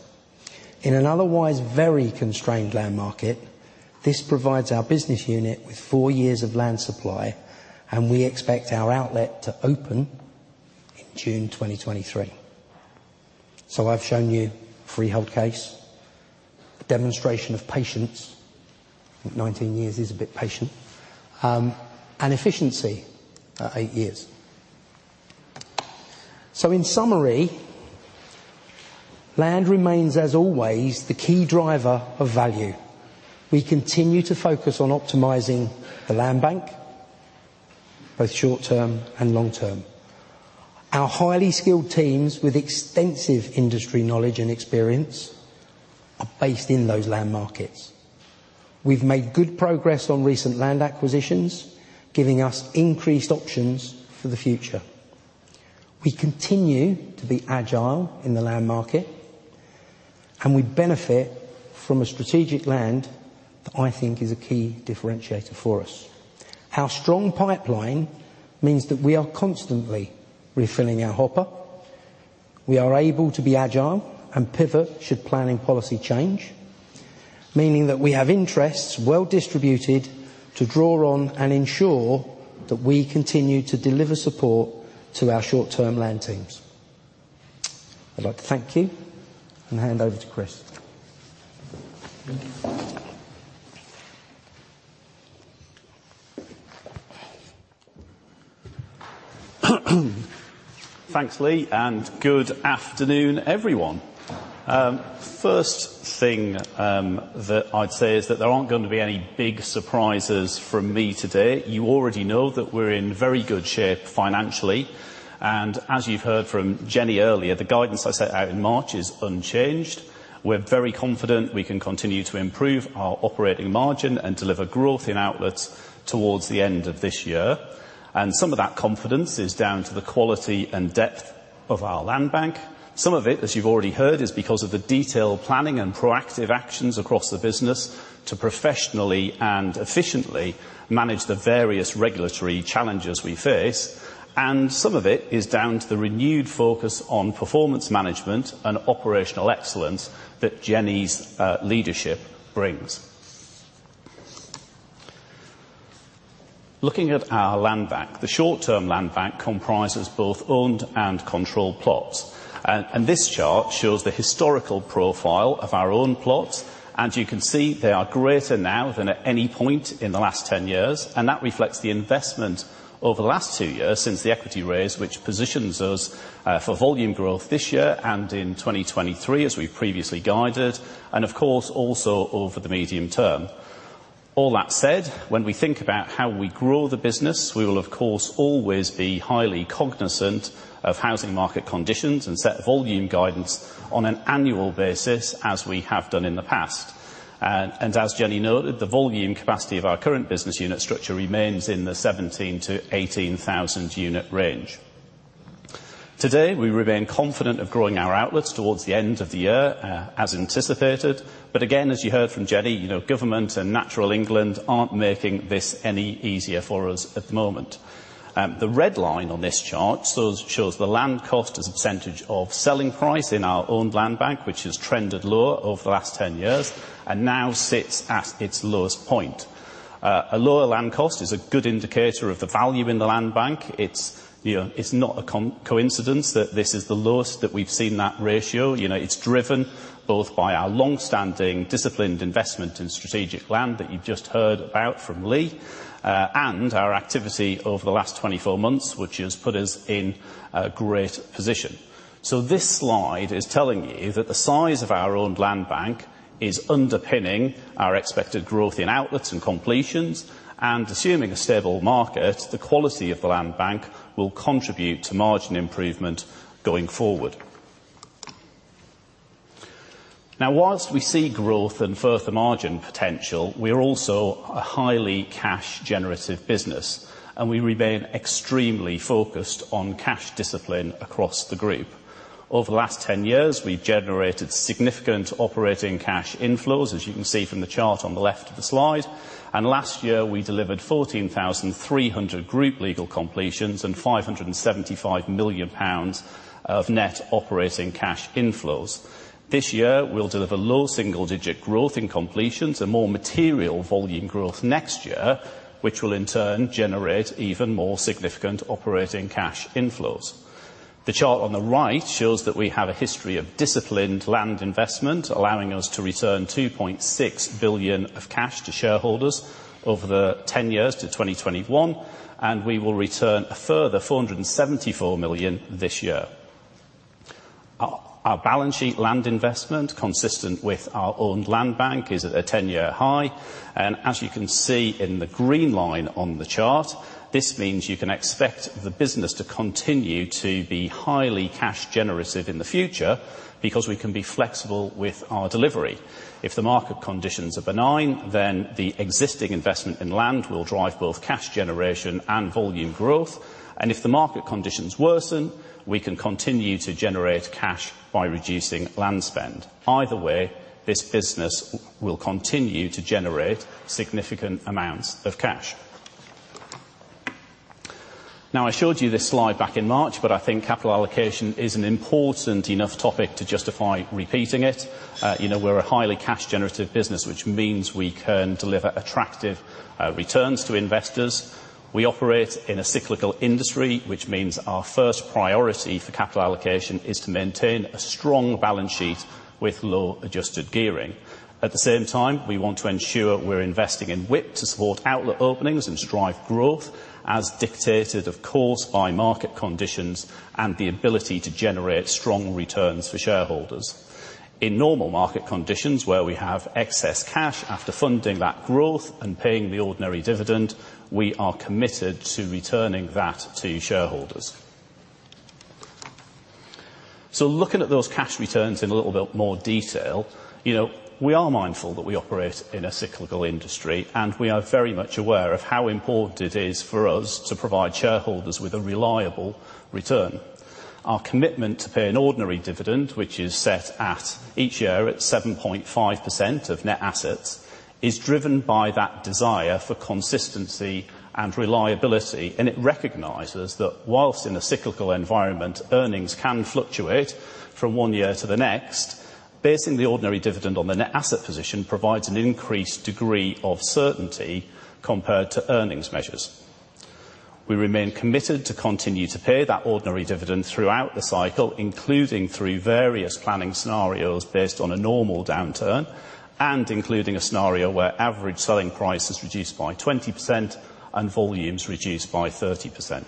In an otherwise very constrained land market, this provides our business unit with four years of land supply, and we expect our outlet to open in June 2023. I've shown you a freehold case, a demonstration of patience, I think 19 years is a bit patient, and efficiency at eight years. In summary, land remains, as always, the key driver of value. We continue to focus on optimizing the land bank, both short-term and long-term. Our highly skilled teams with extensive industry knowledge and experience are based in those land markets. We've made good progress on recent land acquisitions, giving us increased options for the future. We continue to be agile in the land market, and we benefit from a strategic land that I think is a key differentiator for us. Our strong pipeline means that we are constantly refilling our hopper. We are able to be agile and pivot should planning policy change, meaning that we have interests well distributed to draw on and ensure that we continue to deliver support to our short-term land teams. I'd like to thank you and hand over to Chris. Thanks, Lee, and good afternoon, everyone. First thing that I'd say is that there aren't gonna be any big surprises from me today. You already know that we're in very good shape financially, and as you've heard from Jenny earlier, the guidance I set out in March is unchanged. We're very confident we can continue to improve our operating margin and deliver growth in outlets towards the end of this year, and some of that confidence is down to the quality and depth of our land bank. Some of it, as you've already heard, is because of the detailed planning and proactive actions across the business. To professionally and efficiently manage the various regulatory challenges we face, and some of it is down to the renewed focus on performance management and operational excellence that Jenny's leadership brings. Looking at our landbank, the short-term landbank comprises both owned and controlled plots. This chart shows the historical profile of our own plots, and you can see they are greater now than at any point in the last 10 years. That reflects the investment over the last two years since the equity raise, which positions us for volume growth this year and in 2023, as we previously guided, and of course, also over the medium term. All that said, when we think about how we grow the business, we will of course always be highly cognizant of housing market conditions and set volume guidance on an annual basis as we have done in the past. As Jenny noted, the volume capacity of our current business unit structure remains in the 17,000-18,000 unit range. Today, we remain confident of growing our outlets towards the end of the year as anticipated. Again, as you heard from Jenny, you know, government and Natural England aren't making this any easier for us at the moment. The red line on this chart shows the land cost as a percentage of selling price in our own landbank, which has trended lower over the last 10 years and now sits at its lowest point. A lower land cost is a good indicator of the value in the landbank. It's, you know, it's not a coincidence that this is the lowest that we've seen that ratio. You know, it's driven both by our long-standing disciplined investment in strategic land that you just heard about from Lee and our activity over the last 24 months, which has put us in a great position. This slide is telling you that the size of our own landbank is underpinning our expected growth in outlets and completions. Assuming a stable market, the quality of the landbank will contribute to margin improvement going forward. Now, while we see growth and further margin potential, we are also a highly cash generative business, and we remain extremely focused on cash discipline across the group. Over the last 10 years, we've generated significant operating cash inflows, as you can see from the chart on the left of the slide. Last year, we delivered 14,300 group legal completions and 575 million pounds of net operating cash inflows. This year, we'll deliver low single-digit growth in completions and more material volume growth next year, which will in turn generate even more significant operating cash inflows. The chart on the right shows that we have a history of disciplined land investment, allowing us to return 2.6 billion of cash to shareholders over the 10 years to 2021, and we will return a further 474 million this year. Our balance sheet land investment, consistent with our own landbank, is at a 10-year high. As you can see in the green line on the chart, this means you can expect the business to continue to be highly cash generative in the future because we can be flexible with our delivery. If the market conditions are benign, then the existing investment in land will drive both cash generation and volume growth. If the market conditions worsen, we can continue to generate cash by reducing land spend. Either way, this business will continue to generate significant amounts of cash. Now, I showed you this slide back in March, but I think capital allocation is an important enough topic to justify repeating it. You know, we're a highly cash generative business, which means we can deliver attractive returns to investors. We operate in a cyclical industry, which means our first priority for capital allocation is to maintain a strong balance sheet with low adjusted gearing. At the same time, we want to ensure we're investing in WIP to support outlet openings and drive growth, as dictated, of course, by market conditions and the ability to generate strong returns for shareholders. In normal market conditions where we have excess cash after funding that growth and paying the ordinary dividend, we are committed to returning that to shareholders. Looking at those cash returns in a little bit more detail, you know, we are mindful that we operate in a cyclical industry, and we are very much aware of how important it is for us to provide shareholders with a reliable return. Our commitment to pay an ordinary dividend, which is set at each year at 7.5% of net assets, is driven by that desire for consistency and reliability, and it recognizes that while in a cyclical environment, earnings can fluctuate from one year to the next. Basing the ordinary dividend on the net asset position provides an increased degree of certainty compared to earnings measures. We remain committed to continue to pay that ordinary dividend throughout the cycle, including through various planning scenarios based on a normal downturn and including a scenario where average selling price is reduced by 20% and volumes reduced by 30%.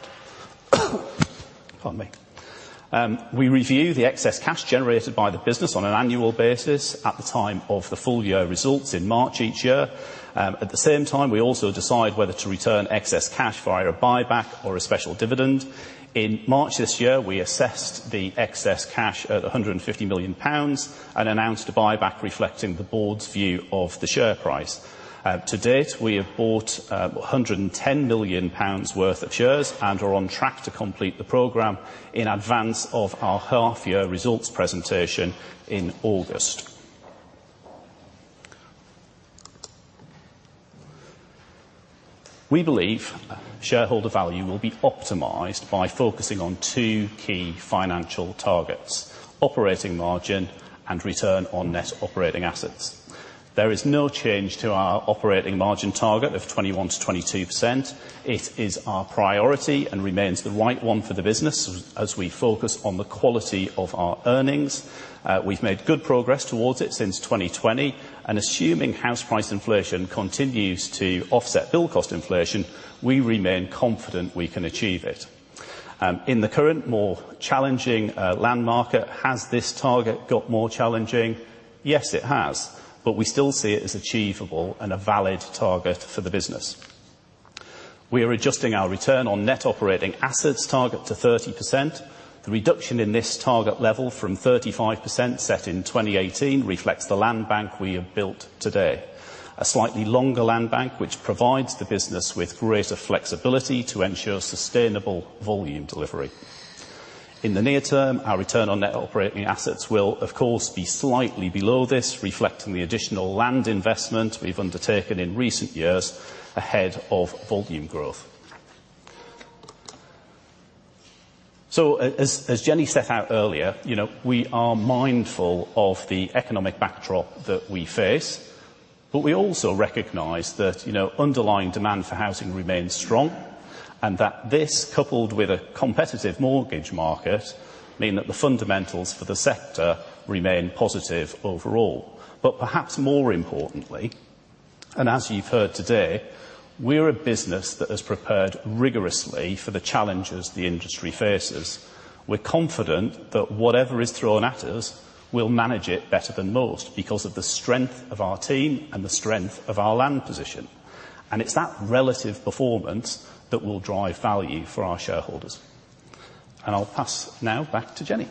We review the excess cash generated by the business on an annual basis at the time of the full year results in March each year. At the same time, we also decide whether to return excess cash via a buyback or a special dividend. In March this year, we assessed the excess cash at 150 million pounds and announced a buyback reflecting the board's view of the share price. To date, we have bought 110 million pounds worth of shares and are on track to complete the program in advance of our half year results presentation in August. We believe shareholder value will be optimized by focusing on two key financial targets, operating margin and return on net operating assets. There is no change to our operating margin target of 21%-22%. It is our priority and remains the right one for the business as we focus on the quality of our earnings. We've made good progress towards it since 2020 and assuming house price inflation continues to offset build cost inflation, we remain confident we can achieve it. In the current, more challenging, land market, has this target got more challenging? Yes, it has. We still see it as achievable and a valid target for the business. We are adjusting our return on net operating assets target to 30%. The reduction in this target level from 35% set in 2018 reflects the land bank we have built today. A slightly longer land bank which provides the business with greater flexibility to ensure sustainable volume delivery. In the near term, our return on net operating assets will of course, be slightly below this, reflecting the additional land investment we've undertaken in recent years ahead of volume growth. As Jenny set out earlier, you know, we are mindful of the economic backdrop that we face, but we also recognize that, you know, underlying demand for housing remains strong and that this coupled with a competitive mortgage market mean that the fundamentals for the sector remain positive overall. Perhaps more importantly, and as you've heard today, we're a business that has prepared rigorously for the challenges the industry faces. We're confident that whatever is thrown at us, we'll manage it better than most because of the strength of our team and the strength of our land position. It's that relative performance that will drive value for our shareholders. I'll pass now back to Jenny.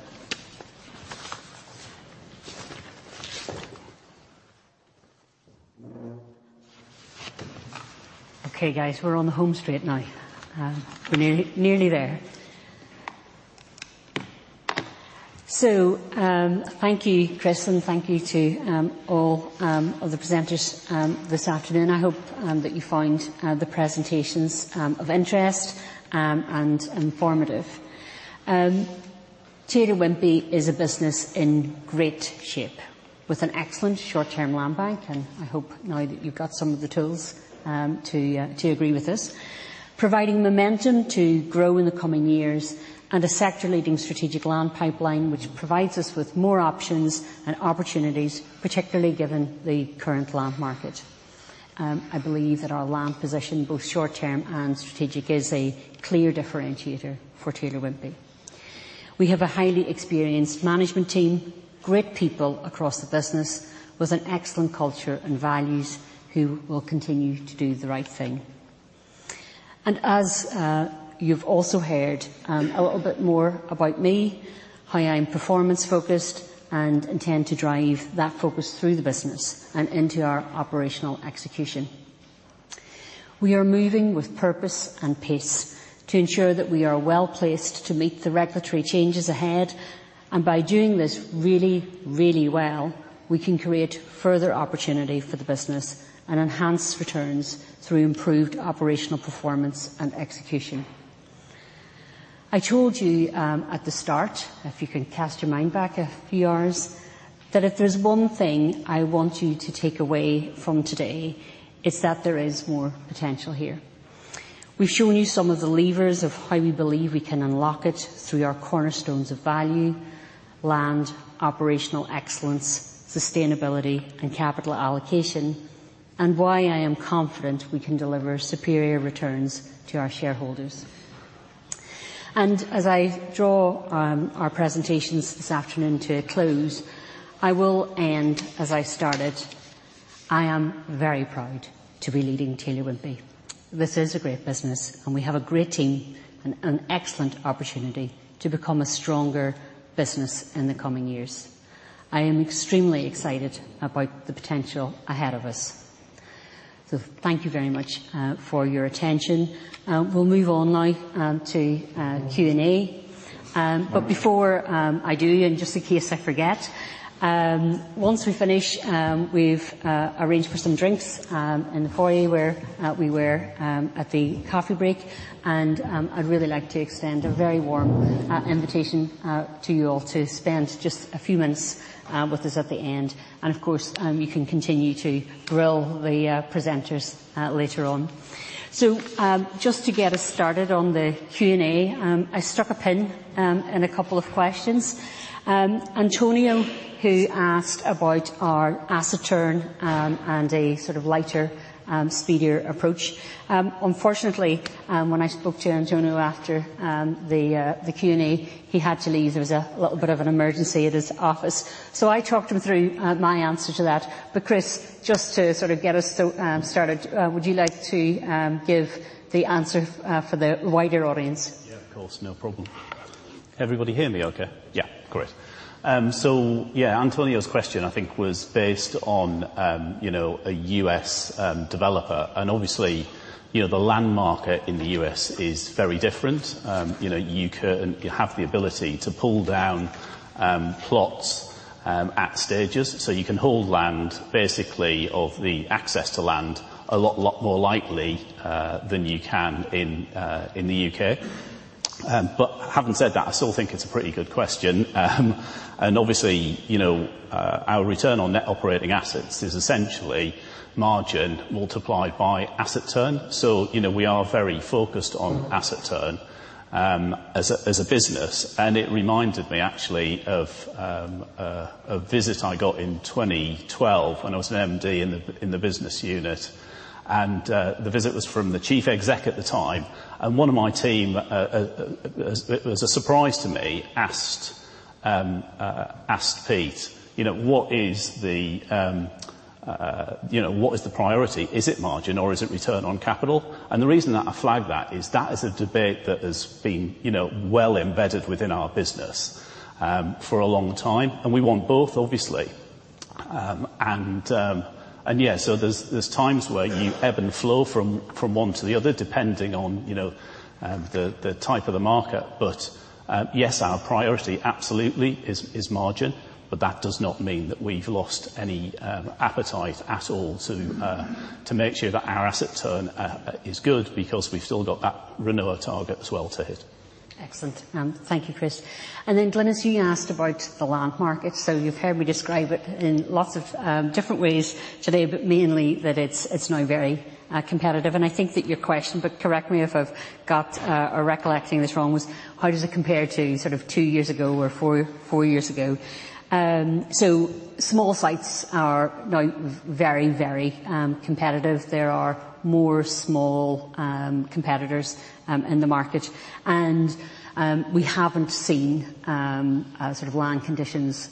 Okay guys, we're on the home straight now. We're nearly there. Thank you, Chris, and thank you to all of the presenters this afternoon. I hope that you find the presentations of interest and informative. Taylor Wimpey is a business in great shape with an excellent short-term land bank, and I hope now that you've got some of the tools to agree with this. Providing momentum to grow in the coming years and a sector-leading strategic land pipeline, which provides us with more options and opportunities, particularly given the current land market. I believe that our land position, both short-term and strategic, is a clear differentiator for Taylor Wimpey. We have a highly experienced management team, great people across the business with an excellent culture and values who will continue to do the right thing. As you've also heard, a little bit more about me, how I'm performance-focused and intend to drive that focus through the business and into our operational execution. We are moving with purpose and pace to ensure that we are well-placed to meet the regulatory changes ahead. By doing this really, really well, we can create further opportunity for the business and enhance returns through improved operational performance and execution. I told you, at the start, if you can cast your mind back a few hours, that if there's one thing I want you to take away from today, it's that there is more potential here. We've shown you some of the levers of how we believe we can unlock it through our cornerstones of value, land, operational excellence, sustainability and capital allocation, and why I am confident we can deliver superior returns to our shareholders. As I draw our presentations this afternoon to a close, I will end as I started. I am very proud to be leading Taylor Wimpey. This is a great business, and we have a great team and an excellent opportunity to become a stronger business in the coming years. I am extremely excited about the potential ahead of us. Thank you very much for your attention. We'll move on now to Q&A. Before I do, and just in case I forget, once we finish, we've arranged for some drinks in the foyer where we were at the coffee break. I'd really like to extend a very warm invitation to you all to spend just a few minutes with us at the end. Of course you can continue to grill the presenters later on. Just to get us started on the Q&A, I struck a pin in a couple of questions. Antonio, who asked about our asset turn and a sort of lighter, speedier approach. Unfortunately, when I spoke to Antonio after the Q&A, he had to leave. There was a little bit of an emergency at his office. I talked him through my answer to that. Chris, just to sort of get us started, would you like to give the answer for the wider audience? Yeah, of course. No problem. Everybody hear me okay? Yeah. Great. Yeah, Antonio's question, I think, was based on, you know, a U.S. developer. Obviously, you know, the land market in the U.S. is very different. You know, you have the ability to pull down plots at stages. You can hold land basically, have the access to land a lot more likely than you can in the U.K. Having said that, I still think it's a pretty good question. Obviously, you know, our return on net operating assets is essentially margin multiplied by asset turn. You know, we are very focused on asset turn as a business. It reminded me actually of a visit I got in 2012 when I was an MD in the business unit. The visit was from the chief exec at the time. One of my team, as a surprise to me, asked Pete, you know, what is the priority? Is it margin or is it return on capital? The reason that I flag that is a debate that has been, you know, well embedded within our business for a long time. We want both, obviously. There's times where you ebb and flow from one to the other, depending on, you know, the type of the market. Yes, our priority absolutely is margin, but that does not mean that we've lost any appetite at all to make sure that our asset turn is good because we've still got that renewal target as well to hit. Excellent. Thank you, Chris. Then Glynis, as you asked about the land market. You've heard me describe it in lots of different ways today, but mainly that it's now very competitive. I think that your question, but correct me if I've got or recollecting this wrong, was how does it compare to sort of two years ago or four years ago? Small sites are now very competitive. There are more small competitors in the market. We haven't seen sort of land conditions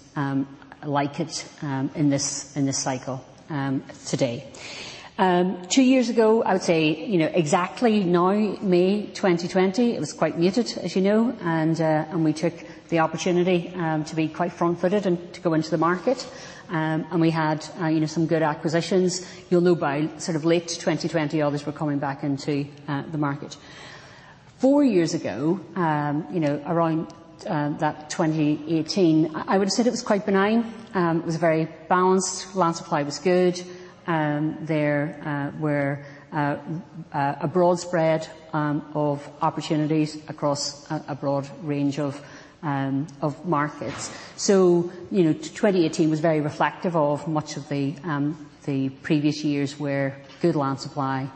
like it in this cycle today. Two years ago, I would say, you know, exactly now, May 2020, it was quite muted, as you know. We took the opportunity to be quite front-footed and to go into the market. We had, you know, some good acquisitions. You'll know by sort of late 2020, all of us were coming back into the market. Four years ago, you know, around that 2018, I would have said it was quite benign. It was very balanced. Land supply was good. There were a broad spread of opportunities across a broad range of markets. You know, 2018 was very reflective of much of the previous years, where good land supply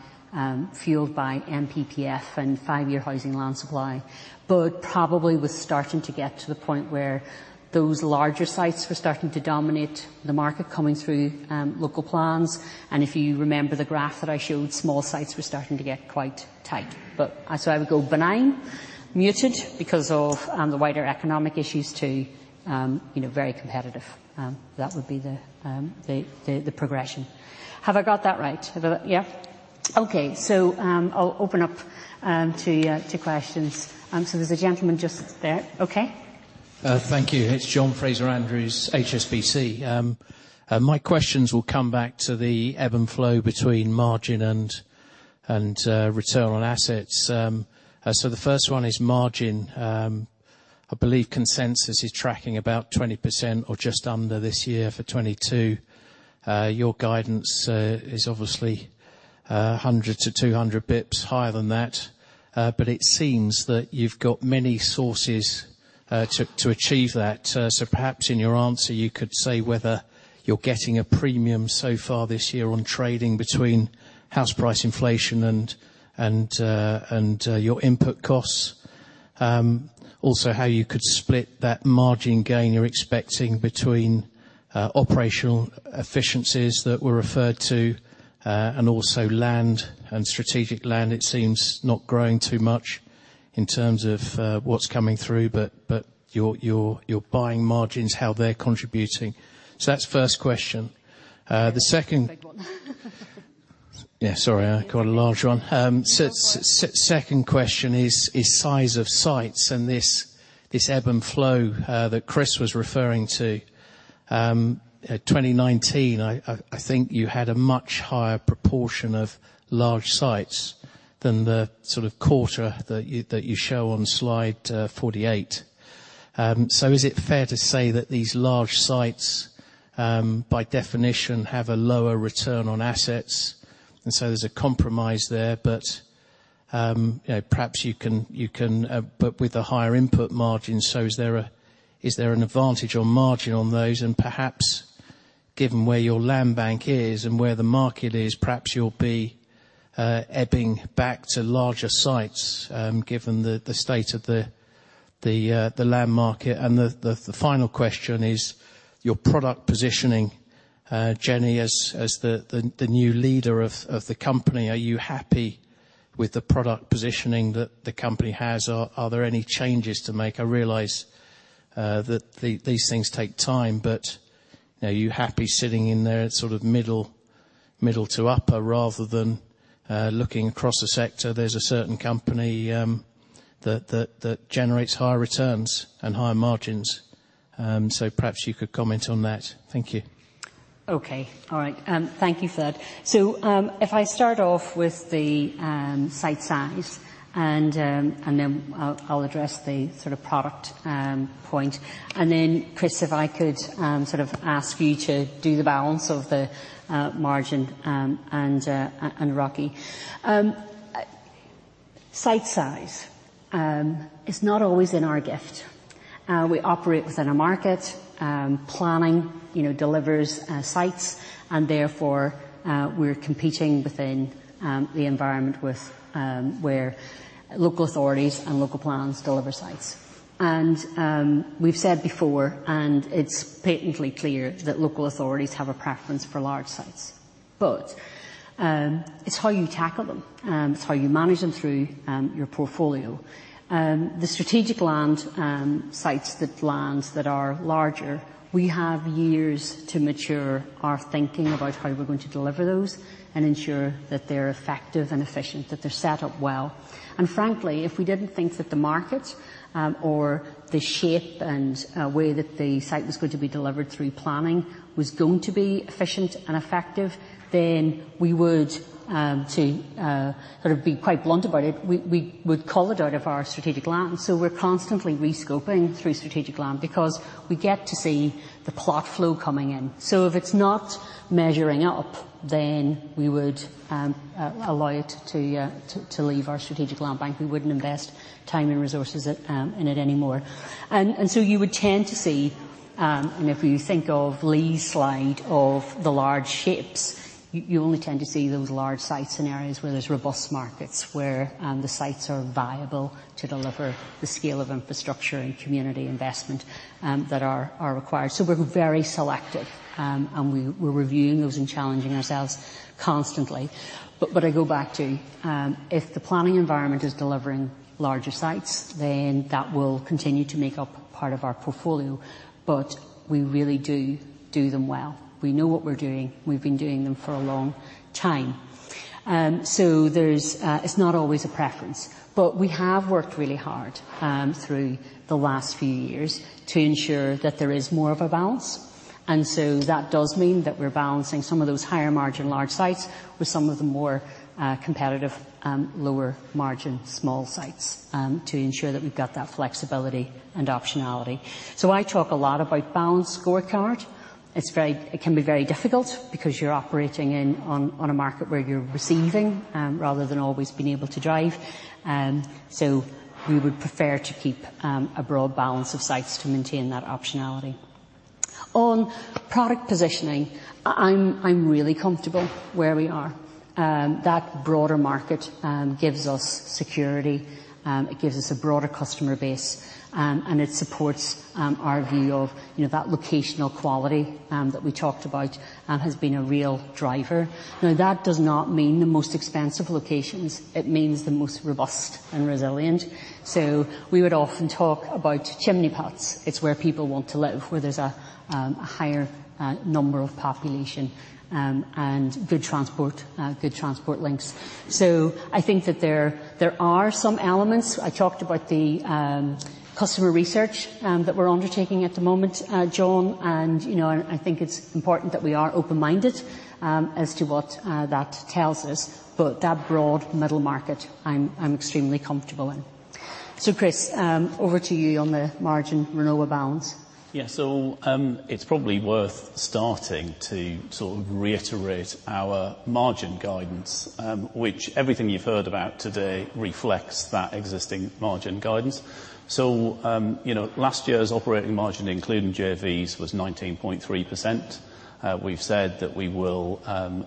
fueled by NPPF and five-year housing land supply. Probably was starting to get to the point where those larger sites were starting to dominate the market coming through local plans. If you remember the graph that I showed, small sites were starting to get quite tight. As I would go benign, muted because of the wider economic issues to you know, very competitive. That would be the progression. Have I got that right. Yeah. Okay. I'll open up to questions. There's a gentleman just there. Okay. Thank you. It's John Fraser-Andrews, HSBC. My questions will come back to the ebb and flow between margin and return on assets. The first one is margin. I believe consensus is tracking about 20% or just under this year for 2022. Your guidance is obviously 100-200 basis points higher than that. It seems that you've got many sources to achieve that. Perhaps in your answer, you could say whether you're getting a premium so far this year on trading between house price inflation and your input costs. Also how you could split that margin gain you're expecting between operational efficiencies that were referred to and also land and strategic land. It seems not growing too much in terms of, what's coming through, but your buying margins, how they're contributing. That's first question. The second- Big one. Yeah, sorry. I got a large one. No worries. Second question is size of sites and this ebb and flow that Chris was referring to. 2019, I think you had a much higher proportion of large sites than the sort of quarter that you show on slide 48. So is it fair to say that these large sites, by definition, have a lower return on assets? There's a compromise there. You know, perhaps you can but with a higher input margin, so is there an advantage or margin on those? Perhaps given where your land bank is and where the market is, perhaps you'll be ebbing back to larger sites, given the state of the land market. The final question is your product positioning. Jenny, as the new leader of the company, are you happy with the product positioning that the company has? Are there any changes to make? I realize that these things take time, but you know, are you happy sitting in there at sort of middle to upper, rather than looking across the sector, there's a certain company that generates higher returns and higher margins. Perhaps you could comment on that. Thank you. Okay. All right. Thank you for that. If I start off with the site size and then I'll address the sort of product point. Chris, if I could sort of ask you to do the balance of the margin, and Rocky. Site size is not always in our gift. We operate within a market. Planning, you know, delivers sites, and therefore, we're competing within the environment with where local authorities and local plans deliver sites. We've said before, and it's patently clear that local authorities have a preference for large sites. It's how you tackle them. It's how you manage them through your portfolio. The strategic land sites, the lands that are larger, we have years to mature our thinking about how we're going to deliver those and ensure that they're effective and efficient, that they're set up well. Frankly, if we didn't think that the market or the shape and way that the site was going to be delivered through planning was going to be efficient and effective, then we would sort of be quite blunt about it, we would call it out of our strategic land. We're constantly rescoping through strategic land because we get to see the plot flow coming in. If it's not measuring up, then we would allow it to leave our strategic land bank. We wouldn't invest time and resources in it anymore. You would tend to see, and if you think of Lee's slide of the large sites, you only tend to see those large sites in areas where there's robust markets, where the sites are viable to deliver the scale of infrastructure and community investment, that are required. We're very selective, and we're reviewing those and challenging ourselves constantly. I go back to if the planning environment is delivering larger sites, then that will continue to make up part of our portfolio. We really do them well. We know what we're doing. We've been doing them for a long time. It's not always a preference, but we have worked really hard, through the last few years to ensure that there is more of a balance. That does mean that we're balancing some of those higher margin large sites with some of the more competitive lower margin small sites to ensure that we've got that flexibility and optionality. I talk a lot about balanced scorecard. It can be very difficult because you're operating in on a market where you're receiving rather than always being able to drive. We would prefer to keep a broad balance of sites to maintain that optionality. On product positioning, I'm really comfortable where we are. That broader market gives us security. It gives us a broader customer base. And it supports our view of, you know, that locational quality that we talked about has been a real driver. Now, that does not mean the most expensive locations. It means the most robust and resilient. We would often talk about chimney pots. It's where people want to live, where there's a higher number of population, and good transport links. I think that there are some elements. I talked about the customer research that we're undertaking at the moment, John. You know, I think it's important that we are open-minded as to what that tells us. But that broad middle market, I'm extremely comfortable in. Chris, over to you on the margin renewal balance. Yeah. It's probably worth starting to sort of reiterate our margin guidance, which everything you've heard about today reflects that existing margin guidance. You know, last year's operating margin, including JVs, was 19.3%. We've said that we will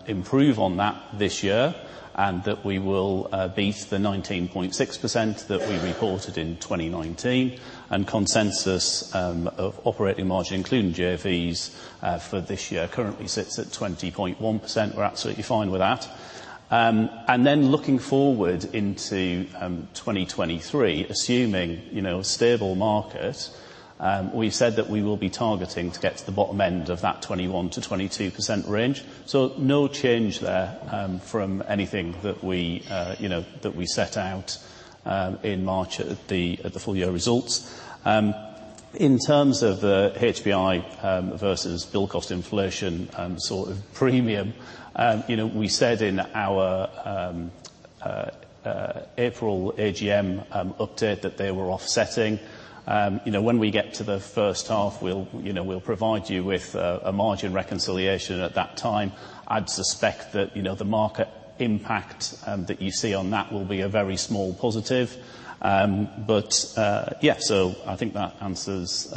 improve on that this year, and that we will beat the 19.6% that we reported in 2019. Consensus of operating margin, including JVs, for this year currently sits at 20.1%. We're absolutely fine with that. Looking forward into 2023, assuming, you know, a stable market, we've said that we will be targeting to get to the bottom end of that 21%-22% range. No change there from anything you know that we set out in March at the full year results. In terms of HPI versus build cost inflation and sort of premium you know we said in our April AGM update that they were offsetting. You know when we get to the first half we'll you know provide you with a margin reconciliation at that time. I'd suspect that you know the market impact that you see on that will be a very small positive. But yeah so I think that answers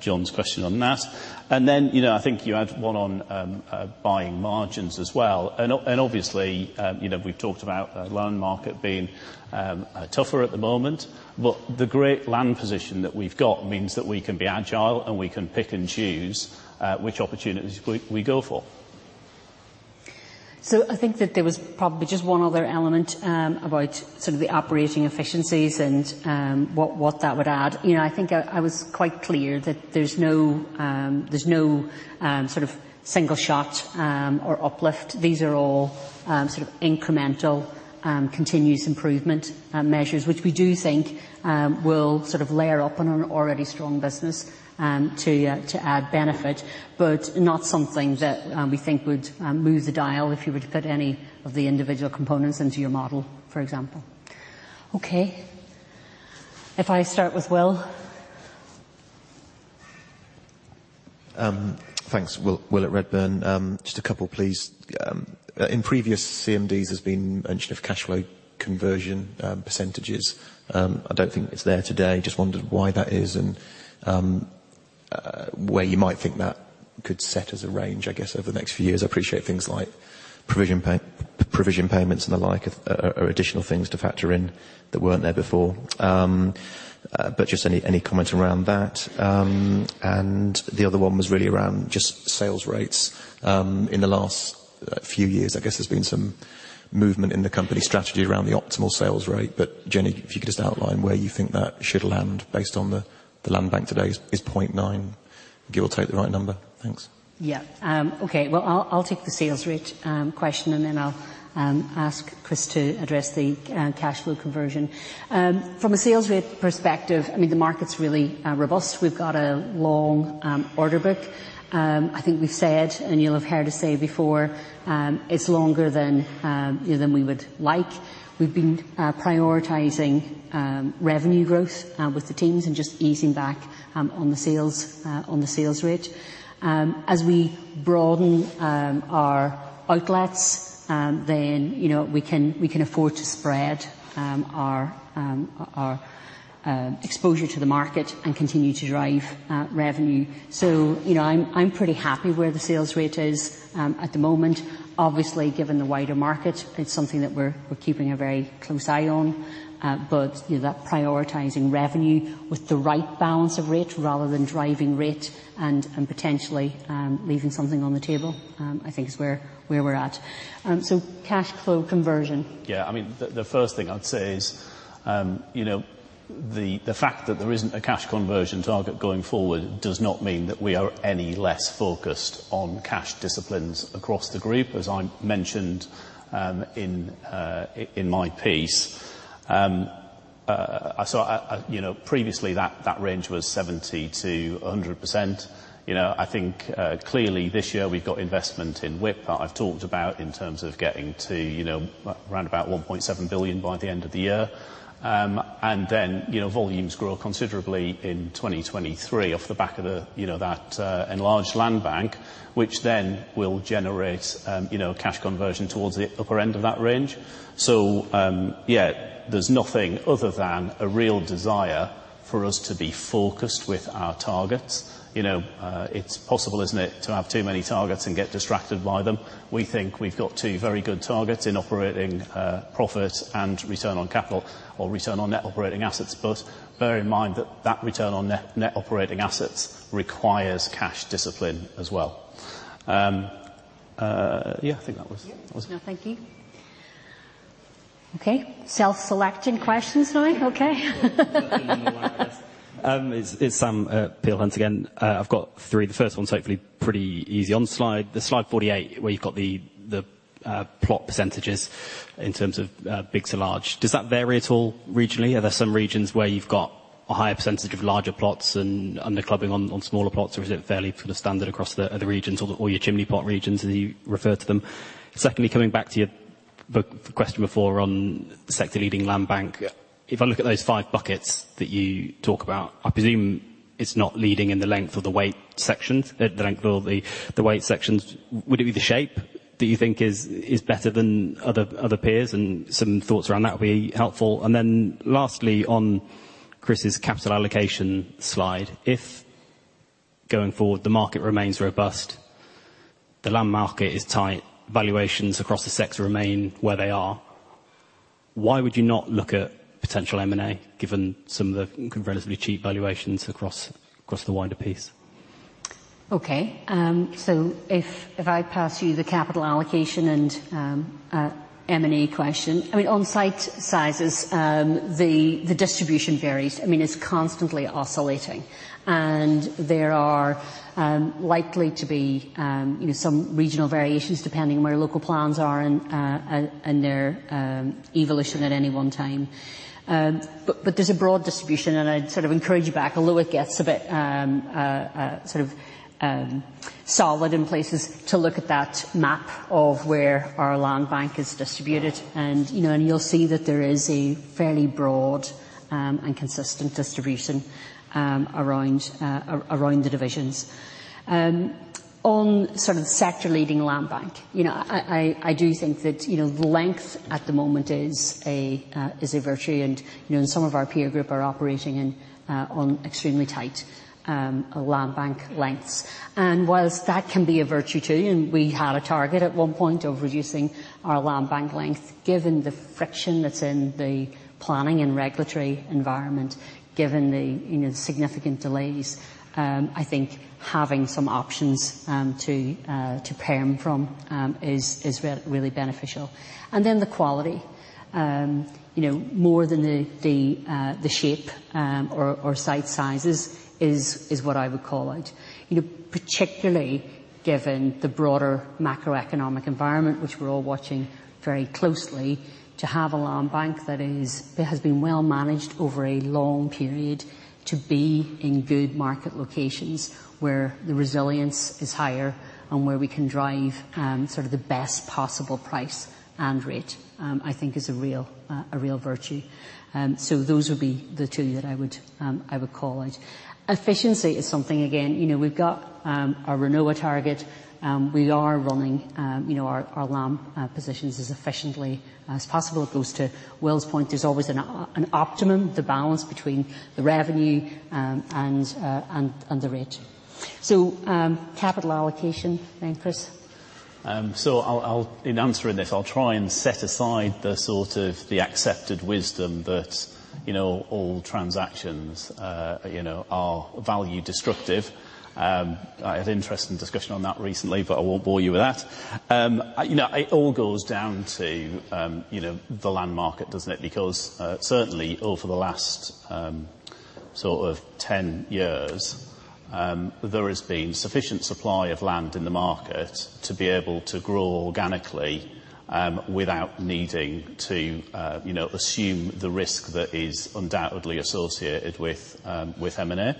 John's question on that. And then you know I think you had one on build margins as well. Obviously, you know, we've talked about the loan market being tougher at the moment. The great land position that we've got means that we can be agile, and we can pick and choose which opportunities we go for. I think that there was probably just one other element about sort of the operating efficiencies and what that would add. You know, I think I was quite clear that there's no sort of single shot or uplift. These are all sort of incremental continuous improvement measures, which we do think will sort of layer up on an already strong business to add benefit. Not something that we think would move the dial if you were to put any of the individual components into your model, for example. Okay. If I start with Will. Thanks. Will Jones at Redburn. Just a couple, please. In previous CMDs, there's been mention of cash flow conversion percentages. I don't think it's there today. Just wondered why that is and where you might think that could set as a range, I guess, over the next few years. I appreciate things like provision payments and the like are additional things to factor in that weren't there before. Just any comment around that. And the other one was really around just sales rates. In the last few years, I guess there's been some movement in the company strategy around the optimal sales rate. Jennie, if you could just outline where you think that should land based on the land bank today. Is 0.9 give or take the right number? Thanks. Yeah. Okay, well, I'll take the sales rate question, and then I'll ask Chris to address the cash flow conversion. From a sales rate perspective, I mean, the market's really robust. We've got a long order book. I think we've said, and you'll have heard us say before, it's longer than you know than we would like. We've been prioritizing revenue growth with the teams and just easing back on the sales rate. As we broaden our outlets, then, you know, we can afford to spread our exposure to the market and continue to drive revenue. You know, I'm pretty happy where the sales rate is at the moment. Obviously, given the wider market, it's something that we're keeping a very close eye on. You know, that prioritizing revenue with the right balance of rate rather than driving rate and potentially leaving something on the table, I think is where we're at. Cash flow conversion. Yeah. I mean, the first thing I'd say is, you know, the fact that there isn't a cash conversion target going forward does not mean that we are any less focused on cash disciplines across the group, as I mentioned, in my piece. You know, previously, that range was 70%-100%. You know, I think, clearly this year we've got investment in WIP that I've talked about in terms of getting to, you know, around about 1.7 billion by the end of the year. You know, volumes grow considerably in 2023 off the back of the, you know, that enlarged land bank, which then will generate, you know, cash conversion towards the upper end of that range. There's nothing other than a real desire for us to be focused with our targets. You know, it's possible, isn't it, to have too many targets and get distracted by them. We think we've got two very good targets in operating profit and return on capital or return on net operating assets. Bear in mind that that return on net operating assets requires cash discipline as well. I think that was. Yeah. No, thank you. Okay, self-selecting questions for me. Okay. It's Sam at Peel Hunt again. I've got three. The first one's hopefully pretty easy. On slide 48, where you've got the plot percentages in terms of big to large, does that vary at all regionally? Are there some regions where you've got a higher percentage of larger plots and under clubbing on smaller plots, or is it fairly sort of standard across the regions or your chimney pot regions as you refer to them? Secondly, coming back to the question before on sector leading land bank. Yeah. If I look at those five buckets that you talk about, I presume it's not leading in the length or the weight sections. Would it be the shape that you think is better than other peers? Some thoughts around that would be helpful. Lastly, on Chris's capital allocation slide. If going forward the market remains robust, the land market is tight, valuations across the sector remain where they are, why would you not look at potential M&A given some of the relatively cheap valuations across the wider piece? Okay. If I pass you the capital allocation and M&A question. I mean, on site sizes, the distribution varies. I mean, it's constantly oscillating, and there are likely to be, you know, some regional variations depending on where local plans are and their evolution at any one time. There's a broad distribution, and I'd sort of encourage you back, although it gets a bit sort of solid in places to look at that map of where our land bank is distributed and, you know, and you'll see that there is a fairly broad and consistent distribution around the divisions. On sort of sector leading land bank, you know, I do think that, you know, length at the moment is a virtue. Some of our peer group are operating on extremely tight land bank lengths. While that can be a virtue too, and we had a target at one point of reducing our land bank length, given the friction that's in the planning and regulatory environment, given the, you know, significant delays, I think having some options to draw from is really beneficial. Then the quality. You know, more than the shape or site sizes is what I would call it. You know, particularly given the broader macroeconomic environment, which we're all watching very closely, to have a land bank that has been well managed over a long period to be in good market locations where the resilience is higher and where we can drive sort of the best possible price and rate, I think is a real virtue. Those would be the two that I would call out. Efficiency is something, again, you know, we've got our revenue target. We are running you know, our land positions as efficiently as possible. It goes to Will's point. There's always an optimum, the balance between the revenue and the rate. Capital allocation then, Chris. I'll in answering this, I'll try and set aside the sort of accepted wisdom that, you know, all transactions are value destructive. I had an interesting discussion on that recently, but I won't bore you with that. You know, it all goes down to the land market, doesn't it? Because certainly over the last sort of 10 years, there has been sufficient supply of land in the market to be able to grow organically without needing to assume the risk that is undoubtedly associated with M&A.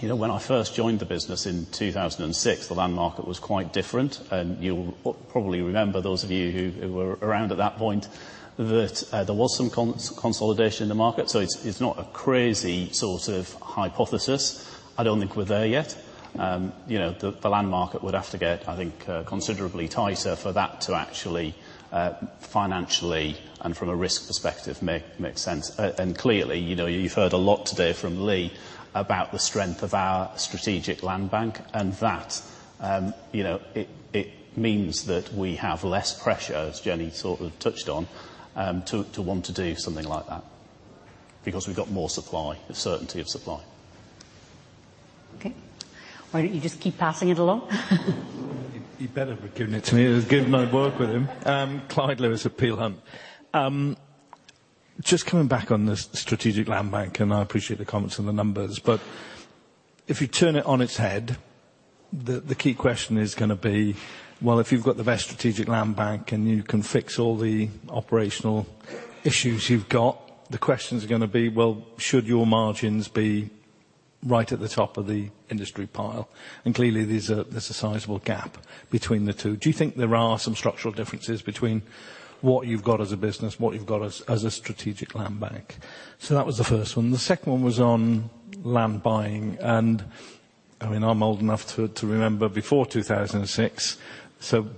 You know, when I first joined the business in 2006, the land market was quite different, and you'll probably remember those of you who were around at that point, that there was some consolidation in the market. It's not a crazy sort of hypothesis. I don't think we're there yet. You know, the land market would have to get, I think, considerably tighter for that to actually, financially and from a risk perspective make sense. Clearly, you know, you've heard a lot today from Lee about the strength of our strategic land bank, and that, you know, it means that we have less pressure, as Jenny sort of touched on, to want to do something like that because we've got more supply, a certainty of supply. Okay. Why don't you just keep passing it along? You better be giving it to me, given I work with him. Clyde Lewis at Peel Hunt. Just coming back on the strategic land bank, and I appreciate the comments on the numbers. But if you turn it on its head, the key question is gonna be, well, if you've got the best strategic land bank and you can fix all the operational issues you've got, the question's gonna be, well, should your margins be right at the top of the industry pile? And clearly there's a sizable gap between the two. Do you think there are some structural differences between what you've got as a business, what you've got as a strategic land bank? That was the first one. The second one was on land buying. I mean, I'm old enough to remember before 2006.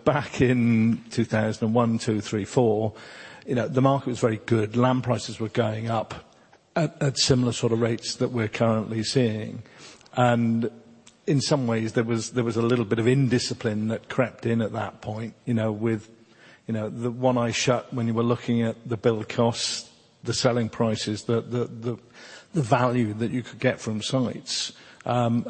Back in 2001, 2002, 2003, 2004, you know, the market was very good. Land prices were going up at similar sort of rates that we're currently seeing. In some ways, there was a little bit of indiscipline that crept in at that point, you know, with the one eye shut when you were looking at the build costs, the selling prices, the value that you could get from sites. Lo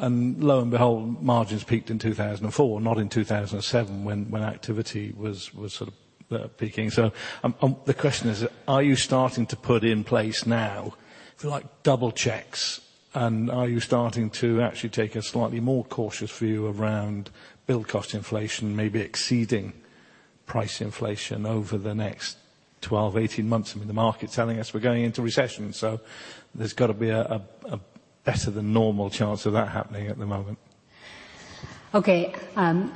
and behold, margins peaked in 2004, not in 2007 when activity was sort of peaking. The question is, are you starting to put in place now, if you like, double checks? Are you starting to actually take a slightly more cautious view around build cost inflation, maybe exceeding price inflation over the next 12, 18 months? I mean, the market's telling us we're going into recession, so there's got to be a better than normal chance of that happening at the moment. Okay. I'm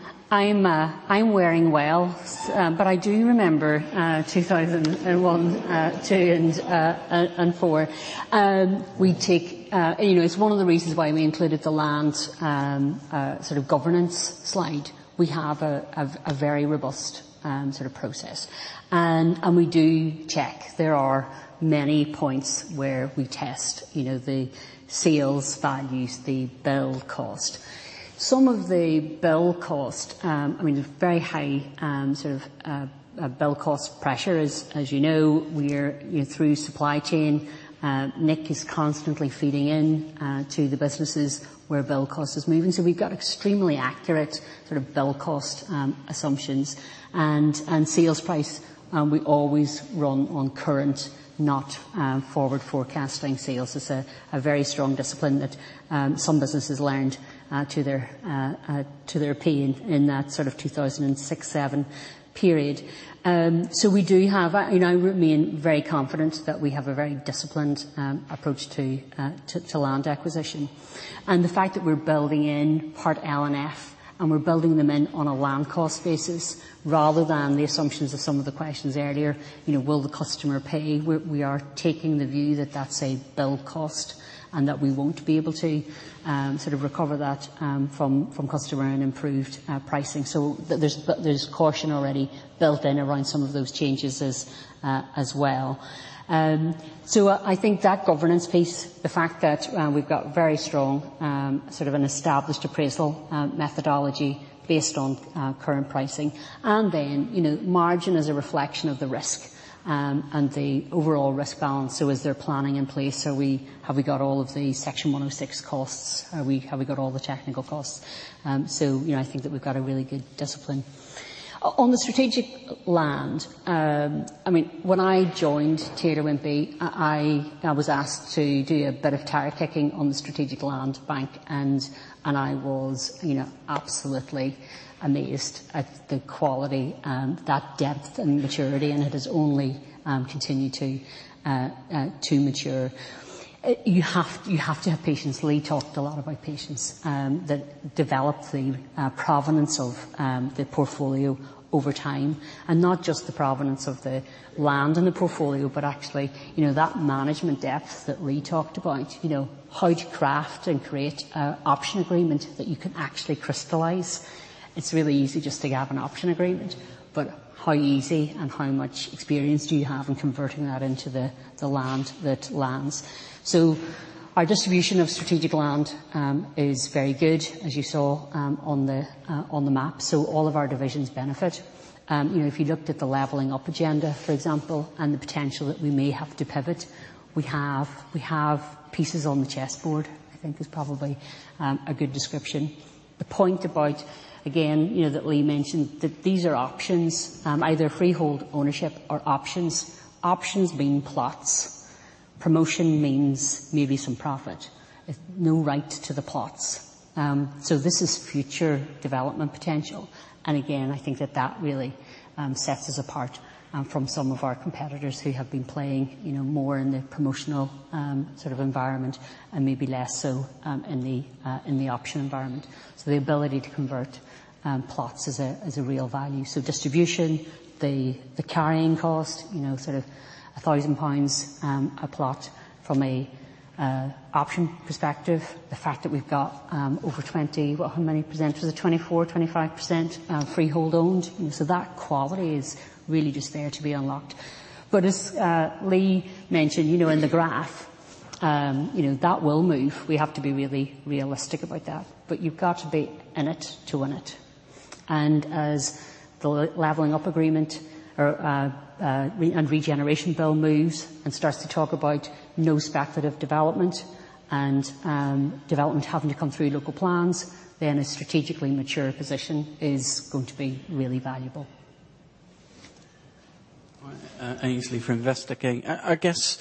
bearing well, but I do remember 2001, 2002, and 2004. You know, it's one of the reasons why we included the land sort of governance slide. We have a very robust sort of process. We do check. There are many points where we test you know the sales values, the build cost. Some of the build cost I mean very high sort of build cost pressure. As you know, we're true to supply chain. Nick is constantly feeding in to the businesses where build cost is moving. We've got extremely accurate sort of build cost assumptions. Sales price we always run on current, not forward forecasting sales. It's a very strong discipline that some businesses learned to their pain in that sort of 2006-2007 period. We do have, and I remain very confident that we have a very disciplined approach to land acquisition. The fact that we're building in Part L and F, and we're building them in on a land cost basis rather than the assumptions of some of the questions earlier, you know, will the customer pay? We are taking the view that that's a build cost and that we won't be able to sort of recover that from customer and improved pricing. There's caution already built in around some of those changes as well. I think that governance piece, the fact that we've got very strong sort of an established appraisal methodology based on current pricing, and then, you know, margin is a reflection of the risk and the overall risk balance. Is there planning in place? Have we got all of the Section 106 costs? Have we got all the technical costs? You know, I think that we've got a really good discipline. On the strategic land, I mean, when I joined Taylor Wimpey, I was asked to do a bit of tire kicking on the strategic land bank, and I was, you know, absolutely amazed at the quality, that depth and maturity, and it has only continued to mature. You have to have patience. Lee talked a lot about patience that develops the provenance of the portfolio over time. Not just the provenance of the land and the portfolio, but actually, you know, that management depth that Lee talked about. You know, how to craft and create an option agreement that you can actually crystallize. It's really easy just to have an option agreement, but how easy and how much experience do you have in converting that into the land that lands? Our distribution of strategic land is very good, as you saw, on the map. All of our divisions benefit. You know, if you looked at the leveling up agenda, for example, and the potential that we may have to pivot, we have pieces on the chessboard, I think is probably a good description. The point about, again, you know, that Lee mentioned, that these are options, either freehold ownership or options. Options mean plots. Promotion means maybe some profit. No right to the plots. This is future development potential. Again, I think that really sets us apart from some of our competitors who have been playing, you know, more in the promotional sort of environment and maybe less so in the option environment. The ability to convert plots is a real value. Distribution, the carrying cost, you know, sort of 1,000 pounds a plot from an option perspective. The fact that we've got over 20%. Well, how many percent was it? 24%-25% freehold owned. That quality is really just there to be unlocked. As Lee mentioned, you know, in the graph, you know, that will move. We have to be really realistic about that. You've got to be in it to win it. As the Levelling Up and Regeneration Bill moves and starts to talk about no speculative development and development having to come through local plans, then a strategically mature position is going to be really valuable. All right. Aynsley from Investec. I guess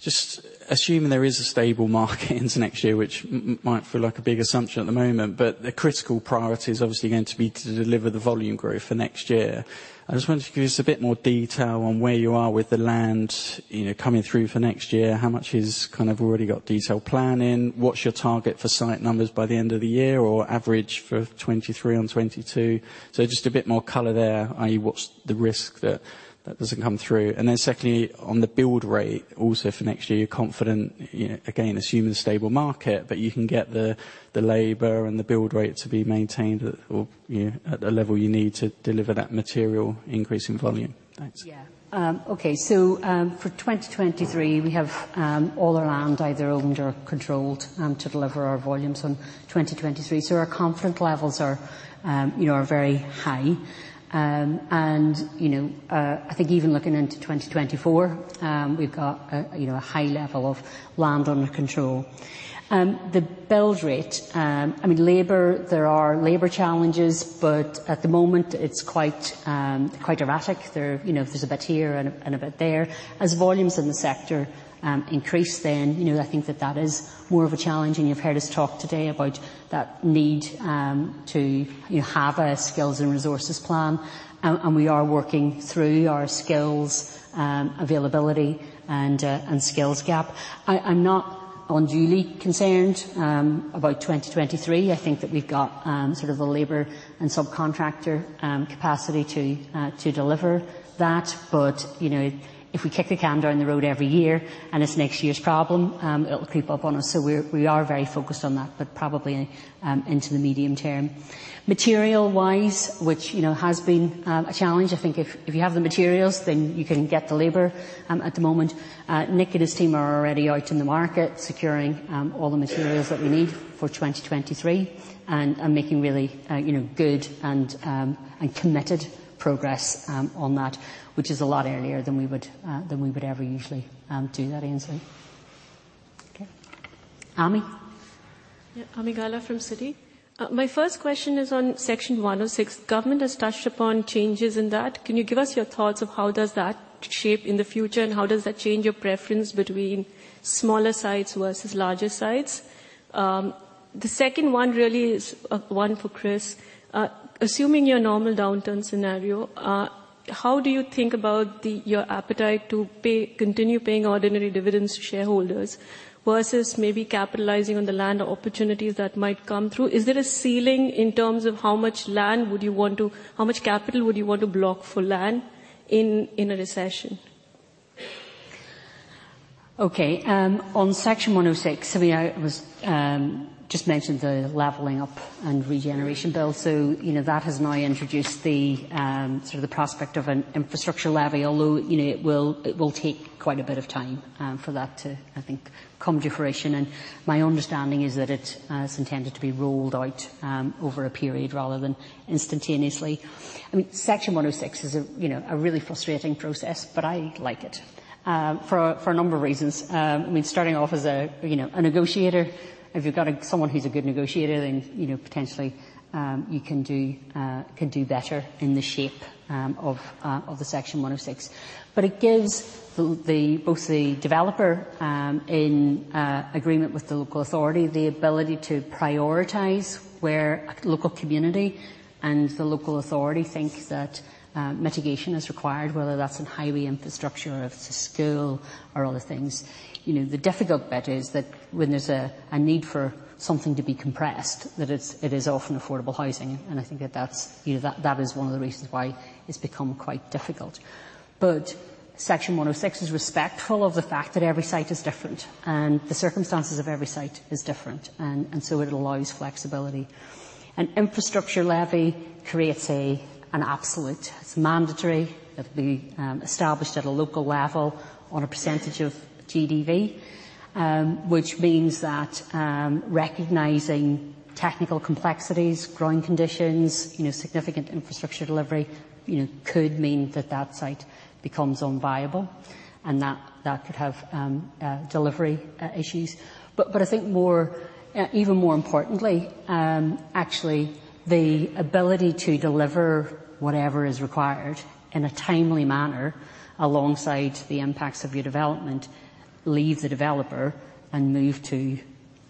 just assuming there is a stable market into next year, which might feel like a big assumption at the moment, but the critical priority is obviously going to be to deliver the volume growth for next year. I just wondered if you could give us a bit more detail on where you are with the land, you know, coming through for next year. How much is kind of already got detailed planning? What's your target for site numbers by the end of the year or average for 2023 on 2022? Just a bit more color there, i.e. what's the risk that that doesn't come through. Secondly, on the build rate also for next year, you're confident, you know, again, assuming a stable market, that you can get the labor and the build rate to be maintained at, or, you know, at the level you need to deliver that material increase in volume. Thanks. Yeah. Okay. For 2023, we have all our land either owned or controlled to deliver our volumes on 2023. Our confidence levels are, you know, very high. You know, I think even looking into 2024, we've got a, you know, a high level of land under control. The build rate, I mean, labor, there are labor challenges, but at the moment, it's quite erratic. You know, there's a bit here and a bit there. As volumes in the sector increase, you know, I think that is more of a challenge. You've heard us talk today about that need to, you know, have a skills and resources plan. We are working through our skills availability and skills gap. I'm not unduly concerned about 2023. I think that we've got sort of the labor and subcontractor capacity to deliver that. You know, if we kick the can down the road every year and it's next year's problem, it'll creep up on us. We are very focused on that, but probably into the medium term. Material-wise, which you know has been a challenge. I think if you have the materials, then you can get the labor at the moment. Nick and his team are already out in the market securing all the materials that we need for 2023, and making really you know good and committed progress on that, which is a lot earlier than we would ever usually do that, Aynsley. Okay. Ami? Yeah. Ami Galla from Citi. My first question is on Section 106. Government has touched upon changes in that. Can you give us your thoughts of how does that shape in the future, and how does that change your preference between smaller sites versus larger sites? The second one really is one for Chris. Assuming your normal downturn scenario, how do you think about your appetite to pay, continue paying ordinary dividends to shareholders versus maybe capitalizing on the land or opportunities that might come through? Is there a ceiling in terms of how much land would you want to, how much capital would you want to block for land in a recession? Okay. On Section 106, I mean, just mentioned the Levelling Up and Regeneration Bill. You know, that has now introduced the sort of the prospect of an infrastructure levy, although, you know, it will take quite a bit of time for that to, I think, come to fruition. My understanding is that it is intended to be rolled out over a period rather than instantaneously. I mean, Section 106 is a really frustrating process, but I like it for a number of reasons. Starting off as a negotiator. If you've got someone who's a good negotiator then, you know, potentially, you can do better in the shape of the Section 106. It gives both the developer in agreement with the local authority the ability to prioritize where a local community and the local authority think that mitigation is required, whether that's in highway infrastructure, or if it's a school, or other things. You know, the difficult bit is that when there's a need for something to be compressed, that it is often affordable housing, and I think that that's you know that is one of the reasons why it's become quite difficult. Section 106 is respectful of the fact that every site is different and the circumstances of every site is different and so it allows flexibility. An infrastructure levy creates an absolute. It's mandatory. It'll be established at a local level on a percentage of GDV. Which means that, recognizing technical complexities, growing conditions, you know, significant infrastructure delivery, you know, could mean that that site becomes unviable and that could have delivery issues. But I think even more importantly, actually the ability to deliver whatever is required in a timely manner alongside the impacts of your development, leave the developer and move to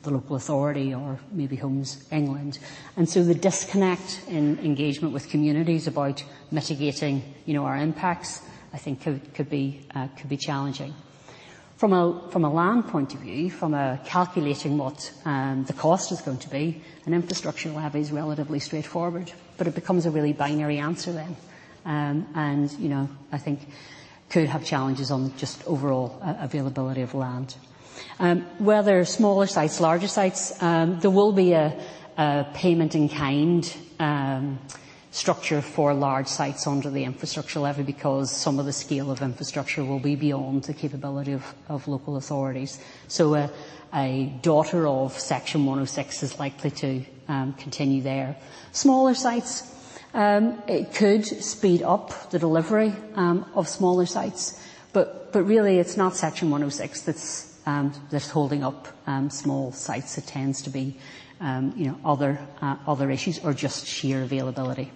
the local authority or maybe Homes England. The disconnect in engagement with communities about mitigating, you know, our impacts, I think could be challenging. From a land point of view, from calculating what the cost is going to be, an infrastructure levy is relatively straightforward, but it becomes a really binary answer then. I think could have challenges on just overall availability of land. Whether smaller sites, larger sites, there will be a payment in kind structure for large sites under the infrastructure levy because some of the scale of infrastructure will be beyond the capability of local authorities. A daughter of Section 106 is likely to continue there. Smaller sites, it could speed up the delivery of smaller sites. But really it's not Section 106 that's holding up small sites. It tends to be, you know, other issues or just sheer availability.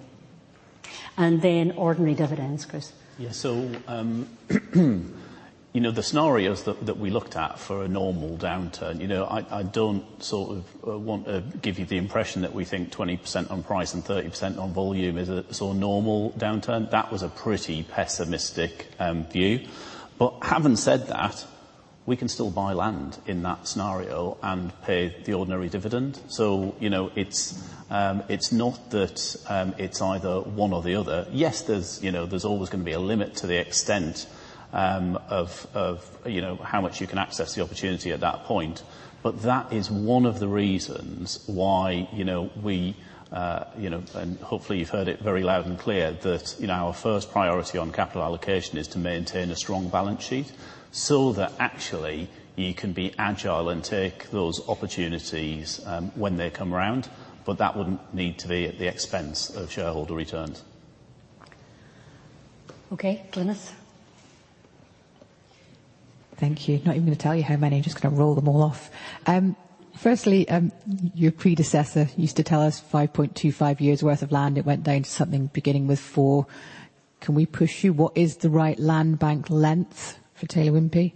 Then ordinary dividends, Chris. Yeah. You know, the scenarios that we looked at for a normal downturn, you know, I don't sort of want to give you the impression that we think 20% on price and 30% on volume is a sort of normal downturn. That was a pretty pessimistic view. Having said that, we can still buy land in that scenario and pay the ordinary dividend. You know, it's not that it's either one or the other. Yes, there's you know, there's always gonna be a limit to the extent of you know, how much you can access the opportunity at that point. that is one of the reasons why, you know, we, you know, and hopefully you've heard it very loud and clear, that, you know, our first priority on capital allocation is to maintain a strong balance sheet so that actually you can be agile and take those opportunities, when they come around. That wouldn't need to be at the expense of shareholder returns. Okay. Glynis? Thank you. Not even gonna tell you how many. Just gonna roll them all off. Firstly, your predecessor used to tell us 5.25 years worth of land. It went down to something beginning with four. Can we push you? What is the right land bank length for Taylor Wimpey?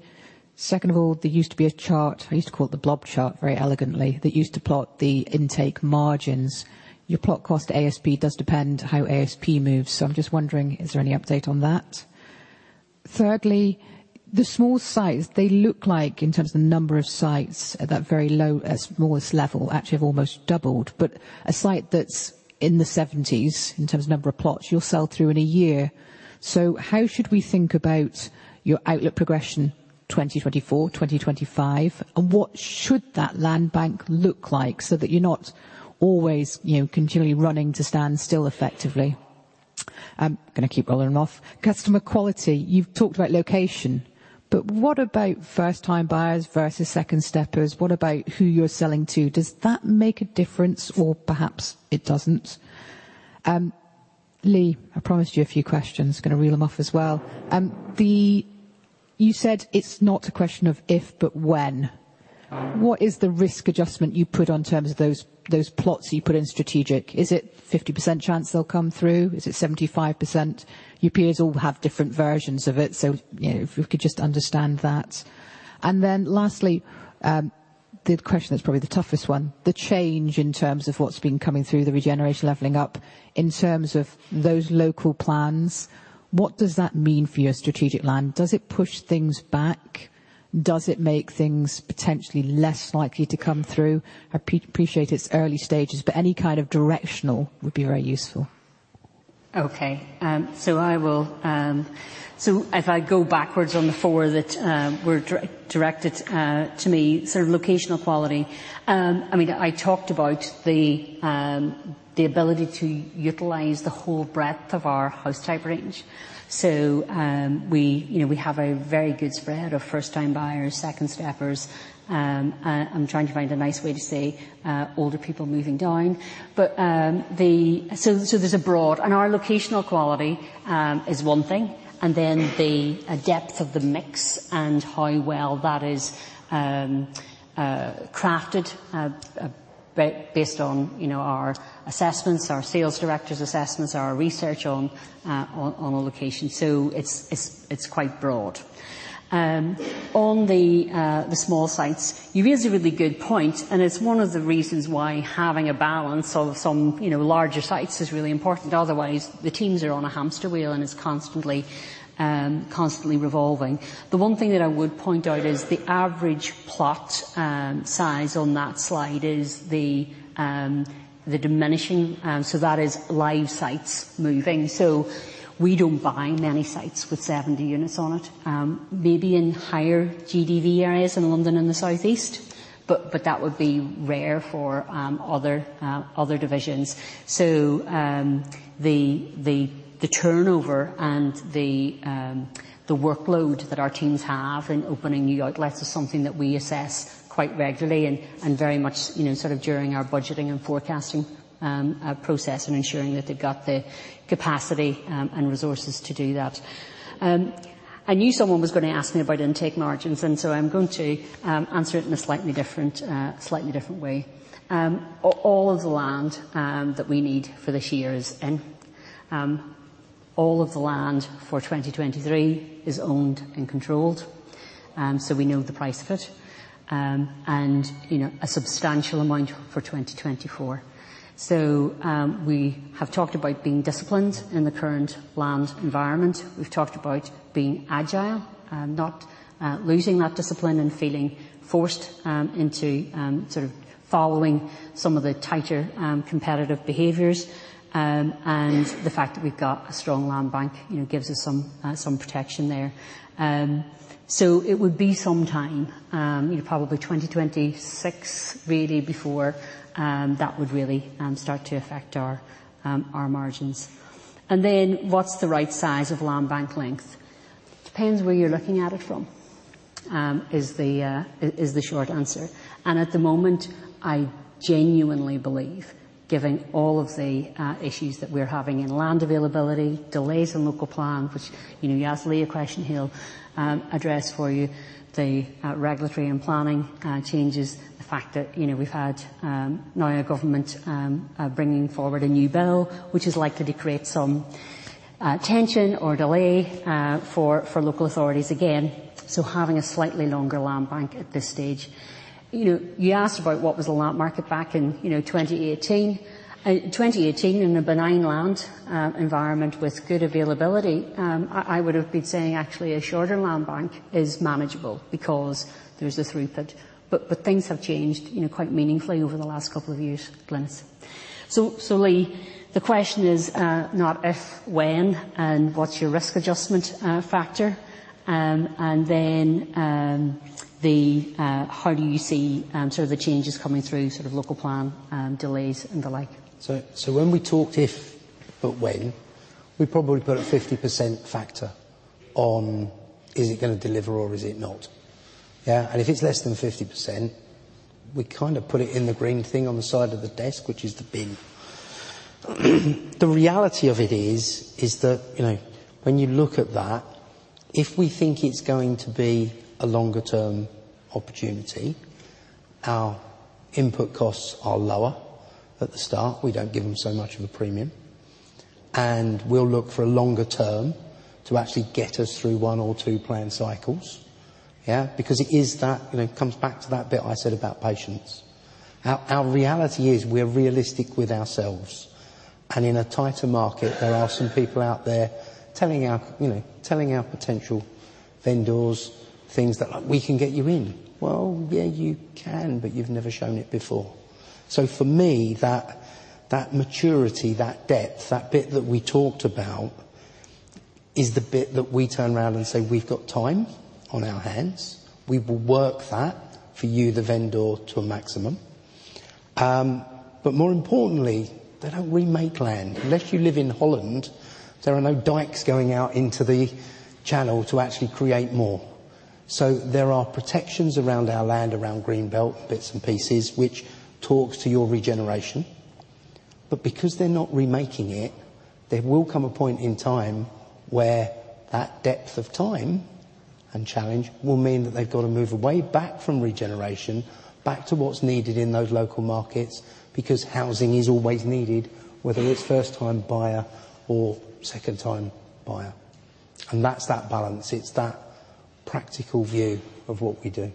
Second of all, there used to be a chart, I used to call it the blob chart, very elegantly, that used to plot the intake margins. Your plot cost ASP does depend how ASP moves. So I'm just wondering, is there any update on that? Thirdly, the small sites, they look like, in terms of the number of sites at that very low, smallest level, actually have almost doubled. But a site that's in the seventies in terms of number of plots, you'll sell through in a year. How should we think about your outlet progression, 2024, 2025, and what should that land bank look like so that you're not always, you know, continually running to stand still effectively? Gonna keep rolling them off. Customer quality. You've talked about location, but what about first time buyers versus second steppers? What about who you're selling to? Does that make a difference or perhaps it doesn't? Lee, I promised you a few questions. Gonna reel them off as well. You said it's not a question of if, but when. What is the risk adjustment you put on terms of those plots you put in strategic? Is it 50% chance they'll come through? Is it 75%? Your peers all have different versions of it. You know, if we could just understand that. Lastly, the question that's probably the toughest one, the change in terms of what's been coming through the Levelling Up and Regeneration Bill in terms of those local plans, what does that mean for your strategic land? Does it push things back? Does it make things potentially less likely to come through? Appreciate it's early stages, but any kind of directional would be very useful. If I go backwards on the four that were directed to me, sort of locational quality. I mean, I talked about the ability to utilize the whole breadth of our house type range. We, you know, we have a very good spread of first-time buyers, second steppers, I'm trying to find a nice way to say, older people moving down. There's a broad. Our locational quality is one thing, and then the depth of the mix and how well that is crafted based on, you know, our assessments, our sales directors' assessments, our research on location. It's quite broad. On the small sites, you raise a really good point, and it's one of the reasons why having a balance of some, you know, larger sites is really important. Otherwise, the teams are on a hamster wheel, and it's constantly revolving. The one thing that I would point out is the average plot size on that slide is the diminishing. So that is live sites moving. So we don't buy many sites with 70 units on it. Maybe in higher GDV areas in London and the South East, but that would be rare for other divisions. The turnover and the workload that our teams have in opening new outlets is something that we assess quite regularly and very much, you know, sort of during our budgeting and forecasting process and ensuring that they've got the capacity and resources to do that. I knew someone was gonna ask me about intake margins, and so I'm going to answer it in a slightly different way. All of the land that we need for this year is in. All of the land for 2023 is owned and controlled, so we know the price of it. You know, a substantial amount for 2024. We have talked about being disciplined in the current land environment. We've talked about being agile, not losing that discipline and feeling forced into sort of following some of the tighter competitive behaviors. The fact that we've got a strong land bank, you know, gives us some protection there. It would be some time, you know, probably 2026 really before that would really start to affect our margins. What's the right size of land bank length? Depends where you're looking at it from is the short answer. At the moment, I genuinely believe, given all of the issues that we're having in land availability, delays in local plan, which, you know, you ask Lee a question, he'll address for you the regulatory and planning changes. The fact that, you know, we've had now a government bringing forward a new bill, which is likely to create some tension or delay for local authorities again. Having a slightly longer land bank at this stage. You know, you asked about what was the land market back in, you know, 2018. 2018 in a benign land environment with good availability, I would have been saying actually a shorter land bank is manageable because there's the throughput. Things have changed, you know, quite meaningfully over the last couple of years, Glynis. Lee, the question is not if, when, and what's your risk adjustment factor? And then, how do you see sort of the changes coming through sort of local plan delays and the like? When we talked about when, we probably put a 50% factor on is it gonna deliver or is it not? Yeah. If it's less than 50%, we kind of put it in the green thing on the side of the desk, which is the bin. The reality of it is that, you know, when you look at that, if we think it's going to be a longer term opportunity, our input costs are lower at the start. We don't give them so much of a premium. We'll look for a longer term to actually get us through one or two plan cycles. Yeah. It is that, you know, it comes back to that bit I said about patience. Our reality is we're realistic with ourselves. In a tighter market, there are some people out there, you know, telling our potential vendors things like, "We can get you in." Well, yeah, you can, but you've never shown it before. For me, that maturity, that depth, that bit that we talked about is the bit that we turn around and say, "We've got time on our hands. We will work that for you, the vendor, to a maximum." But more importantly, they don't remake land. Unless you live in Holland, there are no dikes going out into the channel to actually create more. There are protections around our land, around green belt, bits and pieces, which talks to your regeneration. Because they're not remaking it, there will come a point in time where that depth of time and challenge will mean that they've got to move away back from regeneration, back to what's needed in those local markets, because housing is always needed, whether it's first time buyer or second time buyer. That's that balance. It's that practical view of what we do.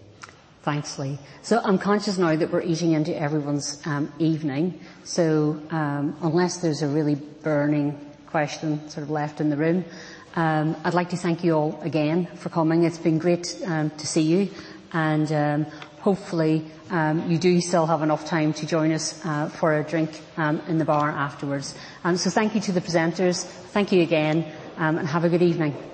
Thanks, Lee. I'm conscious now that we're eating into everyone's evening. Unless there's a really burning question sort of left in the room, I'd like to thank you all again for coming. It's been great to see you. Hopefully, you do still have enough time to join us for a drink in the bar afterwards. Thank you to the presenters. Thank you again, and have a good evening.